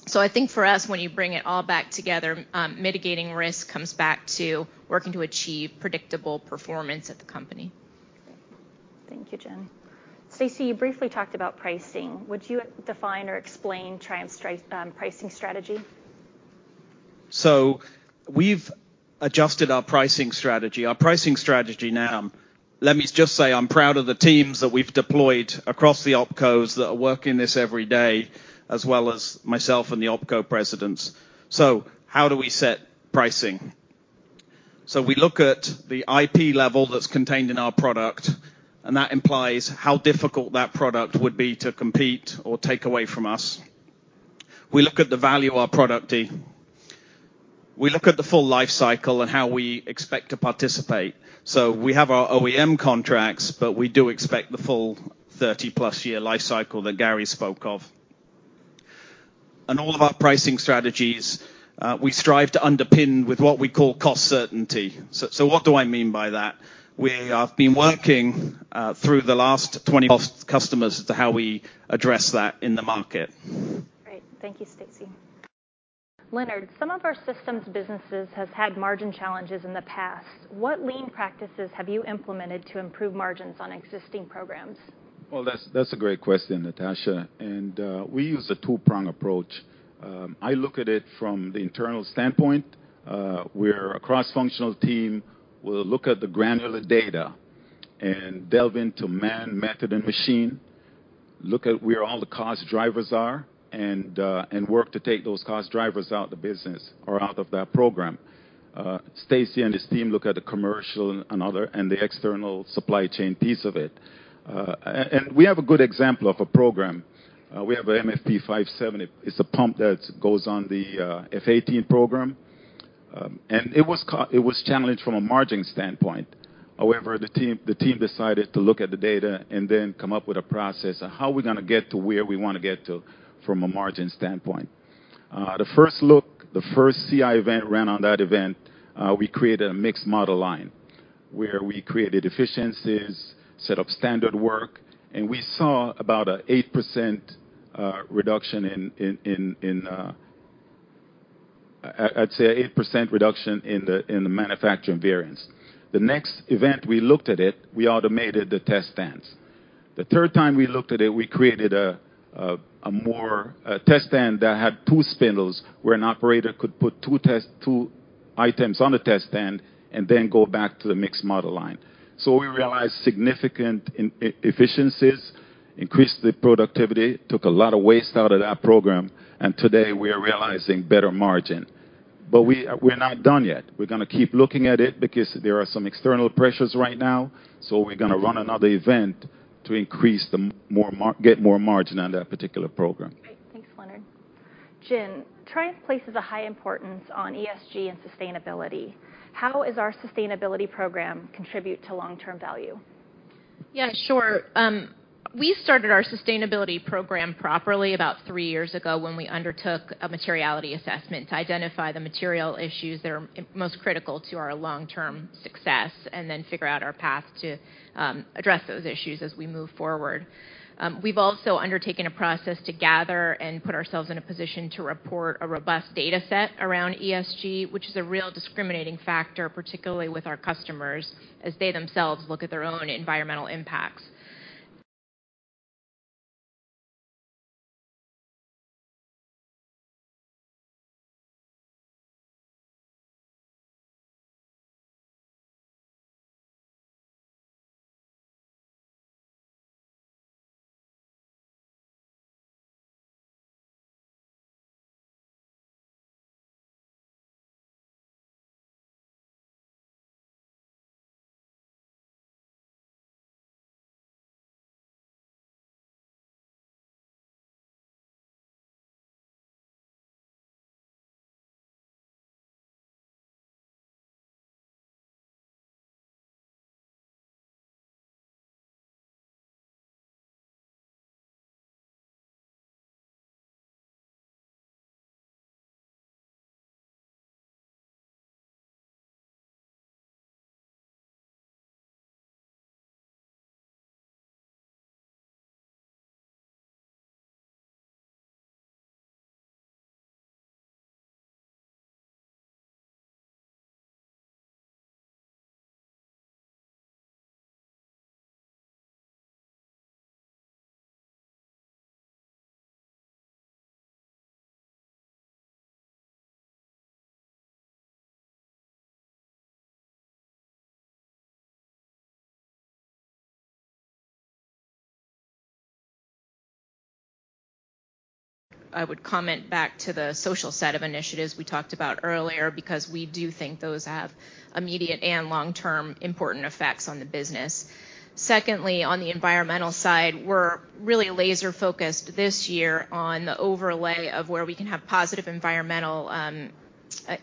So I think for us, when you bring it all back together, mitigating risk comes back to working to achieve predictable performance at the company. Thank you, Jen. Stacey, you briefly talked about pricing. Would you define or explain Triumph's pricing strategy? So we've adjusted our pricing strategy. Our pricing strategy now, let me just say, I'm proud of the teams that we've deployed across the opcos that are working this every day, as well as myself and the opco presidents. So how do we set pricing? So we look at the IP level that's contained in our product, and that implies how difficult that product would be to compete or take away from us. We look at the value of our product. We look at the full life cycle and how we expect to participate. So we have our OEM contracts, but we do expect the full 30+-year life cycle that Gary spoke of. And all of our pricing strategies, we strive to underpin with what we call cost certainty. So, so what do I mean by that? We have been working through the last 20 customers as to how we address that in the market. Great. Thank you, Stacey. Leonard, some of our systems businesses has had margin challenges in the past. What lean practices have you implemented to improve margins on existing programs? Well, that's, that's a great question, Natasha, and we use a two-prong approach. I look at it from the internal standpoint, where a cross-functional team will look at the granular data and delve into man, method, and machine, look at where all the cost drivers are, and work to take those cost drivers out of the business or out of that program. Stacey and his team look at the commercial and other, and the external supply chain piece of it. And we have a good example of a program. We have a MFP 57. It's a pump that goes on the F/A-18 program, and it was challenged from a margin standpoint. However, the team decided to look at the data and then come up with a process of how we're gonna get to where we want to get to from a margin standpoint. The first CI event ran on that event, we created a mixed model line, where we created efficiencies, set up standard work, and we saw about an 8% reduction in the manufacturing variance. The next event, we looked at it, we automated the test stands. The third time we looked at it, we created a more test stand that had two spindles, where an operator could put two tests, two items on the test stand and then go back to the mixed model line. So we realized significant inefficiencies, increased the productivity, took a lot of waste out of that program, and today we are realizing better margin. But we, we're not done yet. We're gonna keep looking at it because there are some external pressures right now, so we're gonna run another event to increase the margin, get more margin on that particular program. Great. Thanks, Leonard. Jen, Triumph places a high importance on ESG and sustainability. How is our sustainability program contribute to long-term value? Yeah, sure. We started our sustainability program properly about three years ago when we undertook a materiality assessment to identify the material issues that are most critical to our long-term success, and then figure out our path to address those issues as we move forward. We've also undertaken a process to gather and put ourselves in a position to report a robust dataset around ESG, which is a real discriminating factor, particularly with our customers, as they themselves look at their own environmental impacts. I would comment back to the social set of initiatives we talked about earlier, because we do think those have immediate and long-term important effects on the business. Secondly, on the environmental side, we're really laser-focused this year on the overlay of where we can have positive environmental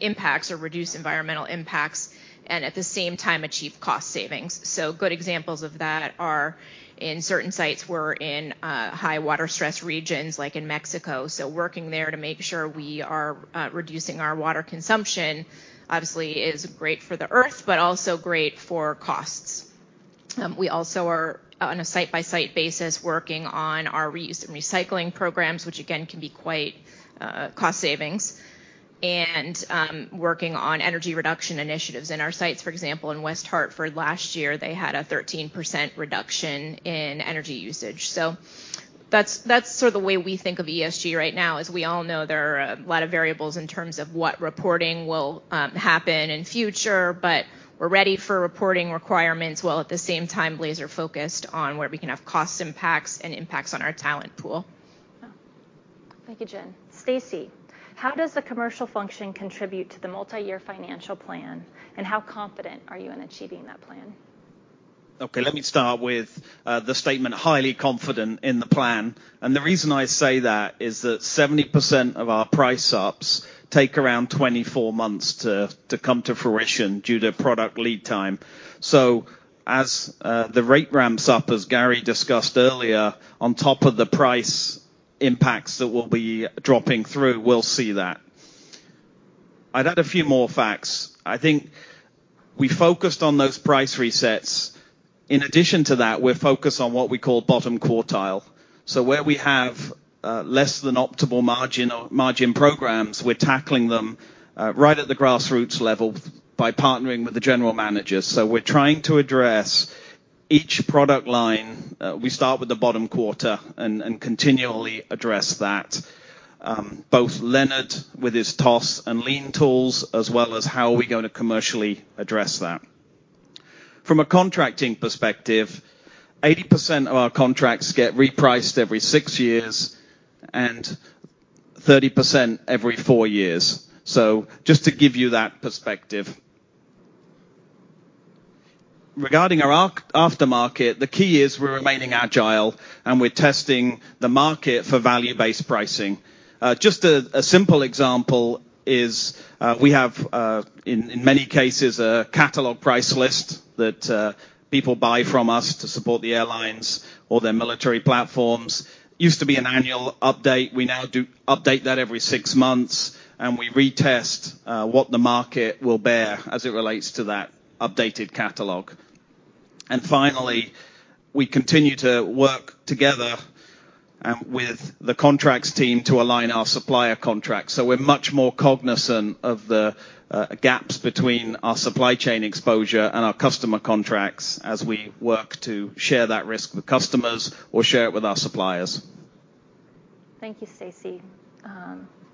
impacts or reduce environmental impacts, and at the same time, achieve cost savings. So good examples of that are in certain sites, we're in high water stress regions, like in Mexico. So working there to make sure we are reducing our water consumption, obviously, is great for the earth, but also great for costs. We also are, on a site-by-site basis, working on our reuse and recycling programs, which again, can be quite cost savings, and working on energy reduction initiatives. In our sites, for example, in West Hartford, last year, they had a 13% reduction in energy usage. So that's sort of the way we think of ESG right now. As we all know, there are a lot of variables in terms of what reporting will happen in future, but we're ready for reporting requirements, while at the same time, laser-focused on where we can have cost impacts and impacts on our talent pool. Thank you, Jen. Stacey, how does the commercial function contribute to the multi-year financial plan, and how confident are you in achieving that plan? Okay, let me start with the statement, highly confident in the plan. And the reason I say that is that 70% of our price ups take around 24 months to come to fruition due to product lead time. So as the rate ramps up, as Gary discussed earlier, on top of the price impacts that we'll be dropping through, we'll see that. I'd add a few more facts. I think we focused on those price resets. In addition to that, we're focused on what we call bottom quartile. So where we have less than optimal margin or margin programs, we're tackling them right at the grassroots level by partnering with the general managers. So we're trying to address each product line. We start with the bottom quarter and continually address that, both Leonard, with his TOS and lean tools, as well as how are we going to commercially address that. From a contracting perspective, 80% of our contracts get repriced every 6 years, and 30% every 4 years. So just to give you that perspective. Regarding our aftermarket, the key is we're remaining agile, and we're testing the market for value-based pricing. Just a simple example is, we have, in many cases, a catalog price list that people buy from us to support the airlines or their military platforms. Used to be an annual update. We now do update that every 6 months, and we retest what the market will bear as it relates to that updated catalog. Finally, we continue to work together with the contracts team to align our supplier contracts. We're much more cognizant of the gaps between our supply chain exposure and our customer contracts as we work to share that risk with customers or share it with our suppliers. Thank you, Stacey.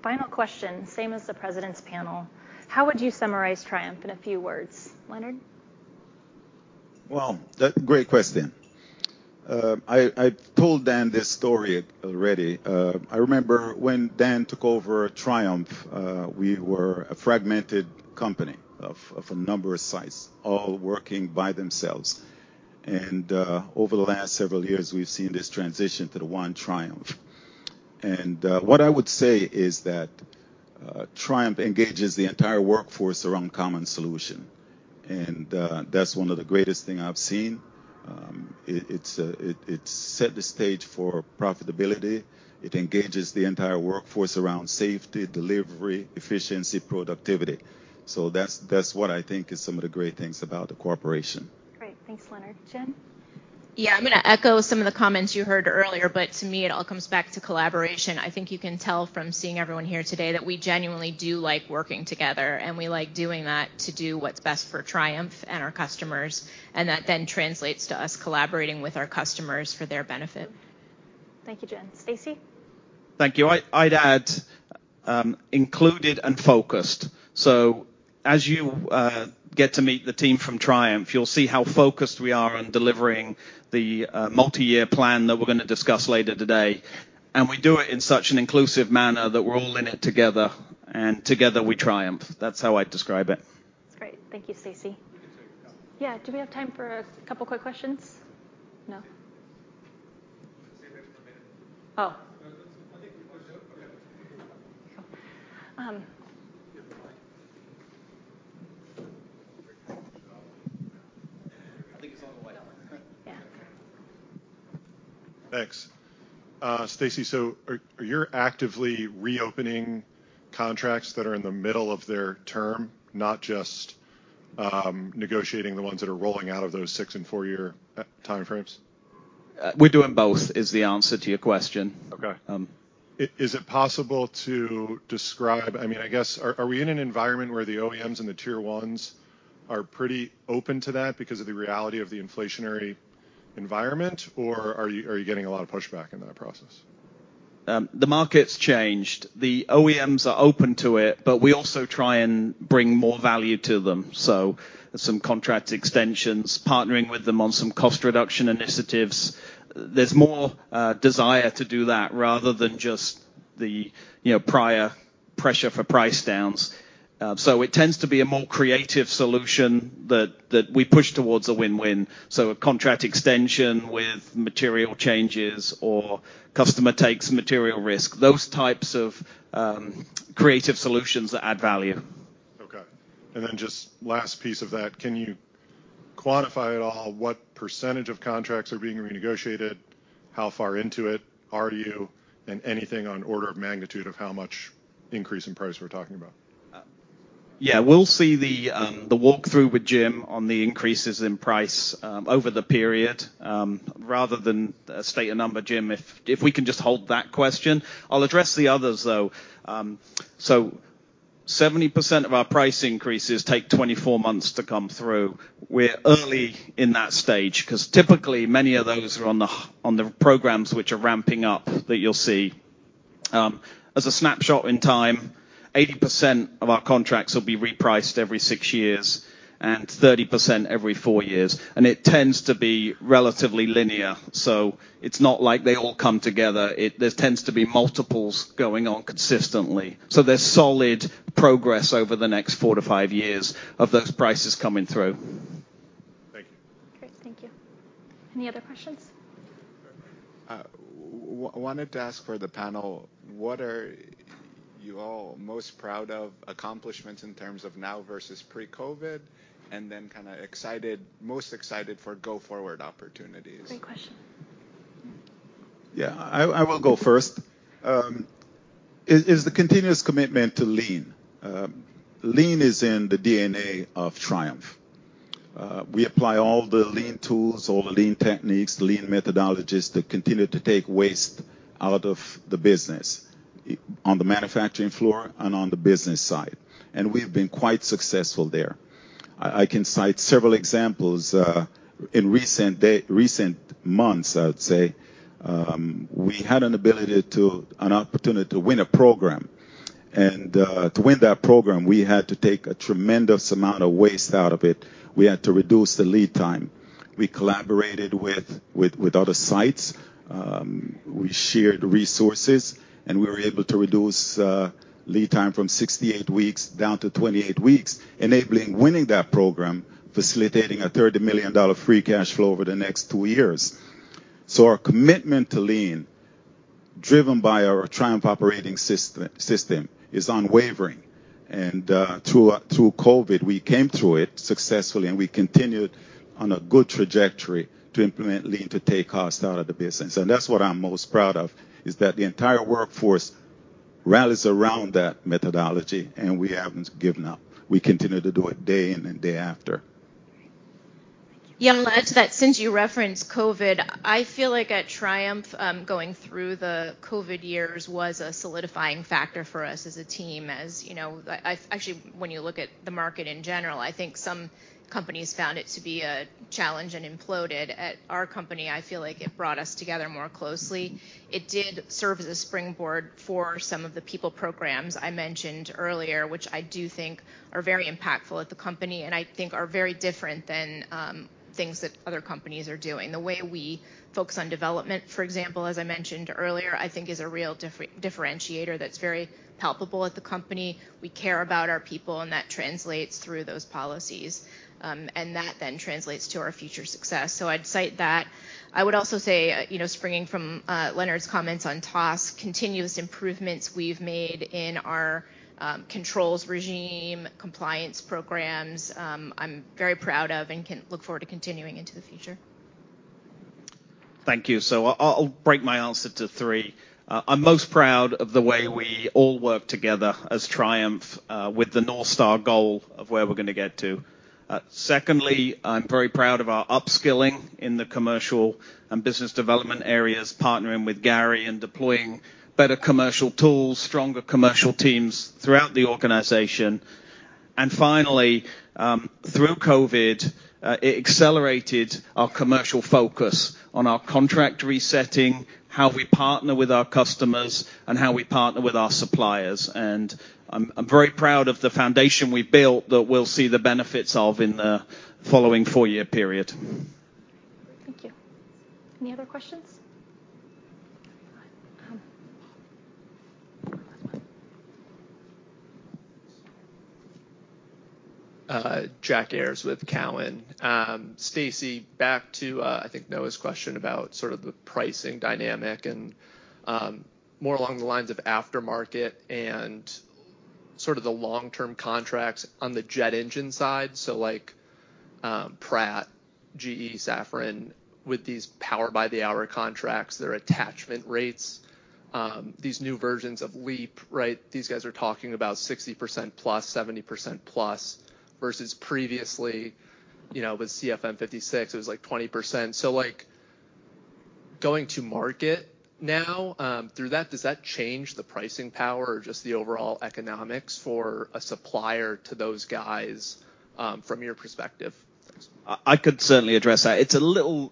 Final question, same as the President's panel: How would you summarize Triumph in a few words? Leonard? Well, that's a great question. I've told Dan this story already. I remember when Dan took over Triumph, we were a fragmented company of a number of sites, all working by themselves. Over the last several years, we've seen this transition to the One Triumph. What I would say is that Triumph engages the entire workforce around common solution, and that's one of the greatest thing I've seen. It's set the stage for profitability. It engages the entire workforce around safety, delivery, efficiency, productivity. That's what I think is some of the great things about the corporation. Great. Thanks, Leonard. Jen? Yeah, I'm gonna echo some of the comments you heard earlier, but to me, it all comes back to collaboration. I think you can tell from seeing everyone here today that we genuinely do like working together, and we like doing that to do what's best for Triumph and our customers, and that then translates to us collaborating with our customers for their benefit. Thank you, Jen. Stacey? Thank you. I'd add included and focused. So as you get to meet the team from Triumph, you'll see how focused we are on delivering the multi-year plan that we're gonna discuss later today. And we do it in such an inclusive manner that we're all in it together, and together we triumph. That's how I'd describe it. That's great. Thank you, Stacey. We can take a couple. Yeah, do we have time for a couple quick questions? No? Stay there for a minute. Oh. I think the question. Okay. Um. You have the mic. I think it's on the white element. Yeah. Thanks. Stacey, so are you actively reopening contracts that are in the middle of their term, not just negotiating the ones that are rolling out of those 6- and 4-year time frames? We're doing both, is the answer to your question. Okay. Um. Is it possible to describe, I mean, I guess, are we in an environment where the OEMs and the tier ones are pretty open to that because of the reality of the inflationary environment? Or are you getting a lot of pushback in that process? The market's changed. The OEMs are open to it, but we also try and bring more value to them. So some contract extensions, partnering with them on some cost reduction initiatives. There's more desire to do that rather than just the, you know, prior pressure for price downs. So it tends to be a more creative solution that we push towards a win-win. So a contract extension with material changes or customer takes material risk, those types of creative solutions that add value. Okay. And then just last piece of that, can you quantify at all what percentage of contracts are being renegotiated? How far into it are you, and anything on order of magnitude of how much increase in price we're talking about? Yeah, we'll see the walk-through with Jim on the increases in price over the period. Rather than state a number, Jim, if we can just hold that question. I'll address the others, though. So 70% of our price increases take 24 months to come through. We're early in that stage, 'cause typically, many of those are on the programs which are ramping up that you'll see. As a snapshot in time, 80% of our contracts will be repriced every 6 years, and 30% every 4 years, and it tends to be relatively linear. So it's not like they all come together. It... There tends to be multiples going on consistently. So there's solid progress over the next 4-5 years of those prices coming through. Thank you. Great, thank you. Any other questions? I wanted to ask the panel, what are you all most proud of, accomplishments in terms of now versus pre-COVID, and then kind of excited, most excited for go-forward opportunities? Great question. Yeah, I will go first. Is the continuous commitment to lean. Lean is in the DNA of Triumph. We apply all the lean tools, all the lean techniques, the lean methodologies that continue to take waste out of the business, on the manufacturing floor and on the business side, and we've been quite successful there. I can cite several examples. In recent months, I would say, we had an opportunity to win a program, and to win that program, we had to take a tremendous amount of waste out of it. We had to reduce the lead time. We collaborated with other sites, we shared resources, and we were able to reduce lead time from 68 weeks down to 28 weeks, enabling winning that program, facilitating a $30 million free cash flow over the next 2 years. So our commitment to lean, driven by our Triumph Operating System, is unwavering, and through COVID, we came through it successfully, and we continued on a good trajectory to implement lean, to take costs out of the business. And that's what I'm most proud of, is that the entire workforce rallies around that methodology, and we haven't given up. We continue to do it day in and day after. Yeah, I'll add to that, since you referenced COVID, I feel like at Triumph, going through the COVID years was a solidifying factor for us as a team. As you know, actually, when you look at the market in general, I think some companies found it to be a challenge and imploded. At our company, I feel like it brought us together more closely. It did serve as a springboard for some of the people programs I mentioned earlier, which I do think are very impactful at the company, and I think are very different than things that other companies are doing. The way we focus on development, for example, as I mentioned earlier, I think is a real differentiator that's very palpable at the company. We care about our people, and that translates through those policies, and that then translates to our future success. So I'd cite that. I would also say, you know, springing from Leonard's comments on TOS, continuous improvements we've made in our controls regime, compliance programs, I'm very proud of and can look forward to continuing into the future. Thank you. So I'll, I'll break my answer to three. I'm most proud of the way we all work together as Triumph, with the North Star goal of where we're gonna get to. Secondly, I'm very proud of our upskilling in the commercial and business development areas, partnering with Gary and deploying better commercial tools, stronger commercial teams throughout the organization. And finally, through COVID, it accelerated our commercial focus on our contract resetting, how we partner with our customers, and how we partner with our suppliers. And I'm, I'm very proud of the foundation we've built that we'll see the benefits of in the following four-year period. Thank you. Any other questions? Jack Ayers with Cowen. Stacey, back to, I think Noah's question about sort of the pricing dynamic and, more along the lines of aftermarket and, sort of the long-term contracts on the jet engine side, so like, Pratt, GE, Safran, with these power-by-the-hour contracts, their attachment rates, these new versions of LEAP, right? These guys are talking about 60%+, 70%+, versus previously, you know, with CFM56, it was like 20%. So like, going to market now, through that, does that change the pricing power or just the overall economics for a supplier to those guys, from your perspective? I could certainly address that. It's a little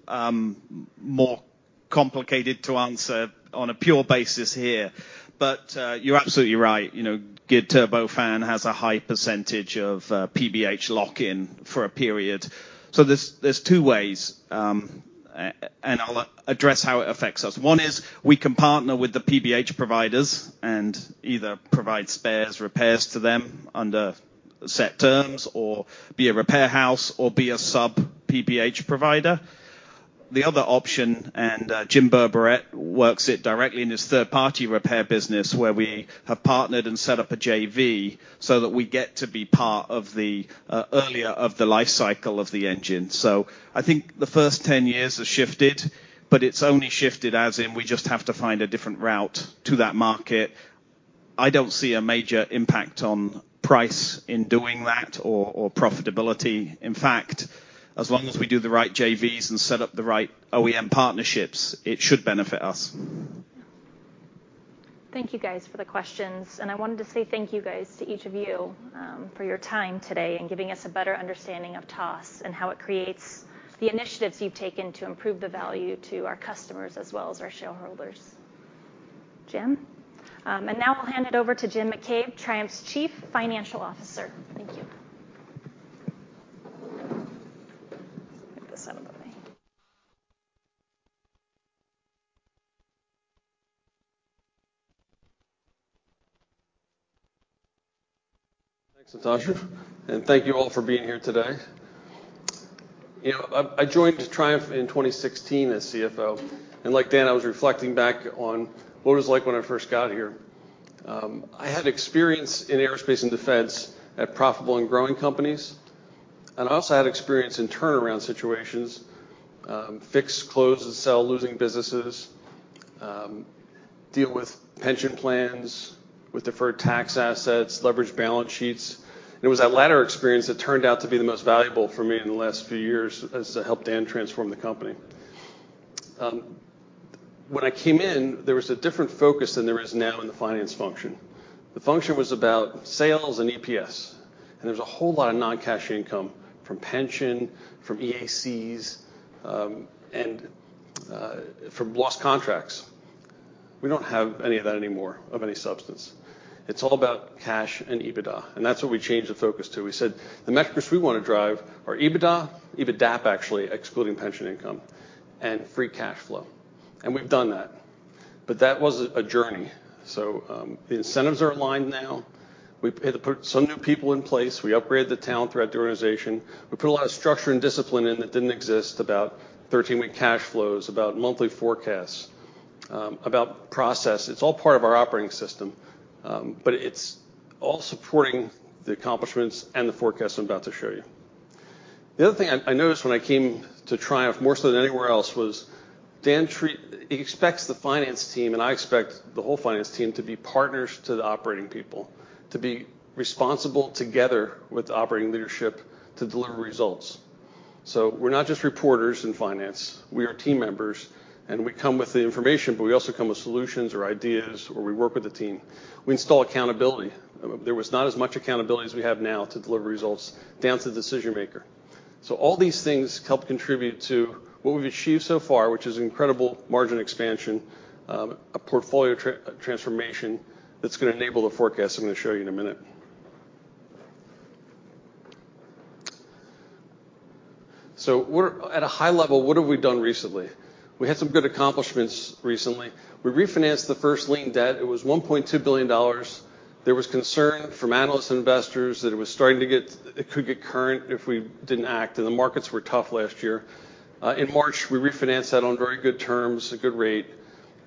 more complicated to answer on a pure basis here, but you're absolutely right. You know, good turbofan has a high percentage of PBH lock-in for a period. So there's two ways, and I'll address how it affects us. One is we can partner with the PBH providers and either provide spares, repairs to them under set terms or be a repair house or be a sub PBH provider. The other option, and Jim Berberet works it directly in his third-party repair business, where we have partnered and set up a JV so that we get to be part of the earlier of the life cycle of the engine. So I think the first 10 years has shifted, but it's only shifted as in we just have to find a different route to that market. I don't see a major impact on price in doing that or profitability. In fact, as long as we do the right JVs and set up the right OEM partnerships, it should benefit us. Thank you guys for the questions. I wanted to say thank you guys to each of you, for your time today and giving us a better understanding of TOS and how it creates the initiatives you've taken to improve the value to our customers as well as our shareholders. Jim. Now I'll hand it over to Jim McCabe, Triumph's Chief Financial Officer. Thank you. Get this out of the way. Thanks, Natasha, and thank you all for being here today. You know, I, I joined Triumph in 2016 as CFO, and like Dan, I was reflecting back on what it was like when I first got here. I had experience in aerospace and defense at profitable and growing companies, and I also had experience in turnaround situations, fix, close, and sell losing businesses, deal with pension plans, with deferred tax assets, leverage balance sheets. It was that latter experience that turned out to be the most valuable for me in the last few years as I helped Dan transform the company. When I came in, there was a different focus than there is now in the finance function. The function was about sales and EPS, and there was a whole lot of non-cash income from pension, from EACs, and from lost contracts. We don't have any of that anymore, of any substance. It's all about cash and EBITDA, and that's what we changed the focus to. We said, "The metrics we want to drive are EBITDA, EBITDAP, actually, excluding pension income, and free cash flow." We've done that, but that was a journey. The incentives are aligned now. We paid to put some new people in place. We upgraded the talent throughout the organization. We put a lot of structure and discipline in that didn't exist, about 13-week cash flows, about monthly forecasts, about process. It's all part of our operating system, but it's all supporting the accomplishments and the forecast I'm about to show you. The other thing I noticed when I came to Triumph, more so than anywhere else, was Dan treats—he expects the finance team, and I expect the whole finance team, to be partners to the operating people, to be responsible together with the operating leadership to deliver results. So we're not just reporters in finance, we are team members, and we come with the information, but we also come with solutions or ideas, or we work with the team. We install accountability. There was not as much accountability as we have now to deliver results down to the decision maker. So all these things help contribute to what we've achieved so far, which is incredible margin expansion, a portfolio transformation that's gonna enable the forecast I'm gonna show you in a minute. So we're at a high level, what have we done recently? We had some good accomplishments recently. We refinanced the first lien debt. It was $1.2 billion. There was concern from analysts and investors that it was starting to get-- it could get current if we didn't act, and the markets were tough last year. In March, we refinanced that on very good terms, a good rate,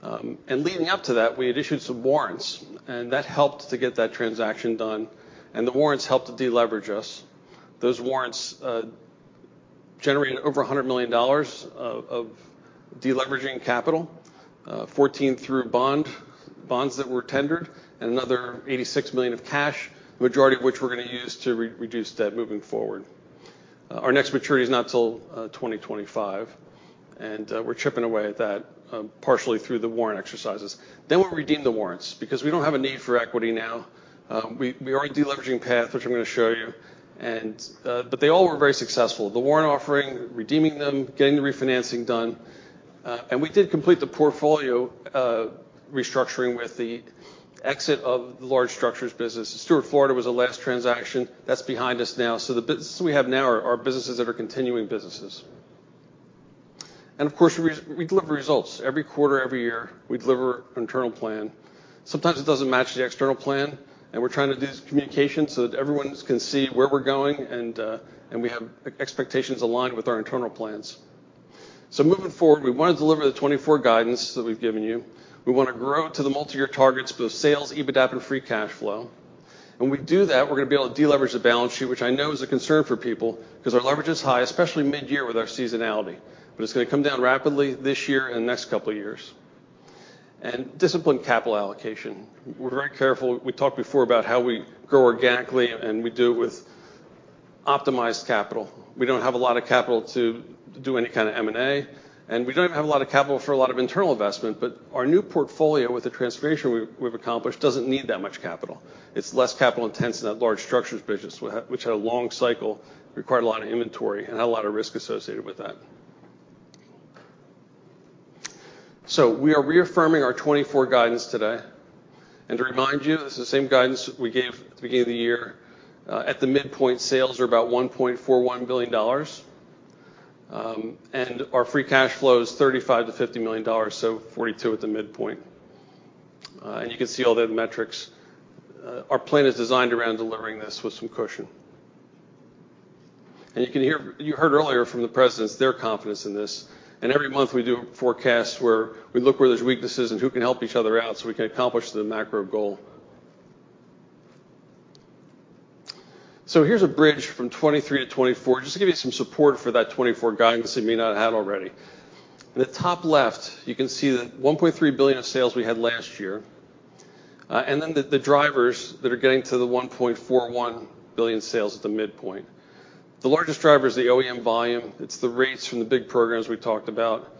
and leading up to that, we had issued some warrants, and that helped to get that transaction done, and the warrants helped to deleverage us. Those warrants generated over $100 million of deleveraging capital, 14 million through bonds that were tendered, and another $86 million of cash, majority of which we're gonna use to reduce debt moving forward. Our next maturity is not till 2025, and we're chipping away at that, partially through the warrant exercises. Then we'll redeem the warrants because we don't have a need for equity now. We are in a deleveraging path, which I'm gonna show you, and but they all were very successful. The warrant offering, redeeming them, getting the refinancing done, and we did complete the portfolio restructuring with the exit of the large structures business. Stuart, Florida, was the last transaction. That's behind us now. So the businesses we have now are businesses that are continuing businesses. And of course, we deliver results. Every quarter, every year, we deliver internal plan. Sometimes it doesn't match the external plan, and we're trying to do this communication so that everyone can see where we're going, and we have expectations aligned with our internal plans. So moving forward, we want to deliver the 2024 guidance that we've given you. We want to grow to the multi-year targets, both sales, EBITDA, and free cash flow. When we do that, we're going to be able to deleverage the balance sheet, which I know is a concern for people because our leverage is high, especially mid-year with our seasonality. But it's going to come down rapidly this year and the next couple of years. And disciplined capital allocation. We're very careful. We talked before about how we grow organically, and we do it with optimized capital. We don't have a lot of capital to do any kind of M&A, and we don't even have a lot of capital for a lot of internal investment, but our new portfolio with the transformation we've accomplished, doesn't need that much capital. It's less capital intense than that large structures business, which had a long cycle, required a lot of inventory, and had a lot of risk associated with that. So we are reaffirming our 2024 guidance today. And to remind you, this is the same guidance we gave at the beginning of the year. At the midpoint, sales are about $1.41 billion, and our free cash flow is $35 million-$50 million, so $42 million at the midpoint. And you can see all the metrics. Our plan is designed around delivering this with some cushion. And you can hear-- you heard earlier from the presidents, their confidence in this. And every month, we do a forecast where we look where there's weaknesses and who can help each other out so we can accomplish the macro goal. So here's a bridge from 2023 to 2024, just to give you some support for that 2024 guidance you may not have already. In the top left, you can see the $1.3 billion of sales we had last year, and then the drivers that are getting to the $1.41 billion sales at the midpoint. The largest driver is the OEM volume. It's the rates from the big programs we talked about.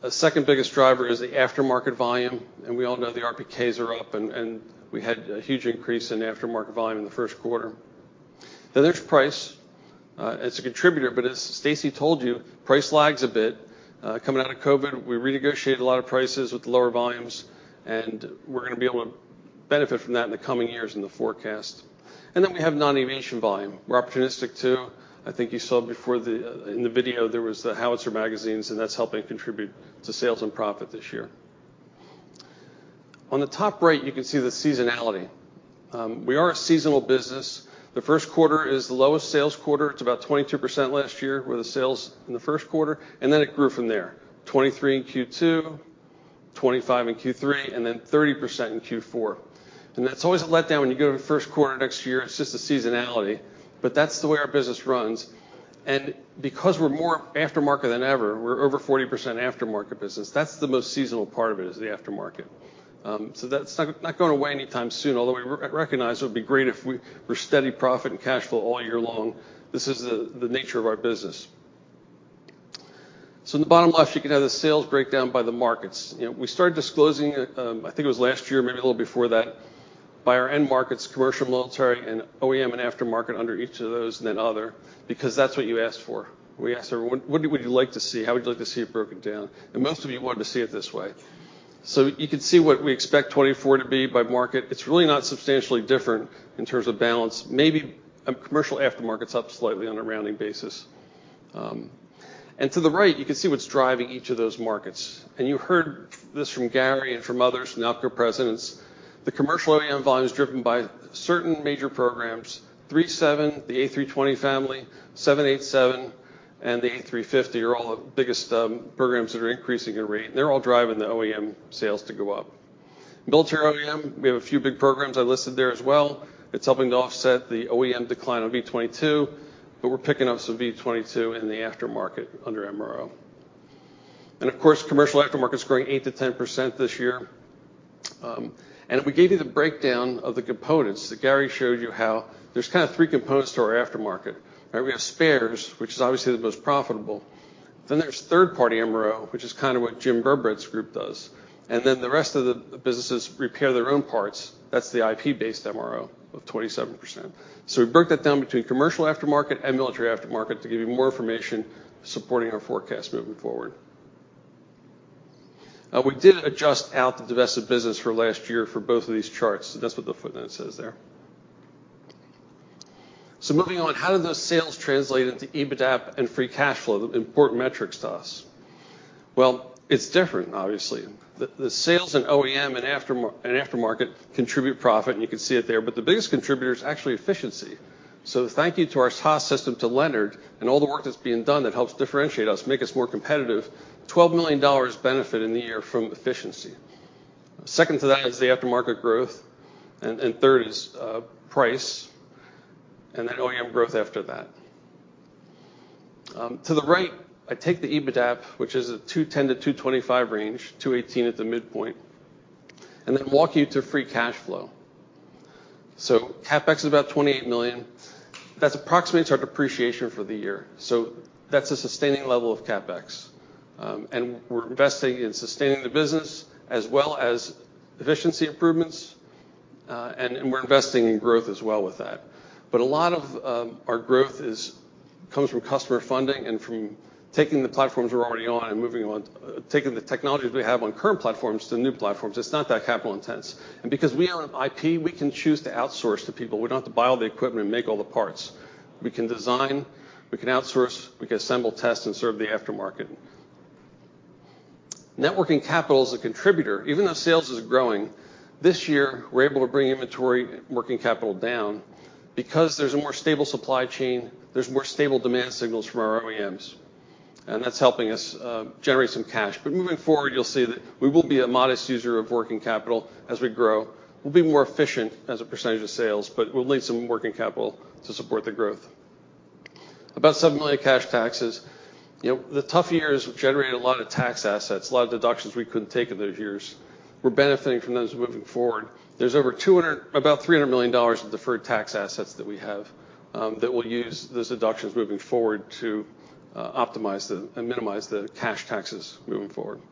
The second biggest driver is the aftermarket volume, and we all know the RPKs are up, and we had a huge increase in aftermarket volume in the first quarter. Then there's price as a contributor, but as Stacey told you, price lags a bit. Coming out of COVID, we renegotiated a lot of prices with lower volumes, and we're going to be able to benefit from that in the coming years in the forecast. And then we have non-aviation volume. We're opportunistic, too. I think you saw before the, in the video, there was the Howitzer magazines, and that's helping contribute to sales and profit this year. On the top right, you can see the seasonality. We are a seasonal business. The first quarter is the lowest sales quarter. It's about 22% last year were the sales in the first quarter, and then it grew from there. 23% in Q2, 25% in Q3, and then 30% in Q4. And that's always a letdown when you go to the first quarter next year. It's just a seasonality, but that's the way our business runs. Because we're more aftermarket than ever, we're over 40% aftermarket business. That's the most seasonal part of it, is the aftermarket. So that's not, not going away anytime soon, although we recognize it would be great if we were steady profit and cash flow all year long. This is the nature of our business. So in the bottom left, you can have the sales breakdown by the markets. You know, we started disclosing, I think it was last year, maybe a little before that, by our end markets, commercial, military, and OEM and aftermarket under each of those, and then other, because that's what you asked for. We asked everyone, "What would you like to see? How would you like to see it broken down?" And most of you wanted to see it this way. You can see what we expect 2024 to be by market. It's really not substantially different in terms of balance. Maybe commercial aftermarket's up slightly on a rounding basis. And to the right, you can see what's driving each of those markets. And you heard this from Gary and from others, from the other presidents. The commercial OEM volume is driven by certain major programs. 737, the A320 family, 787, and the A350 are all the biggest programs that are increasing in rate, and they're all driving the OEM sales to go up. Military OEM, we have a few big programs I listed there as well. It's helping to offset the OEM decline on V-22, but we're picking up some V-22 in the aftermarket under MRO. And of course, commercial aftermarket is growing 8%-10% this year. And we gave you the breakdown of the components that Gary showed you how there's kind of three components to our aftermarket. We have spares, which is obviously the most profitable. Then there's third-party MRO, which is kind of what Jim Berberet's group does. And then the rest of the businesses repair their own parts. That's the IP-based MRO of 27%. So we broke that down between commercial aftermarket and military aftermarket to give you more information supporting our forecast moving forward. We did adjust out the divested business for last year for both of these charts. That's what the footnote says there. So moving on, how do those sales translate into EBITDA and free cash flow, the important metrics to us? Well, it's different, obviously. The sales in OEM and aftermarket contribute profit, and you can see it there, but the biggest contributor is actually efficiency. So thank you to our TOS system, to Leonard, and all the work that's being done that helps differentiate us, make us more competitive. $12 million benefit in the year from efficiency. Second to that is the aftermarket growth, and third is price, and then OEM growth after that. To the right, I take the EBITDA, which is a 210-225 range, 218 at the midpoint, and then walk you to free cash flow. So CapEx is about $28 million. That approximates our depreciation for the year. So that's a sustaining level of CapEx. We're investing in sustaining the business as well as efficiency improvements, and we're investing in growth as well with that. But a lot of our growth comes from customer funding and from taking the platforms we're already on and moving on, taking the technologies we have on current platforms to new platforms. It's not that capital intense. And because we own IP, we can choose to outsource to people. We don't have to buy all the equipment and make all the parts. We can design, we can outsource, we can assemble, test, and serve the aftermarket. Net working capital is a contributor. Even though sales is growing, this year, we're able to bring inventory working capital down because there's a more stable supply chain, there's more stable demand signals from our OEMs, and that's helping us generate some cash. But moving forward, you'll see that we will be a modest user of working capital as we grow. We'll be more efficient as a percentage of sales, but we'll need some working capital to support the growth. About $7 million cash taxes. You know, the tough years generated a lot of tax assets, a lot of deductions we couldn't take in those years. We're benefiting from those moving forward. There's over $200 - about $300 million of deferred tax assets that we have, that we'll use those deductions moving forward to optimize and minimize the cash taxes moving forward.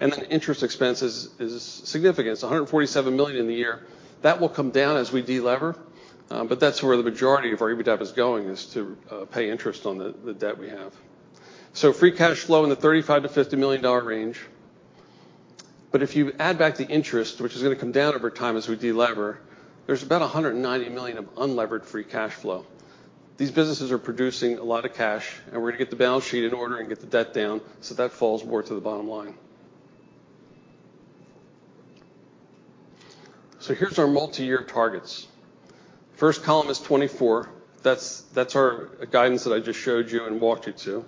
And then interest expenses is significant. It's $147 million in the year. That will come down as we de-lever, but that's where the majority of our EBITDAP is going, is to pay interest on the debt we have. So free cash flow in the $35 million-$50 million range. But if you add back the interest, which is going to come down over time as we de-lever, there's about $190 million of unlevered free cash flow. These businesses are producing a lot of cash, and we're going to get the balance sheet in order and get the debt down, so that falls more to the bottom line. So here's our multi-year targets. First column is 2024. That's, that's our guidance that I just showed you and walked you to.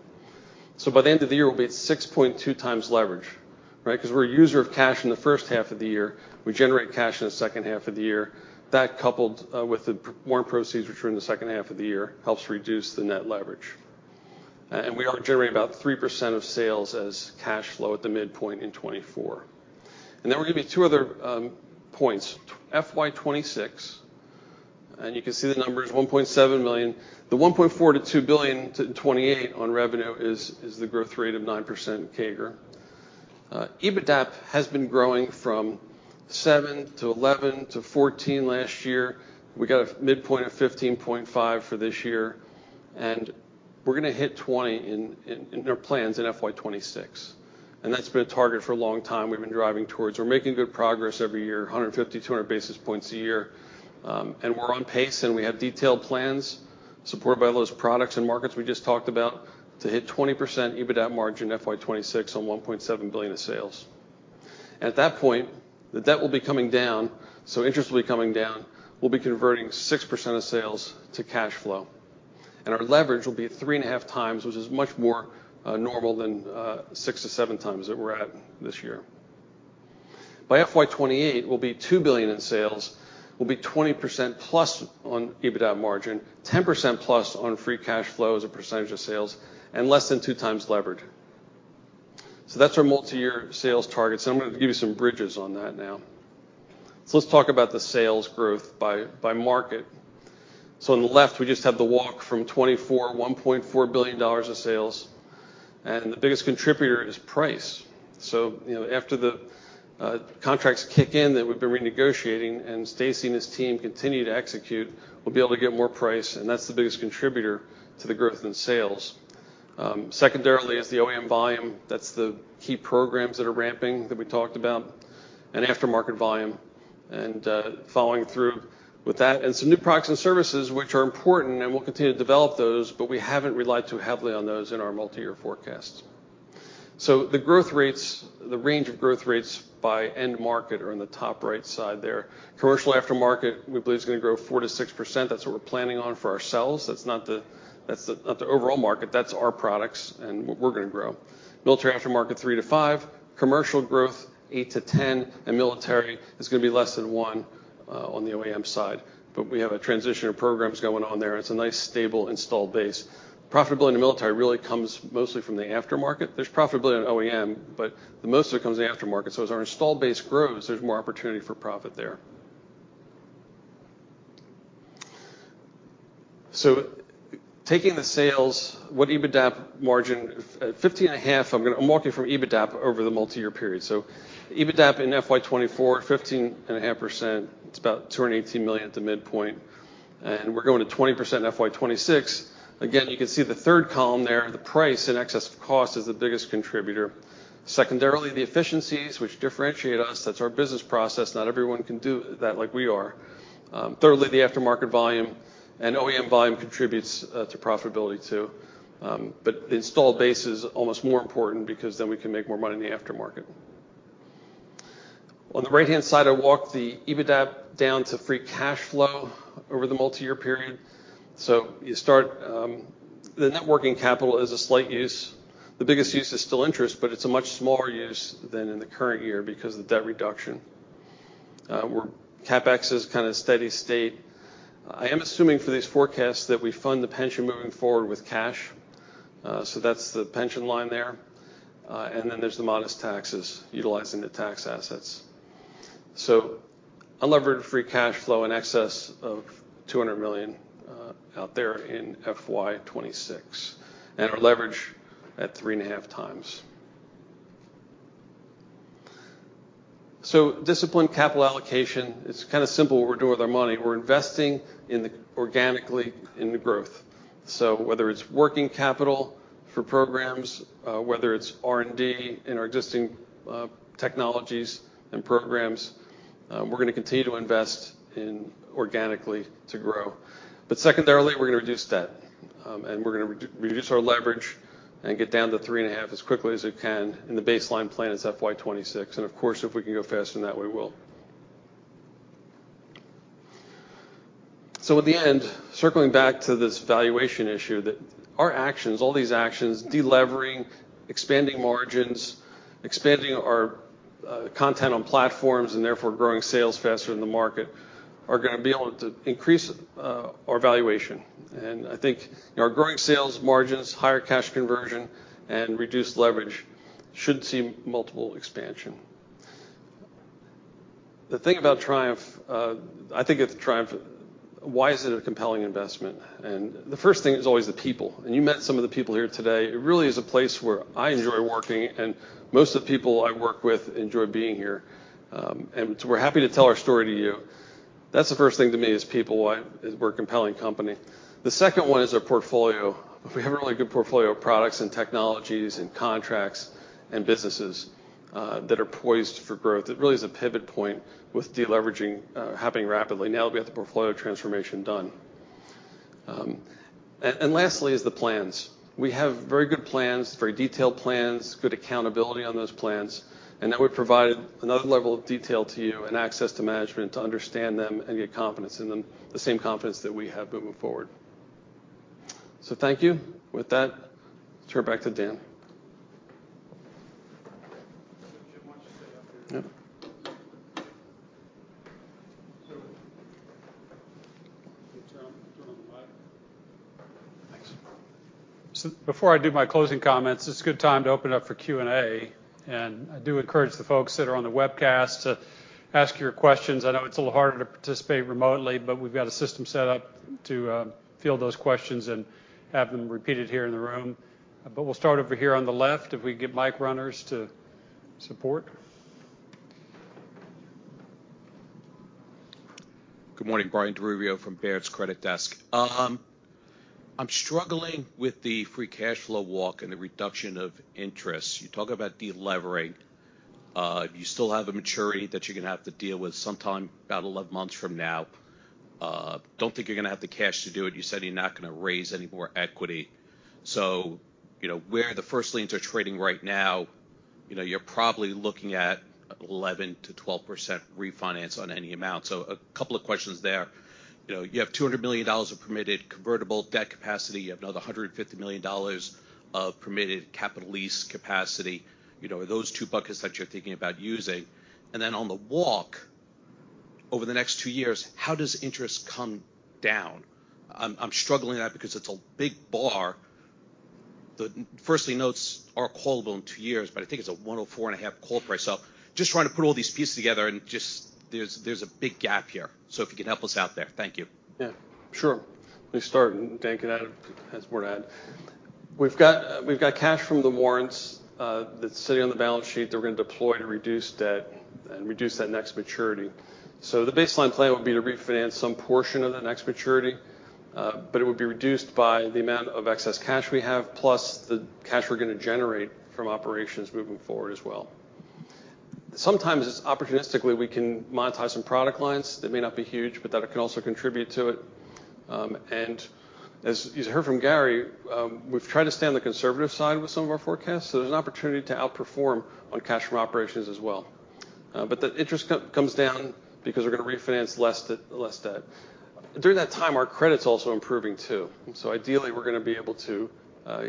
So by the end of the year, we'll be at 6.2x leverage, right? Because we're a user of cash in the first half of the year. We generate cash in the second half of the year. That, coupled with the warrant proceeds, which are in the second half of the year, helps reduce the net leverage. And we are generating about 3% of sales as cash flow at the midpoint in 2024. And then we're going to be two other points. FY 2026, and you can see the number is $1.7 billion. The $1.4-$2 billion to 2028 on revenue is the growth rate of 9% CAGR. EBITDAP has been growing from 7 to 11 to 14 last year. We got a midpoint of 15.5 for this year, and we're going to hit 20 in our plans in FY 2026, and that's been a target for a long time we've been driving towards. We're making good progress every year, 150-200 basis points a year, and we're on pace, and we have detailed plans supported by those products and markets we just talked about to hit 20% EBITDAP margin FY 2026 on $1.7 billion in sales. At that point, the debt will be coming down, so interest will be coming down. We'll be converting 6% of sales to cash flow, and our leverage will be at 3.5 times, which is much more, normal than, 6-7 times that we're at this year. By FY 2028, we'll be $2 billion in sales. We'll be 20%+ on EBITDAP margin, 10%+ on free cash flow as a percentage of sales, and less than 2 times leverage. So that's our multi-year sales targets, and I'm going to give you some bridges on that now. So let's talk about the sales growth by, by market. So on the left, we just have the walk from 2024, $1.4 billion of sales, and the biggest contributor is price. So, you know, after the, contracts kick in, that we've been renegotiating, and Stacey and his team continue to execute, we'll be able to get more price, and that's the biggest contributor to the growth in sales. Secondarily, is the OEM volume. That's the key programs that are ramping, that we talked about, and aftermarket volume, and, following through with that, and some new products and services, which are important, and we'll continue to develop those, but we haven't relied too heavily on those in our multi-year forecasts. So the growth rates, the range of growth rates by end market are in the top right side there. Commercial aftermarket, we believe, is going to grow 4%-6%. That's what we're planning on for ourselves. That's not the overall market. That's our products and what we're going to grow. Military aftermarket, 3%-5%, commercial growth, 8%-10%, and military is going to be less than 1% on the OEM side, but we have a transition of programs going on there, and it's a nice, stable, installed base. Profitability in the military really comes mostly from the aftermarket. There's profitability on OEM, but the most of it comes in the aftermarket. So as our installed base grows, there's more opportunity for profit there. So taking the sales, what EBITDAP margin? At 15.5, I'm gonna—I'm walking from EBITDAP over the multi-year period. So EBITDAP in FY 2024, 15.5%. It's about $218 million at the midpoint, and we're going to 20% in FY 2026. Again, you can see the third column there, the price and excess of cost is the biggest contributor. Secondarily, the efficiencies which differentiate us, that's our business process. Not everyone can do that like we are. Thirdly, the aftermarket volume and OEM volume contributes to profitability too. But the installed base is almost more important because then we can make more money in the aftermarket. On the right-hand side, I walked the EBITDAP down to free cash flow over the multi-year period. So you start. The net working capital is a slight use. The biggest use is still interest, but it's a much smaller use than in the current year because of the debt reduction. CapEx is kind of steady state. I am assuming for these forecasts that we fund the pension moving forward with cash, so that's the pension line there. And then there's the modest taxes, utilizing the tax assets. So unlevered free cash flow in excess of $200 million out there in FY 2026, and our leverage at 3.5x. So disciplined capital allocation, it's kind of simple what we're doing with our money. We're investing organically in the growth. So whether it's working capital for programs, whether it's R&D in our existing technologies and programs, we're gonna continue to invest organically to grow. But secondarily, we're gonna reduce debt, and we're gonna reduce our leverage and get down to 3.5 as quickly as we can, and the baseline plan is FY 2026. And of course, if we can go faster than that, we will. So at the end, circling back to this valuation issue, that our actions, all these actions, de-levering, expanding margins, expanding our content on platforms and therefore growing sales faster than the market, are gonna be able to increase our valuation. And I think, you know, our growing sales margins, higher cash conversion, and reduced leverage should see multiple expansion. The thing about Triumph, I think it's Triumph. Why is it a compelling investment? And the first thing is always the people, and you met some of the people here today. It really is a place where I enjoy working, and most of the people I work with enjoy being here. So we're happy to tell our story to you. That's the first thing to me, is people-wise, is we're a compelling company. The second one is our portfolio. We have a really good portfolio of products and technologies and contracts and businesses, that are poised for growth. It really is a pivot point with de-leveraging, happening rapidly. Now that we have the portfolio transformation done. Lastly is the plans. We have very good plans, very detailed plans, good accountability on those plans, and that we've provided another level of detail to you and access to management to understand them and get confidence in them, the same confidence that we have moving forward. So thank you. With that, turn it back to Dan. Jim, why don't you stay up here? Yep. So turn on the mic. Thanks. So before I do my closing comments, it's a good time to open up for Q&A, and I do encourage the folks that are on the webcast to ask your questions. I know it's a little harder to participate remotely, but we've got a system set up to field those questions and have them repeated here in the room. But we'll start over here on the left, if we can get mic runners to support. Good morning, Brian DiRubbio from Baird's Credit Desk. I'm struggling with the free cash flow walk and the reduction of interest. You talk about de-levering. You still have a maturity that you're gonna have to deal with sometime about 11 months from now. Don't think you're gonna have the cash to do it. You said you're not gonna raise any more equity. So you know, where the first liens are trading right now, you know, you're probably looking at 11%-12% refinance on any amount. So a couple of questions there. You know, you have $200 million of permitted convertible debt capacity. You have another $150 million of permitted capital lease capacity, you know, are those two buckets that you're thinking about using. And then on the walk, over the next 2 years, how does interest come down? I'm struggling with that because it's a big bar. Firstly, notes are callable in two years, but I think it's a $104.5 call price. So just trying to put all these pieces together and just... There's a big gap here. So if you could help us out there. Thank you. Yeah, sure. Let me start, and Dan, you can add, has more to add. We've got cash from the warrants that's sitting on the balance sheet that we're gonna deploy to reduce debt and reduce that next maturity. So the baseline plan would be to refinance some portion of that next maturity, but it would be reduced by the amount of excess cash we have, plus the cash we're gonna generate from operations moving forward as well. Sometimes it's opportunistically, we can monetize some product lines that may not be huge, but that can also contribute to it. And as you heard from Gary, we've tried to stay on the conservative side with some of our forecasts, so there's an opportunity to outperform on cash from operations as well. But the interest comes down because we're gonna refinance less debt, less debt. During that time, our credit's also improving too. So ideally, we're gonna be able to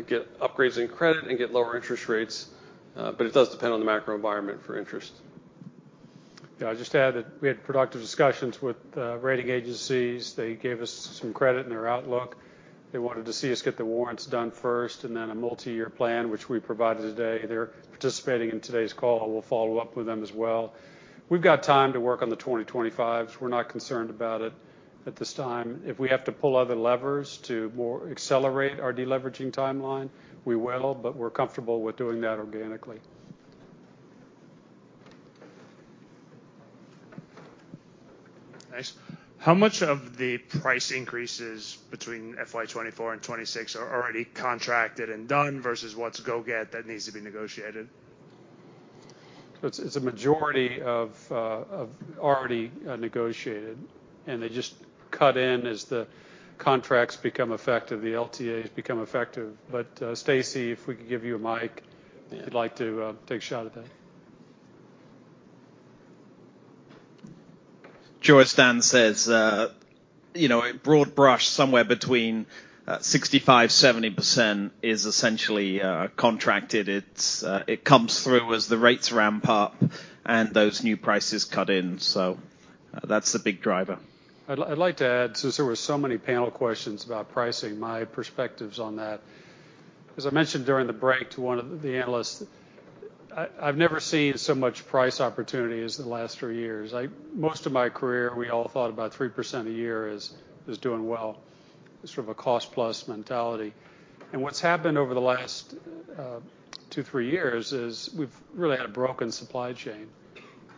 get upgrades in credit and get lower interest rates, but it does depend on the macro environment for interest. Yeah, I just add that we had productive discussions with the rating agencies. They gave us some credit in their outlook. They wanted to see us get the warrants done first and then a multi-year plan, which we provided today. They're participating in today's call. We'll follow up with them as well. We've got time to work on the 2025s. We're not concerned about it at this time. If we have to pull other levers to more accelerate our de-leveraging timeline, we will, but we're comfortable with doing that organically. Thanks. How much of the price increases between FY 2024 and 2026 are already contracted and done versus what's gotta get that needs to be negotiated? It's a majority of already negotiated, and they just cut in as the contracts become effective, the LTAs become effective. But, Stacey, if we could give you a mic, if you'd like to take a shot at that. Sure, as Dan says, you know, a broad brush, somewhere between 65%-70% is essentially contracted. It's, it comes through as the rates ramp up and those new prices cut in. So that's the big driver. I'd like to add, since there were so many panel questions about pricing, my perspectives on that. As I mentioned during the break to one of the analysts, I've never seen so much price opportunity as the last 3 years. Most of my career, we all thought about 3% a year is doing well, sort of a cost plus mentality. And what's happened over the last 2, 3 years is we've really had a broken supply chain,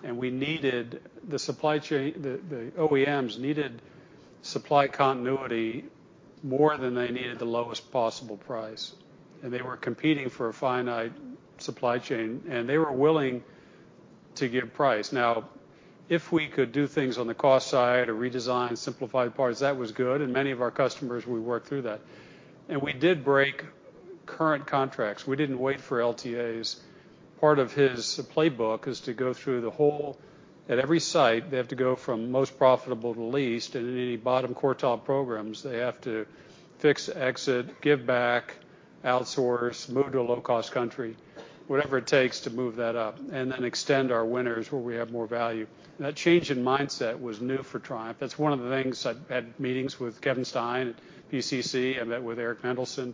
and we needed the supply chain. The OEMs needed- Supply continuity more than they needed the lowest possible price, and they were competing for a finite supply chain, and they were willing to give price. Now, if we could do things on the cost side or redesign, simplify parts, that was good, and many of our customers, we worked through that. We did break current contracts. We didn't wait for LTAs. Part of his playbook is to go through the whole, at every site, they have to go from most profitable to least, and any bottom quartile programs, they have to fix, exit, give back, outsource, move to a low-cost country, whatever it takes to move that up, and then extend our winners where we have more value. That change in mindset was new for Triumph. That's one of the things I've had meetings with Kevin Stein at PCC, I met with Eric Mendelson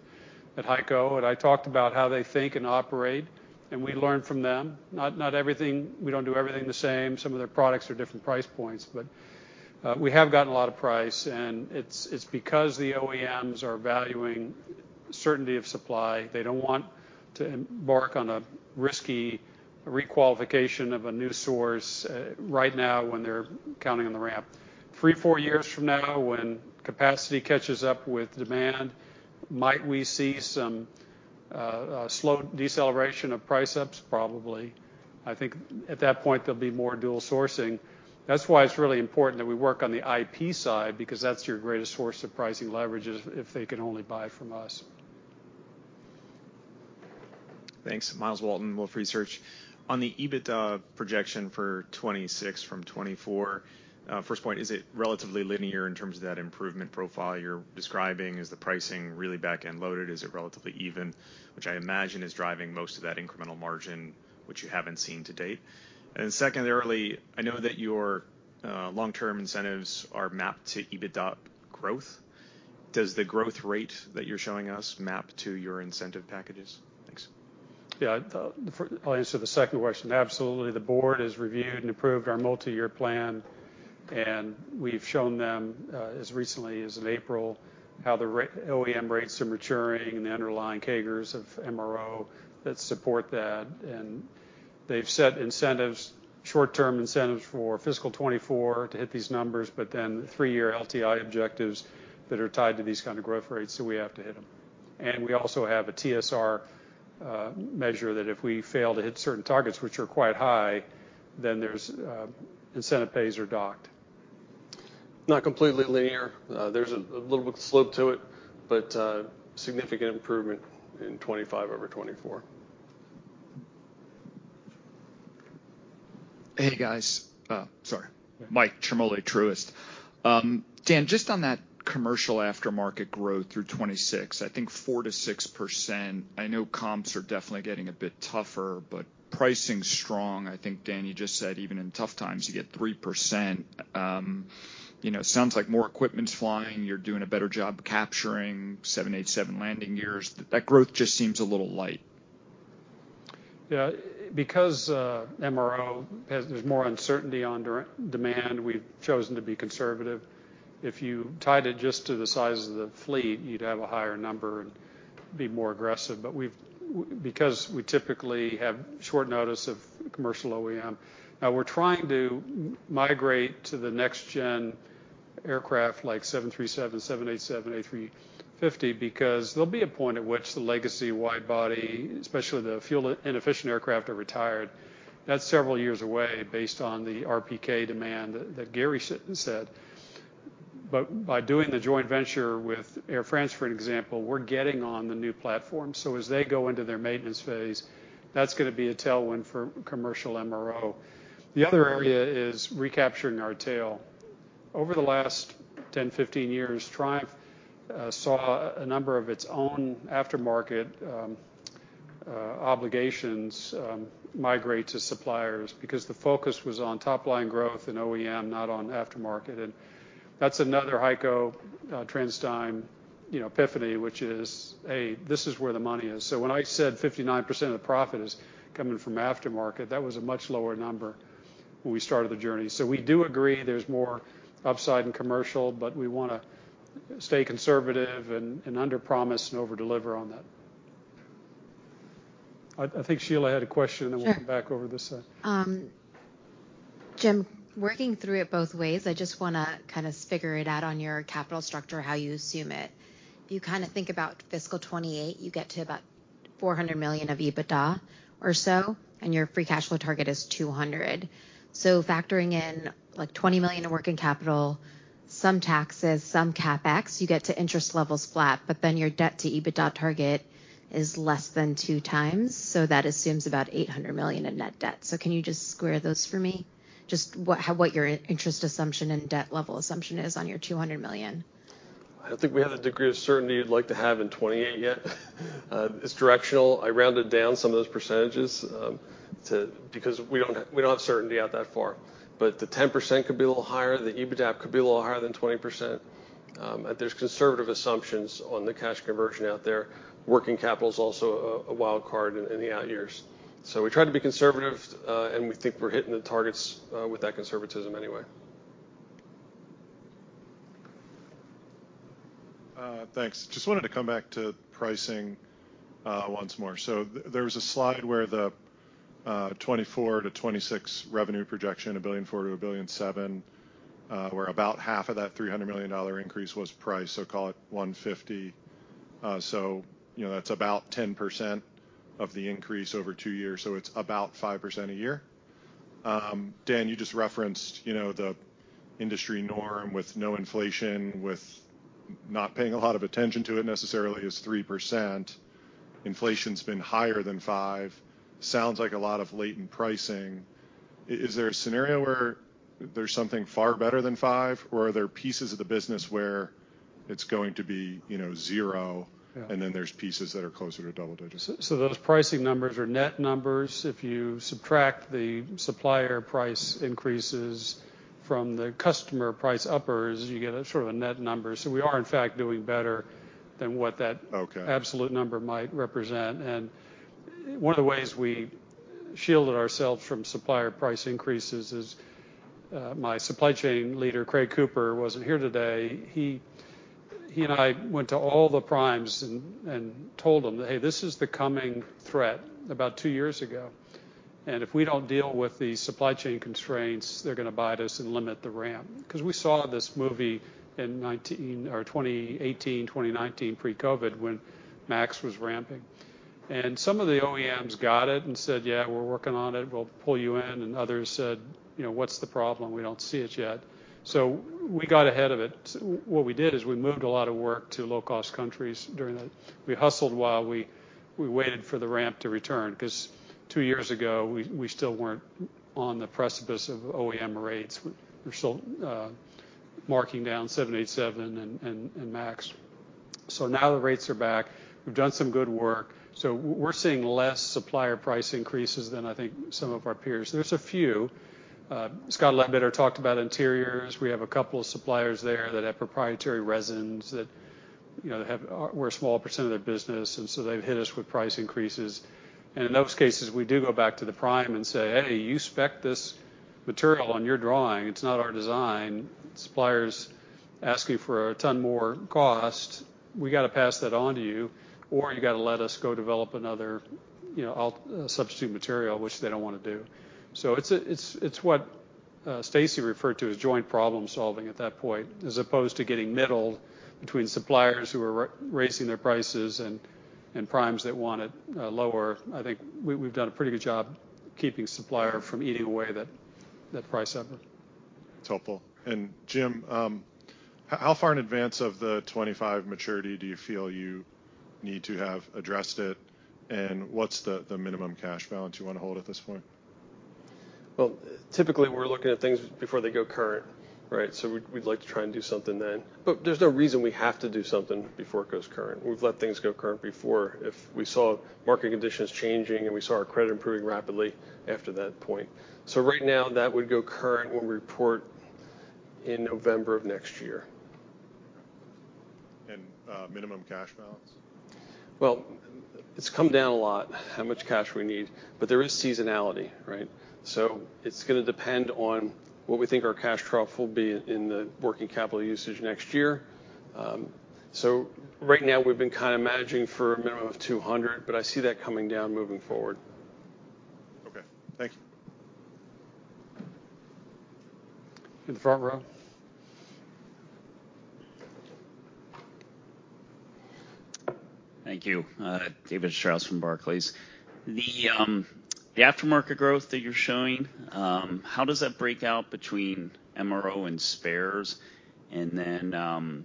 at HEICO, and I talked about how they think and operate, and we learn from them. Not, not everything, we don't do everything the same. Some of their products are different price points, but, we have gotten a lot of price, and it's, it's because the OEMs are valuing certainty of supply. They don't want to embark on a risky requalification of a new source, right now when they're counting on the ramp. 3, 4 years from now, when capacity catches up with demand, might we see some, slow deceleration of price ups? Probably. I think at that point, there'll be more dual sourcing. That's why it's really important that we work on the IP side, because that's your greatest source of pricing leverage is if they can only buy from us. Thanks. Myles Walton, Wolfe Research. On the EBITDA projection for 2026 from 2024, first point, is it relatively linear in terms of that improvement profile you're describing? Is the pricing really back-end loaded? Is it relatively even, which I imagine is driving most of that incremental margin, which you haven't seen to date. And secondly, I know that your long-term incentives are mapped to EBITDA growth. Does the growth rate that you're showing us map to your incentive packages? Thanks. Yeah, I'll answer the second question. Absolutely. The board has reviewed and approved our multi-year plan, and we've shown them, as recently as in April, how the raw OEM rates are maturing and the underlying CAGRs of MRO that support that. And they've set incentives, short-term incentives for fiscal 2024 to hit these numbers, but then three-year LTI objectives that are tied to these kind of growth rates, so we have to hit them. And we also have a TSR measure, that if we fail to hit certain targets, which are quite high, then there's incentive pays are docked. Not completely linear. There's a little bit of slope to it, but significant improvement in 2025 over 2024. Hey, guys. Sorry. Mike Ciarmoli, Truist. Dan, just on that commercial aftermarket growth through 2026, I think 4%-6%, I know comps are definitely getting a bit tougher, but pricing's strong. I think, Dan, you just said even in tough times, you get 3%. You know, sounds like more equipment's flying, you're doing a better job capturing 787 landing gears. That growth just seems a little light. Yeah, because MRO has more uncertainty on demand, we've chosen to be conservative. If you tied it just to the size of the fleet, you'd have a higher number and be more aggressive. But because we typically have short notice of commercial OEM, we're trying to migrate to the next gen aircraft like 737, 787, A350, because there'll be a point at which the legacy wide body, especially the fuel inefficient aircraft, are retired. That's several years away, based on the RPK demand that Gary said. But by doing the joint venture with Air France, for example, we're getting on the new platform. So as they go into their maintenance phase, that's gonna be a tailwind for commercial MRO. The other area is recapturing our tail. Over the last 10, 15 years, Triumph saw a number of its own aftermarket obligations migrate to suppliers because the focus was on top line growth and OEM, not on aftermarket. And that's another HEICO, TransDigm, you know, epiphany, which is, "Hey, this is where the money is." So when I said 59% of the profit is coming from aftermarket, that was a much lower number when we started the journey. So we do agree there's more upside in commercial, but we wanna stay conservative and underpromise and overdeliver on that. I think Sheila had a question. Sure. And then we'll come back over to this side. Jim, working through it both ways, I just wanna kind of figure it out on your capital structure, how you assume it. If you kind of think about fiscal 2028, you get to about $400 million of EBITDA or so, and your free cash flow target is $200 million. So factoring in, like, $20 million in working capital, some taxes, some CapEx, you get to interest levels flat, but then your debt to EBITDA target is less than 2x, so that assumes about $800 million in net debt. So can you just square those for me? Just what your interest assumption and debt level assumption is on your $200 million. I don't think we have the degree of certainty you'd like to have in 28 yet. It's directional. I rounded down some of those percentages because we don't have certainty out that far. But the 10% could be a little higher, the EBITDA could be a little higher than 20%. There's conservative assumptions on the cash conversion out there. Working capital is also a wild card in the out years. So we try to be conservative, and we think we're hitting the targets with that conservatism anyway. Thanks. Just wanted to come back to pricing, once more. So there was a slide where the 2024-2026 revenue projection, $1.4 billion-$1.7 billion, where about half of that $300 million increase was price, so call it $150 million. So, you know, that's about 10% of the increase over two years, so it's about 5% a year. Dan, you just referenced, you know, the industry norm with no inflation, with not paying a lot of attention to it necessarily, is 3%. Inflation's been higher than 5. Sounds like a lot of latent pricing. Is there a scenario where there's something far better than 5, or are there pieces of the business where it's going to be, you know, zero- Yeah and then there's pieces that are closer to double digits? So those pricing numbers are net numbers. If you subtract the supplier price increases from the customer price ups, you get a sort of a net number. So we are, in fact, doing better than what that- Okay. Absolute number might represent. One of the ways we shielded ourselves from supplier price increases is, my supply chain leader, Craig Cooper, wasn't here today. He and I went to all the primes and told them that, "Hey, this is the coming threat," about two years ago, "and if we don't deal with the supply chain constraints, they're going to bite us and limit the ramp." Because we saw this movie in 2018 or 2019, pre-COVID, when MAX was ramping. Some of the OEMs got it and said, "Yeah, we're working on it. We'll pull you in." Others said, you know, "What's the problem? We don't see it yet." So we got ahead of it. What we did is we moved a lot of work to low-cost countries during that. We hustled while we waited for the ramp to return, because two years ago, we still weren't on the precipice of OEM rates. We're still marking down 787 and MAX. So now the rates are back. We've done some good work, so we're seeing less supplier price increases than, I think, some of our peers. There's a few. Scott Ledbetter talked about Interiors. We have a couple of suppliers there that have proprietary resins that, you know, we're a small percent of their business, and so they've hit us with price increases. And in those cases, we do go back to the prime and say, "Hey, you spec'd this material on your drawing, it's not our design. Supplier's asking for a ton more cost. We got to pass that on to you, or you got to let us go develop another, you know, alt- substitute material," which they don't want to do. So it's what Stacey referred to as joint problem-solving at that point, as opposed to getting middled between suppliers who are raising their prices and primes that want it lower. I think we, we've done a pretty good job keeping supplier from eating away that price upper. That's helpful. And Jim, how far in advance of the 25 maturity do you feel you need to have addressed it, and what's the minimum cash balance you want to hold at this point? Well, typically, we're looking at things before they go current, right? So we'd like to try and do something then. But there's no reason we have to do something before it goes current. We've let things go current before if we saw market conditions changing and we saw our credit improving rapidly after that point. So right now, that would go current when we report in November of next year. Minimum cash balance? Well, it's come down a lot, how much cash we need, but there is seasonality, right? So it's gonna depend on what we think our cash trough will be in the working capital usage next year. So right now, we've been kind of managing for a minimum of $200, but I see that coming down moving forward. Okay. Thank you. In the front row. Thank you. David Strauss from Barclays. The aftermarket growth that you're showing, how does that break out between MRO and spares? And then,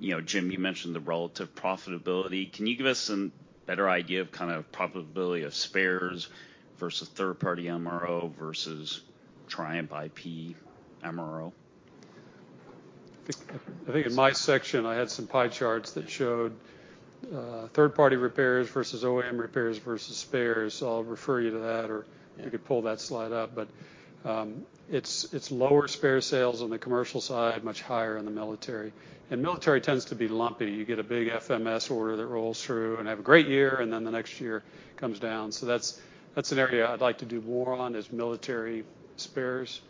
you know, Jim, you mentioned the relative profitability. Can you give us some better idea of kind of profitability of spares versus third-party MRO versus Triumph IP MRO? I think in my section, I had some pie charts that showed third-party repairs versus OEM repairs versus spares. I'll refer you to that, or- Yeah. You could pull that slide up. But, it's, it's lower spare sales on the commercial side, much higher in the military. And military tends to be lumpy. You get a big FMS order that rolls through and have a great year, and then the next year comes down. So that's, that's an area I'd like to do more on, is military spares,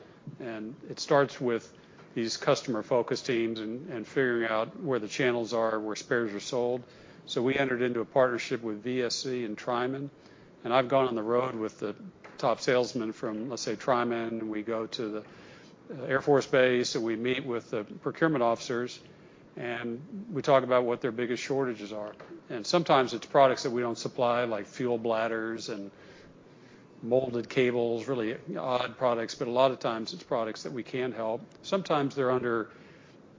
and it starts with these customer focus teams and, and figuring out where the channels are, where spares are sold. So we entered into a partnership with VSE and Triman, and I've gone on the road with the top salesman from, let's say, Triman, and we go to the Air Force base, and we meet with the procurement officers, and we talk about what their biggest shortages are. And sometimes it's products that we don't supply, like fuel bladders and molded cables, really odd products, but a lot of times it's products that we can help. Sometimes they're under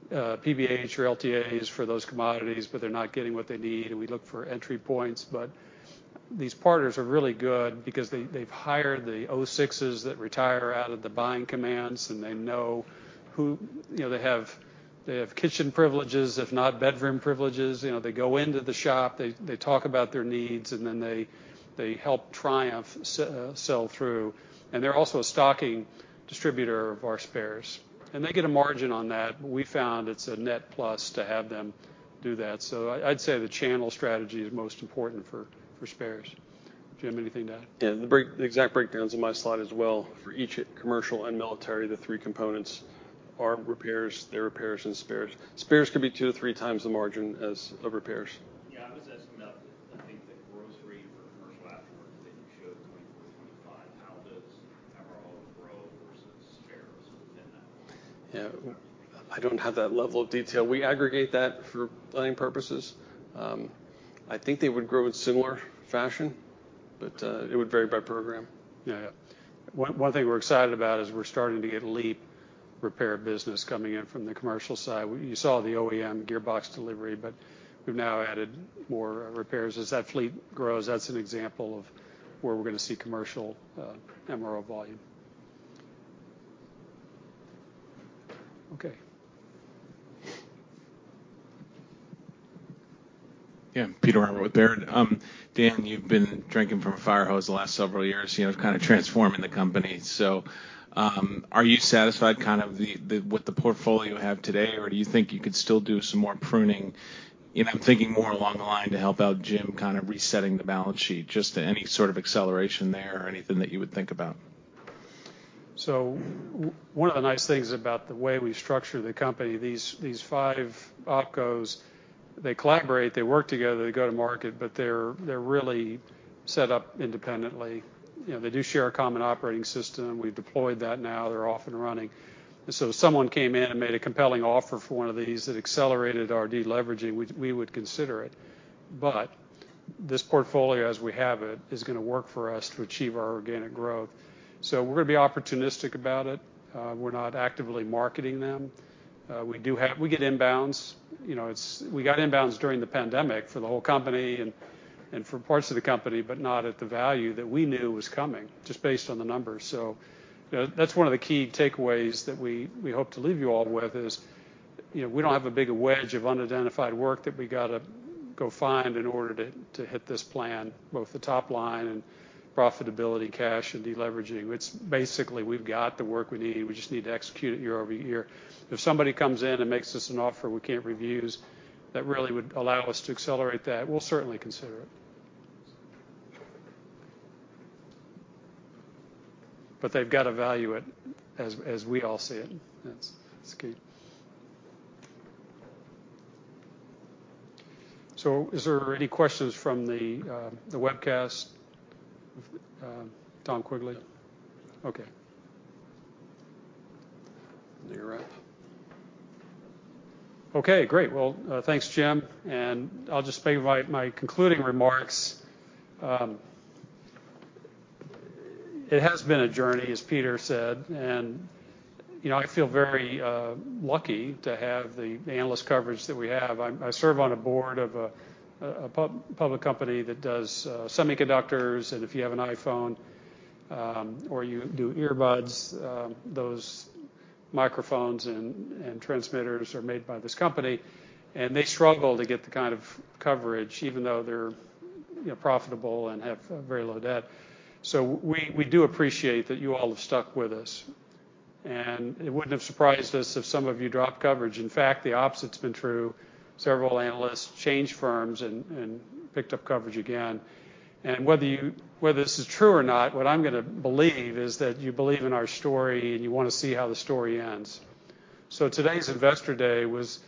PBH or LTAs for those commodities, but they're not getting what they need, and we look for entry points. But these partners are really good because they, they've hired the O-6s that retire out of the buying commands, and they know who. You know, they have, they have kitchen privileges, if not bedroom privileges. You know, they go into the shop, they, they talk about their needs, and then they, they help Triumph sell through. And they're also a stocking distributor of our spares. And they get a margin on that, but we found it's a net plus to have them do that. So I'd say the channel strategy is most important for spares. Jim, anything to add? Yeah, the exact breakdown's in my slide as well. For each commercial and military, the three components are repairs, the repairs, and spares. Spares could be two to three times the margin as the repairs. Yeah, I was asking about, I think, the growth rate for commercial aftermarket that you showed 2024, 2025. How does MRO grow versus spares within that? Yeah, I don't have that level of detail. We aggregate that for planning purposes. I think they would grow in similar fashion, but it would vary by program. Yeah. One thing we're excited about is we're starting to get LEAP repair business coming in from the commercial side. You saw the OEM gearbox delivery, but we've now added more repairs. As that fleet grows, that's an example of where we're gonna see commercial MRO volume. Okay. Yeah, Peter Arment with Baird. Dan, you've been drinking from a fire hose the last several years, you know, kind of transforming the company. So, are you satisfied kind of with the portfolio you have today, or do you think you could still do some more pruning? And I'm thinking more along the line to help out Jim, kind of, resetting the balance sheet, just any sort of acceleration there or anything that you would think about. So one of the nice things about the way we structure the company, these five opcos, they collaborate, they work together, they go to market, but they're really set up independently. You know, they do share a common operating system. We've deployed that now. They're off and running. So if someone came in and made a compelling offer for one of these, that accelerated our deleveraging, we would consider it. But this portfolio, as we have it, is gonna work for us to achieve our organic growth. So we're gonna be opportunistic about it. We're not actively marketing them. We do have - we get inbounds. You know, it's - we got inbounds during the pandemic for the whole company and for parts of the company, but not at the value that we knew was coming, just based on the numbers. So, you know, that's one of the key takeaways that we hope to leave you all with, is, you know, we don't have a big wedge of unidentified work that we gotta go find in order to hit this plan, both the top line and profitability, cash, and deleveraging. It's basically, we've got the work we need. We just need to execute it year-over-year. If somebody comes in and makes us an offer we can't refuse, that really would allow us to accelerate that, we'll certainly consider it. But they've got to value it as we all see it. That's key. So is there any questions from the webcast, Tom Quigley? Okay. Do your rep. Okay, great! Well, thanks, Jim, and I'll just make my concluding remarks. It has been a journey, as Peter said, and, you know, I feel very lucky to have the analyst coverage that we have. I serve on a board of a public company that does semiconductors, and if you have an iPhone or you do earbuds, those microphones and transmitters are made by this company, and they struggle to get the kind of coverage, even though they're, you know, profitable and have very low debt. So we do appreciate that you all have stuck with us, and it wouldn't have surprised us if some of you dropped coverage. In fact, the opposite's been true. Several analysts changed firms and picked up coverage again. Whether this is true or not, what I'm gonna believe is that you believe in our story, and you wanna see how the story ends. Today's Investor Day was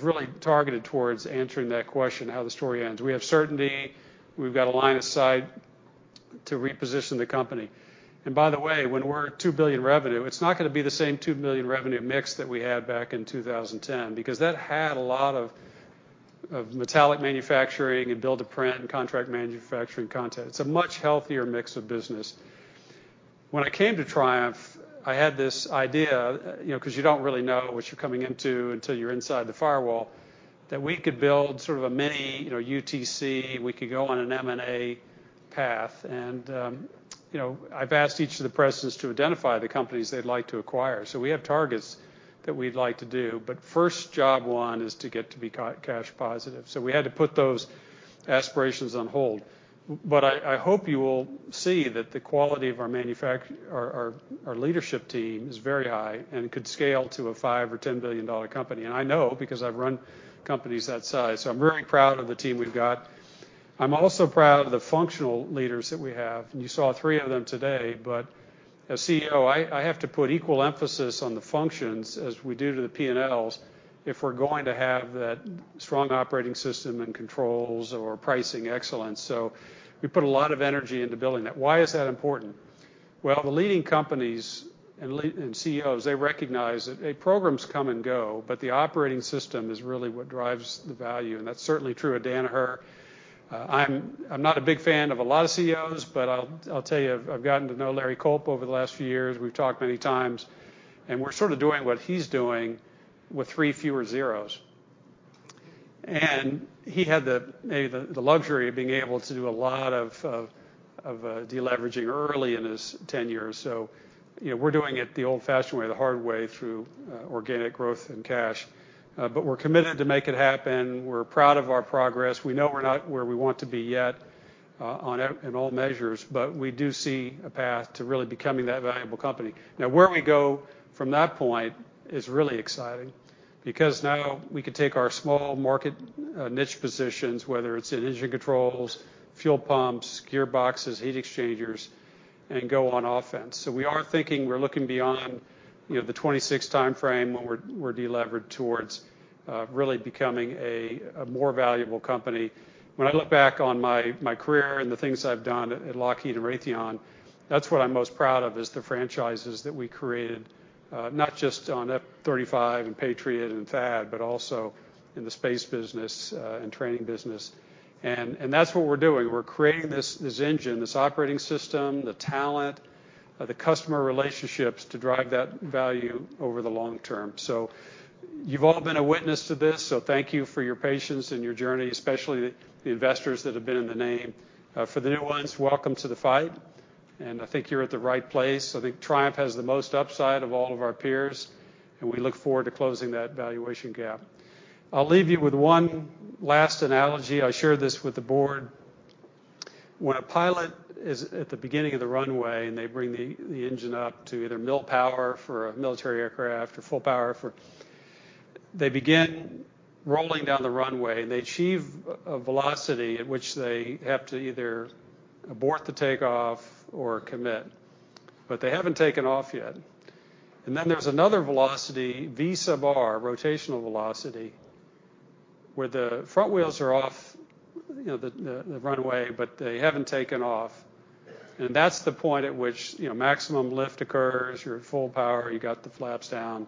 really targeted towards answering that question, how the story ends. We have certainty. We've got a line of sight to reposition the company. By the way, when we're at $2 billion revenue, it's not gonna be the same $2 billion revenue mix that we had back in 2010, because that had a lot of metallic manufacturing and build-to-print and contract manufacturing content. It's a much healthier mix of business. When I came to Triumph, I had this idea, you know, 'cause you don't really know what you're coming into until you're inside the firewall, that we could build sort of a mini, you know, UTC. We could go on an M&A path, and, you know, I've asked each of the presidents to identify the companies they'd like to acquire. So we have targets that we'd like to do, but first job one is to get to be cash positive. So we had to put those aspirations on hold. But I hope you will see that the quality of our leadership team is very high and could scale to a 5 or 10 billion dollar company. And I know because I've run companies that size. So I'm very proud of the team we've got. I'm also proud of the functional leaders that we have, and you saw three of them today, but as CEO, I have to put equal emphasis on the functions as we do to the P&Ls if we're going to have that strong operating system and controls or pricing excellence. So we put a lot of energy into building that. Why is that important? Well, the leading companies and CEOs, they recognize that, hey, programs come and go, but the operating system is really what drives the value, and that's certainly true at Danaher. I'm not a big fan of a lot of CEOs, but I'll tell you, I've gotten to know Larry Culp over the last few years. We've talked many times, and we're sort of doing what he's doing with three fewer zeros. He had maybe the luxury of being able to do a lot of deleveraging early in his tenure. So, you know, we're doing it the old-fashioned way, the hard way, through organic growth and cash. But we're committed to make it happen. We're proud of our progress. We know we're not where we want to be yet on in all measures, but we do see a path to really becoming that valuable company. Now, where we go from that point is really exciting because now we can take our small niche positions, whether it's in engine controls, fuel pumps, gearboxes, heat exchangers, and go on offense. So we are thinking, we're looking beyond, you know, the 2026 time frame, when we're delevered towards really becoming a more valuable company. When I look back on my career and the things I've done at Lockheed and Raytheon, that's what I'm most proud of, is the franchises that we created, not just on F-35 and Patriot and THAAD, but also in the space business, and training business. And that's what we're doing. We're creating this engine, this operating system, the talent, the customer relationships to drive that value over the long term. So you've all been a witness to this, so thank you for your patience and your journey, especially the investors that have been in the name. For the new ones, welcome to the fight, and I think you're at the right place. I think Triumph has the most upside of all of our peers, and we look forward to closing that valuation gap. I'll leave you with one last analogy. I shared this with the board. When a pilot is at the beginning of the runway, and they bring the engine up to either Mil power for a military aircraft or full power for-- They begin rolling down the runway, and they achieve a velocity at which they have to either abort the takeoff or commit, but they haven't taken off yet. And then, there's another velocity, V sub r, rotational velocity, where the front wheels are off, you know, the runway, but they haven't taken off. And that's the point at which, you know, maximum lift occurs, you're at full power, you got the flaps down,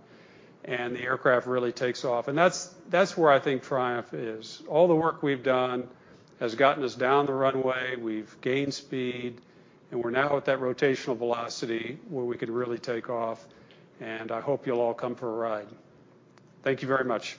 and the aircraft really takes off. And that's where I think Triumph is. All the work we've done has gotten us down the runway. We've gained speed, and we're now at that rotational velocity where we could really take off, and I hope you'll all come for a ride. Thank you very much.